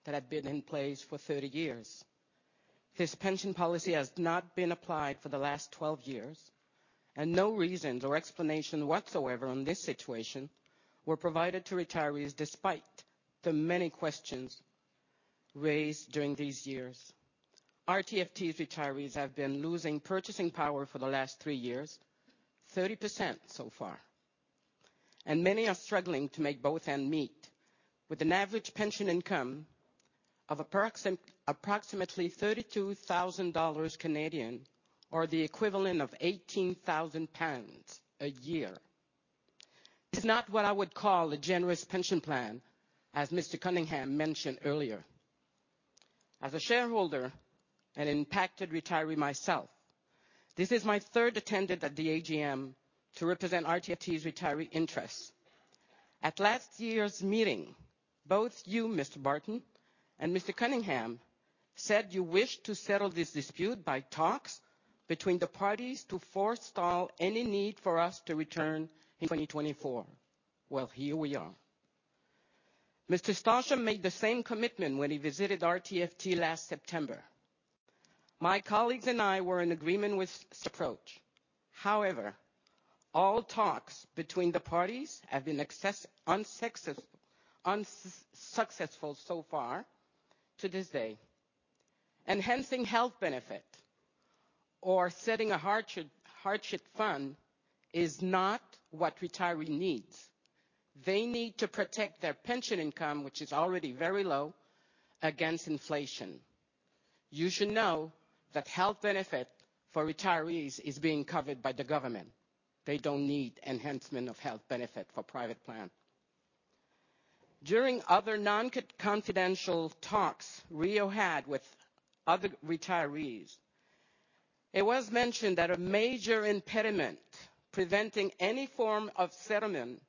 that had been in place for 30 years. This pension policy has not been applied for the last 12 years. No reasons or explanation whatsoever on this situation were provided to retirees despite the many questions raised during these years. RTFT's retirees have been losing purchasing power for the last three years, 30% so far. Many are struggling to make both ends meet with an average pension income of approximately 32,000 Canadian dollars or the equivalent of 18,000 pounds a year. This is not what I would call a generous pension plan, as Mr. Cunningham mentioned earlier. As a shareholder and impacted retiree myself, this is my third attendance at the AGM to represent RTFT's retiree interests. At last year's meeting, both you, Mr. Barton, and Mr. Cunningham said you wished to settle this dispute by talks between the parties to forestall any need for us to return in 2024. Well, here we are. Mr. Stausholm made the same commitment when he visited RTFT last September. My colleagues and I were in agreement with Mr. Stausholm. However, all talks between the parties have been unsuccessful so far to this day. Enhancing health benefit or setting a hardship fund is not what retiree needs. They need to protect their pension income, which is already very low, against inflation. You should know that health benefit for retirees is being covered by the government. They don't need enhancement of health benefit for private plan. During other non-confidential talks Rio had with other retirees, it was mentioned that a major impediment preventing any form of settlement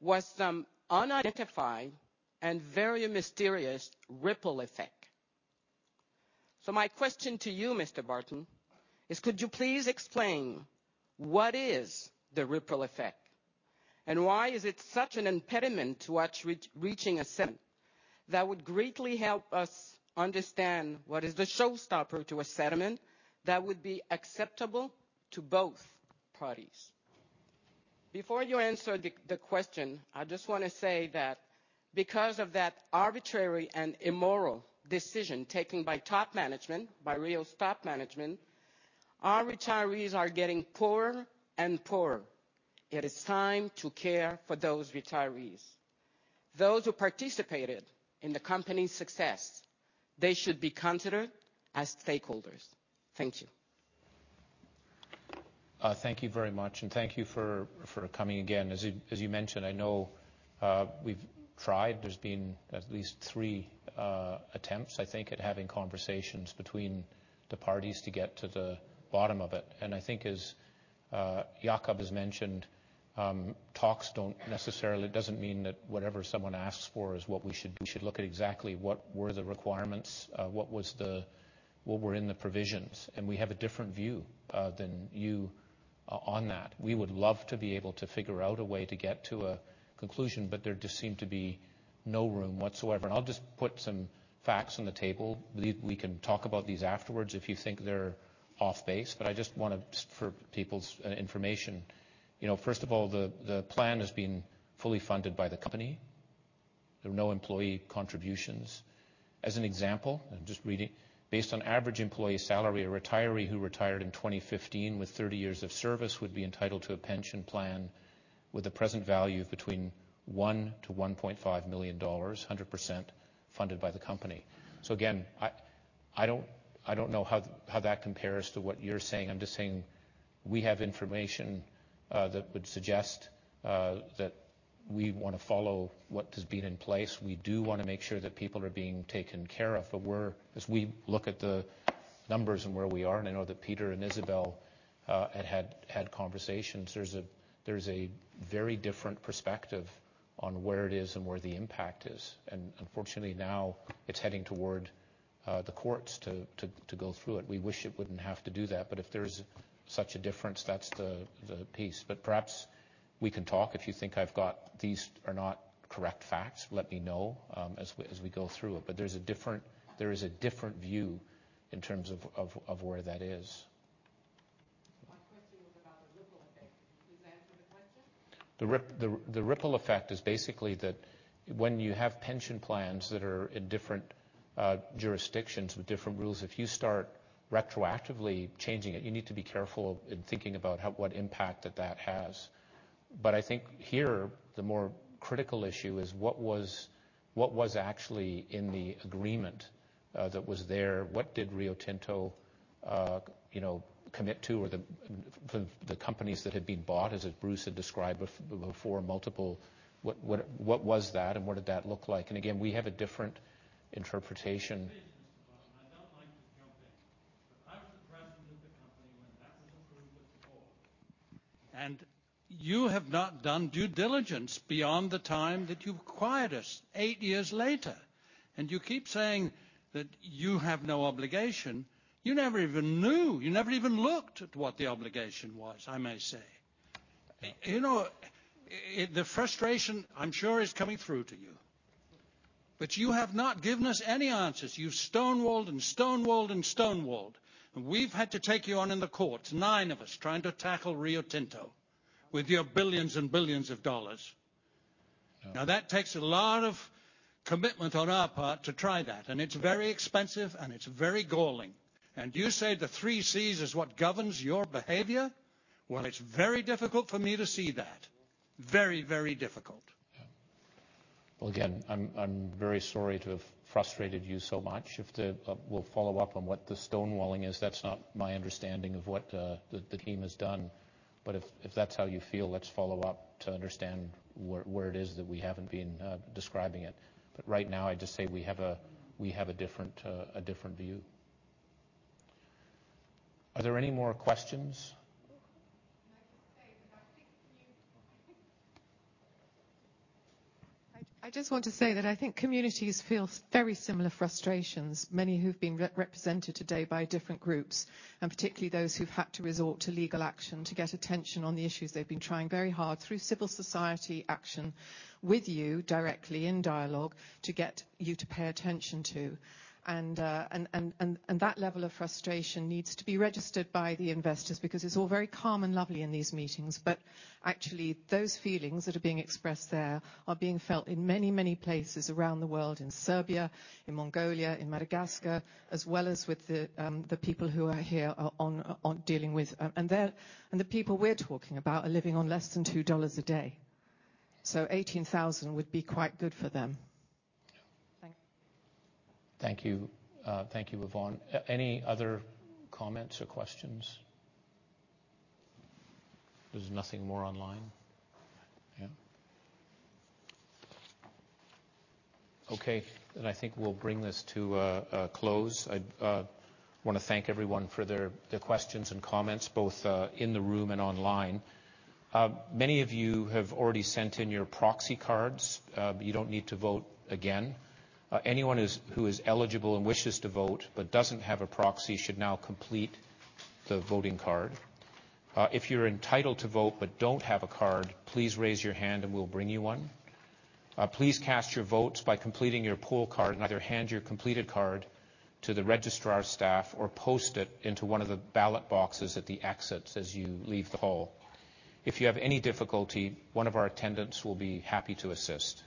was some unidentified and very mysterious ripple effect. So my question to you, Mr. Barton, is, could you please explain what is the ripple effect? And why is it such an impediment to us reaching a settlement that would greatly help us understand what is the showstopper to a settlement that would be acceptable to both parties? Before you answer the question, I just want to say that because of that arbitrary and immoral decision taken by Rio's top management, our retirees are getting poorer and poorer. It is time to care for those retirees. Those who participated in the company's success, they should be considered as stakeholders. Thank you. Thank you very much. And thank you for coming again. As you mentioned, I know we've tried. There's been at least three attempts, I think, at having conversations between the parties to get to the bottom of it. And I think, as Jakob has mentioned, talks don't necessarily. It doesn't mean that whatever someone asks for is what we should do. We should look at exactly what were the requirements, what were in the provisions. And we have a different view than you on that. We would love to be able to figure out a way to get to a conclusion. But there just seemed to be no room whatsoever. And I'll just put some facts on the table. We can talk about these afterwards if you think they're off base. But I just want to for people's information, first of all, the plan has been fully funded by the company. There are no employee contributions. As an example, based on average employee salary, a retiree who retired in 2015 with 30 years of service would be entitled to a pension plan with a present value of between $1 million-$1.5 million, 100% funded by the company. So again, I don't know how that compares to what you're saying. I'm just saying we have information that would suggest that we want to follow what has been in place. We do want to make sure that people are being taken care of. But as we look at the numbers and where we are and I know that Peter and Isabelle had conversations, there's a very different perspective on where it is and where the impact is. And unfortunately, now it's heading toward the courts to go through it. We wish it wouldn't have to do that. But if there's such a difference, that's the piece. But perhaps we can talk. If you think I've got these are not correct facts, let me know as we go through it. But there is a different view in terms of where that is. My question was about the ripple effect. Could you please answer the question? The ripple effect is basically that when you have pension plans that are in different jurisdictions with different rules, if you start retroactively changing it, you need to be careful in thinking about what impact that has. But I think here, the more critical issue is what was actually in the agreement that was there? What did Rio Tinto commit to or the companies that had been bought, as Bruce had described before, multiple? What was that? And what did that look like? And again, we have a different interpretation. I don't like to jump in. But I was impressed with the company when that was approved with the board. And you have not done due diligence beyond the time that you've acquired us, eight years later. And you keep saying that you have no obligation. You never even knew. You never even looked at what the obligation was, I may say. The frustration, I'm sure, is coming through to you. But you have not given us any answers. You've stonewalled and stonewalled and stonewalled. And we've had to take you on in the courts, nine of us, trying to tackle Rio Tinto with your billions and billions of dollars. Now, that takes a lot of commitment on our part to try that. And it's very expensive. And it's very galling. And you say the Three Cs is what governs your behavior? Well, it's very difficult for me to see that, very, very difficult. Well, again, I'm very sorry to have frustrated you so much. We'll follow up on what the stonewalling is. That's not my understanding of what the team has done. But if that's how you feel, let's follow up to understand where it is that we haven't been describing it. But right now, I just say we have a different view. Are there any more questions? May I just say that I just want to say that I think communities feel very similar frustrations, many who've been represented today by different groups, and particularly those who've had to resort to legal action to get attention on the issues. They've been trying very hard through civil society action with you directly in dialogue to get you to pay attention to. And that level of frustration needs to be registered by the investors because it's all very calm and lovely in these meetings. But actually, those feelings that are being expressed there are being felt in many, many places around the world, in Serbia, in Mongolia, in Madagascar, as well as with the people who are here dealing with and the people we're talking about are living on less than $2 a day. So $18,000 would be quite good for them. Thank you. Thank you, Yvonne. Any other comments or questions? There's nothing more online. Yeah? Okay. Then I think we'll bring this to a close. I want to thank everyone for their questions and comments, both in the room and online. Many of you have already sent in your proxy cards. You don't need to vote again. Anyone who is eligible and wishes to vote but doesn't have a proxy should now complete the voting card. If you're entitled to vote but don't have a card, please raise your hand and we'll bring you one. Please cast your votes by completing your poll card and either hand your completed card to the registrar's staff or post it into one of the ballot boxes at the exits as you leave the hall. If you have any difficulty, one of our attendants will be happy to assist.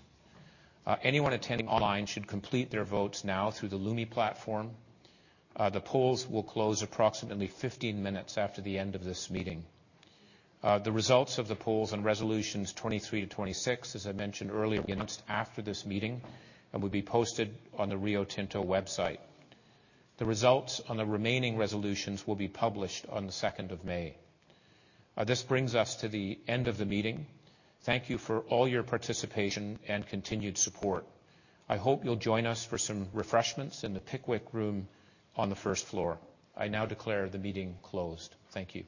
Anyone attending online should complete their votes now through the Lumi platform. The polls will close approximately 15 minutes after the end of this meeting. The results of the polls on resolutions 23 to 26, as I mentioned earlier, will be announced after this meeting and will be posted on the Rio Tinto website. The results on the remaining resolutions will be published on the 2nd of May. This brings us to the end of the meeting. Thank you for all your participation and continued support. I hope you'll join us for some refreshments in the Pickwick Room on the first floor. I now declare the meeting closed. Thank you.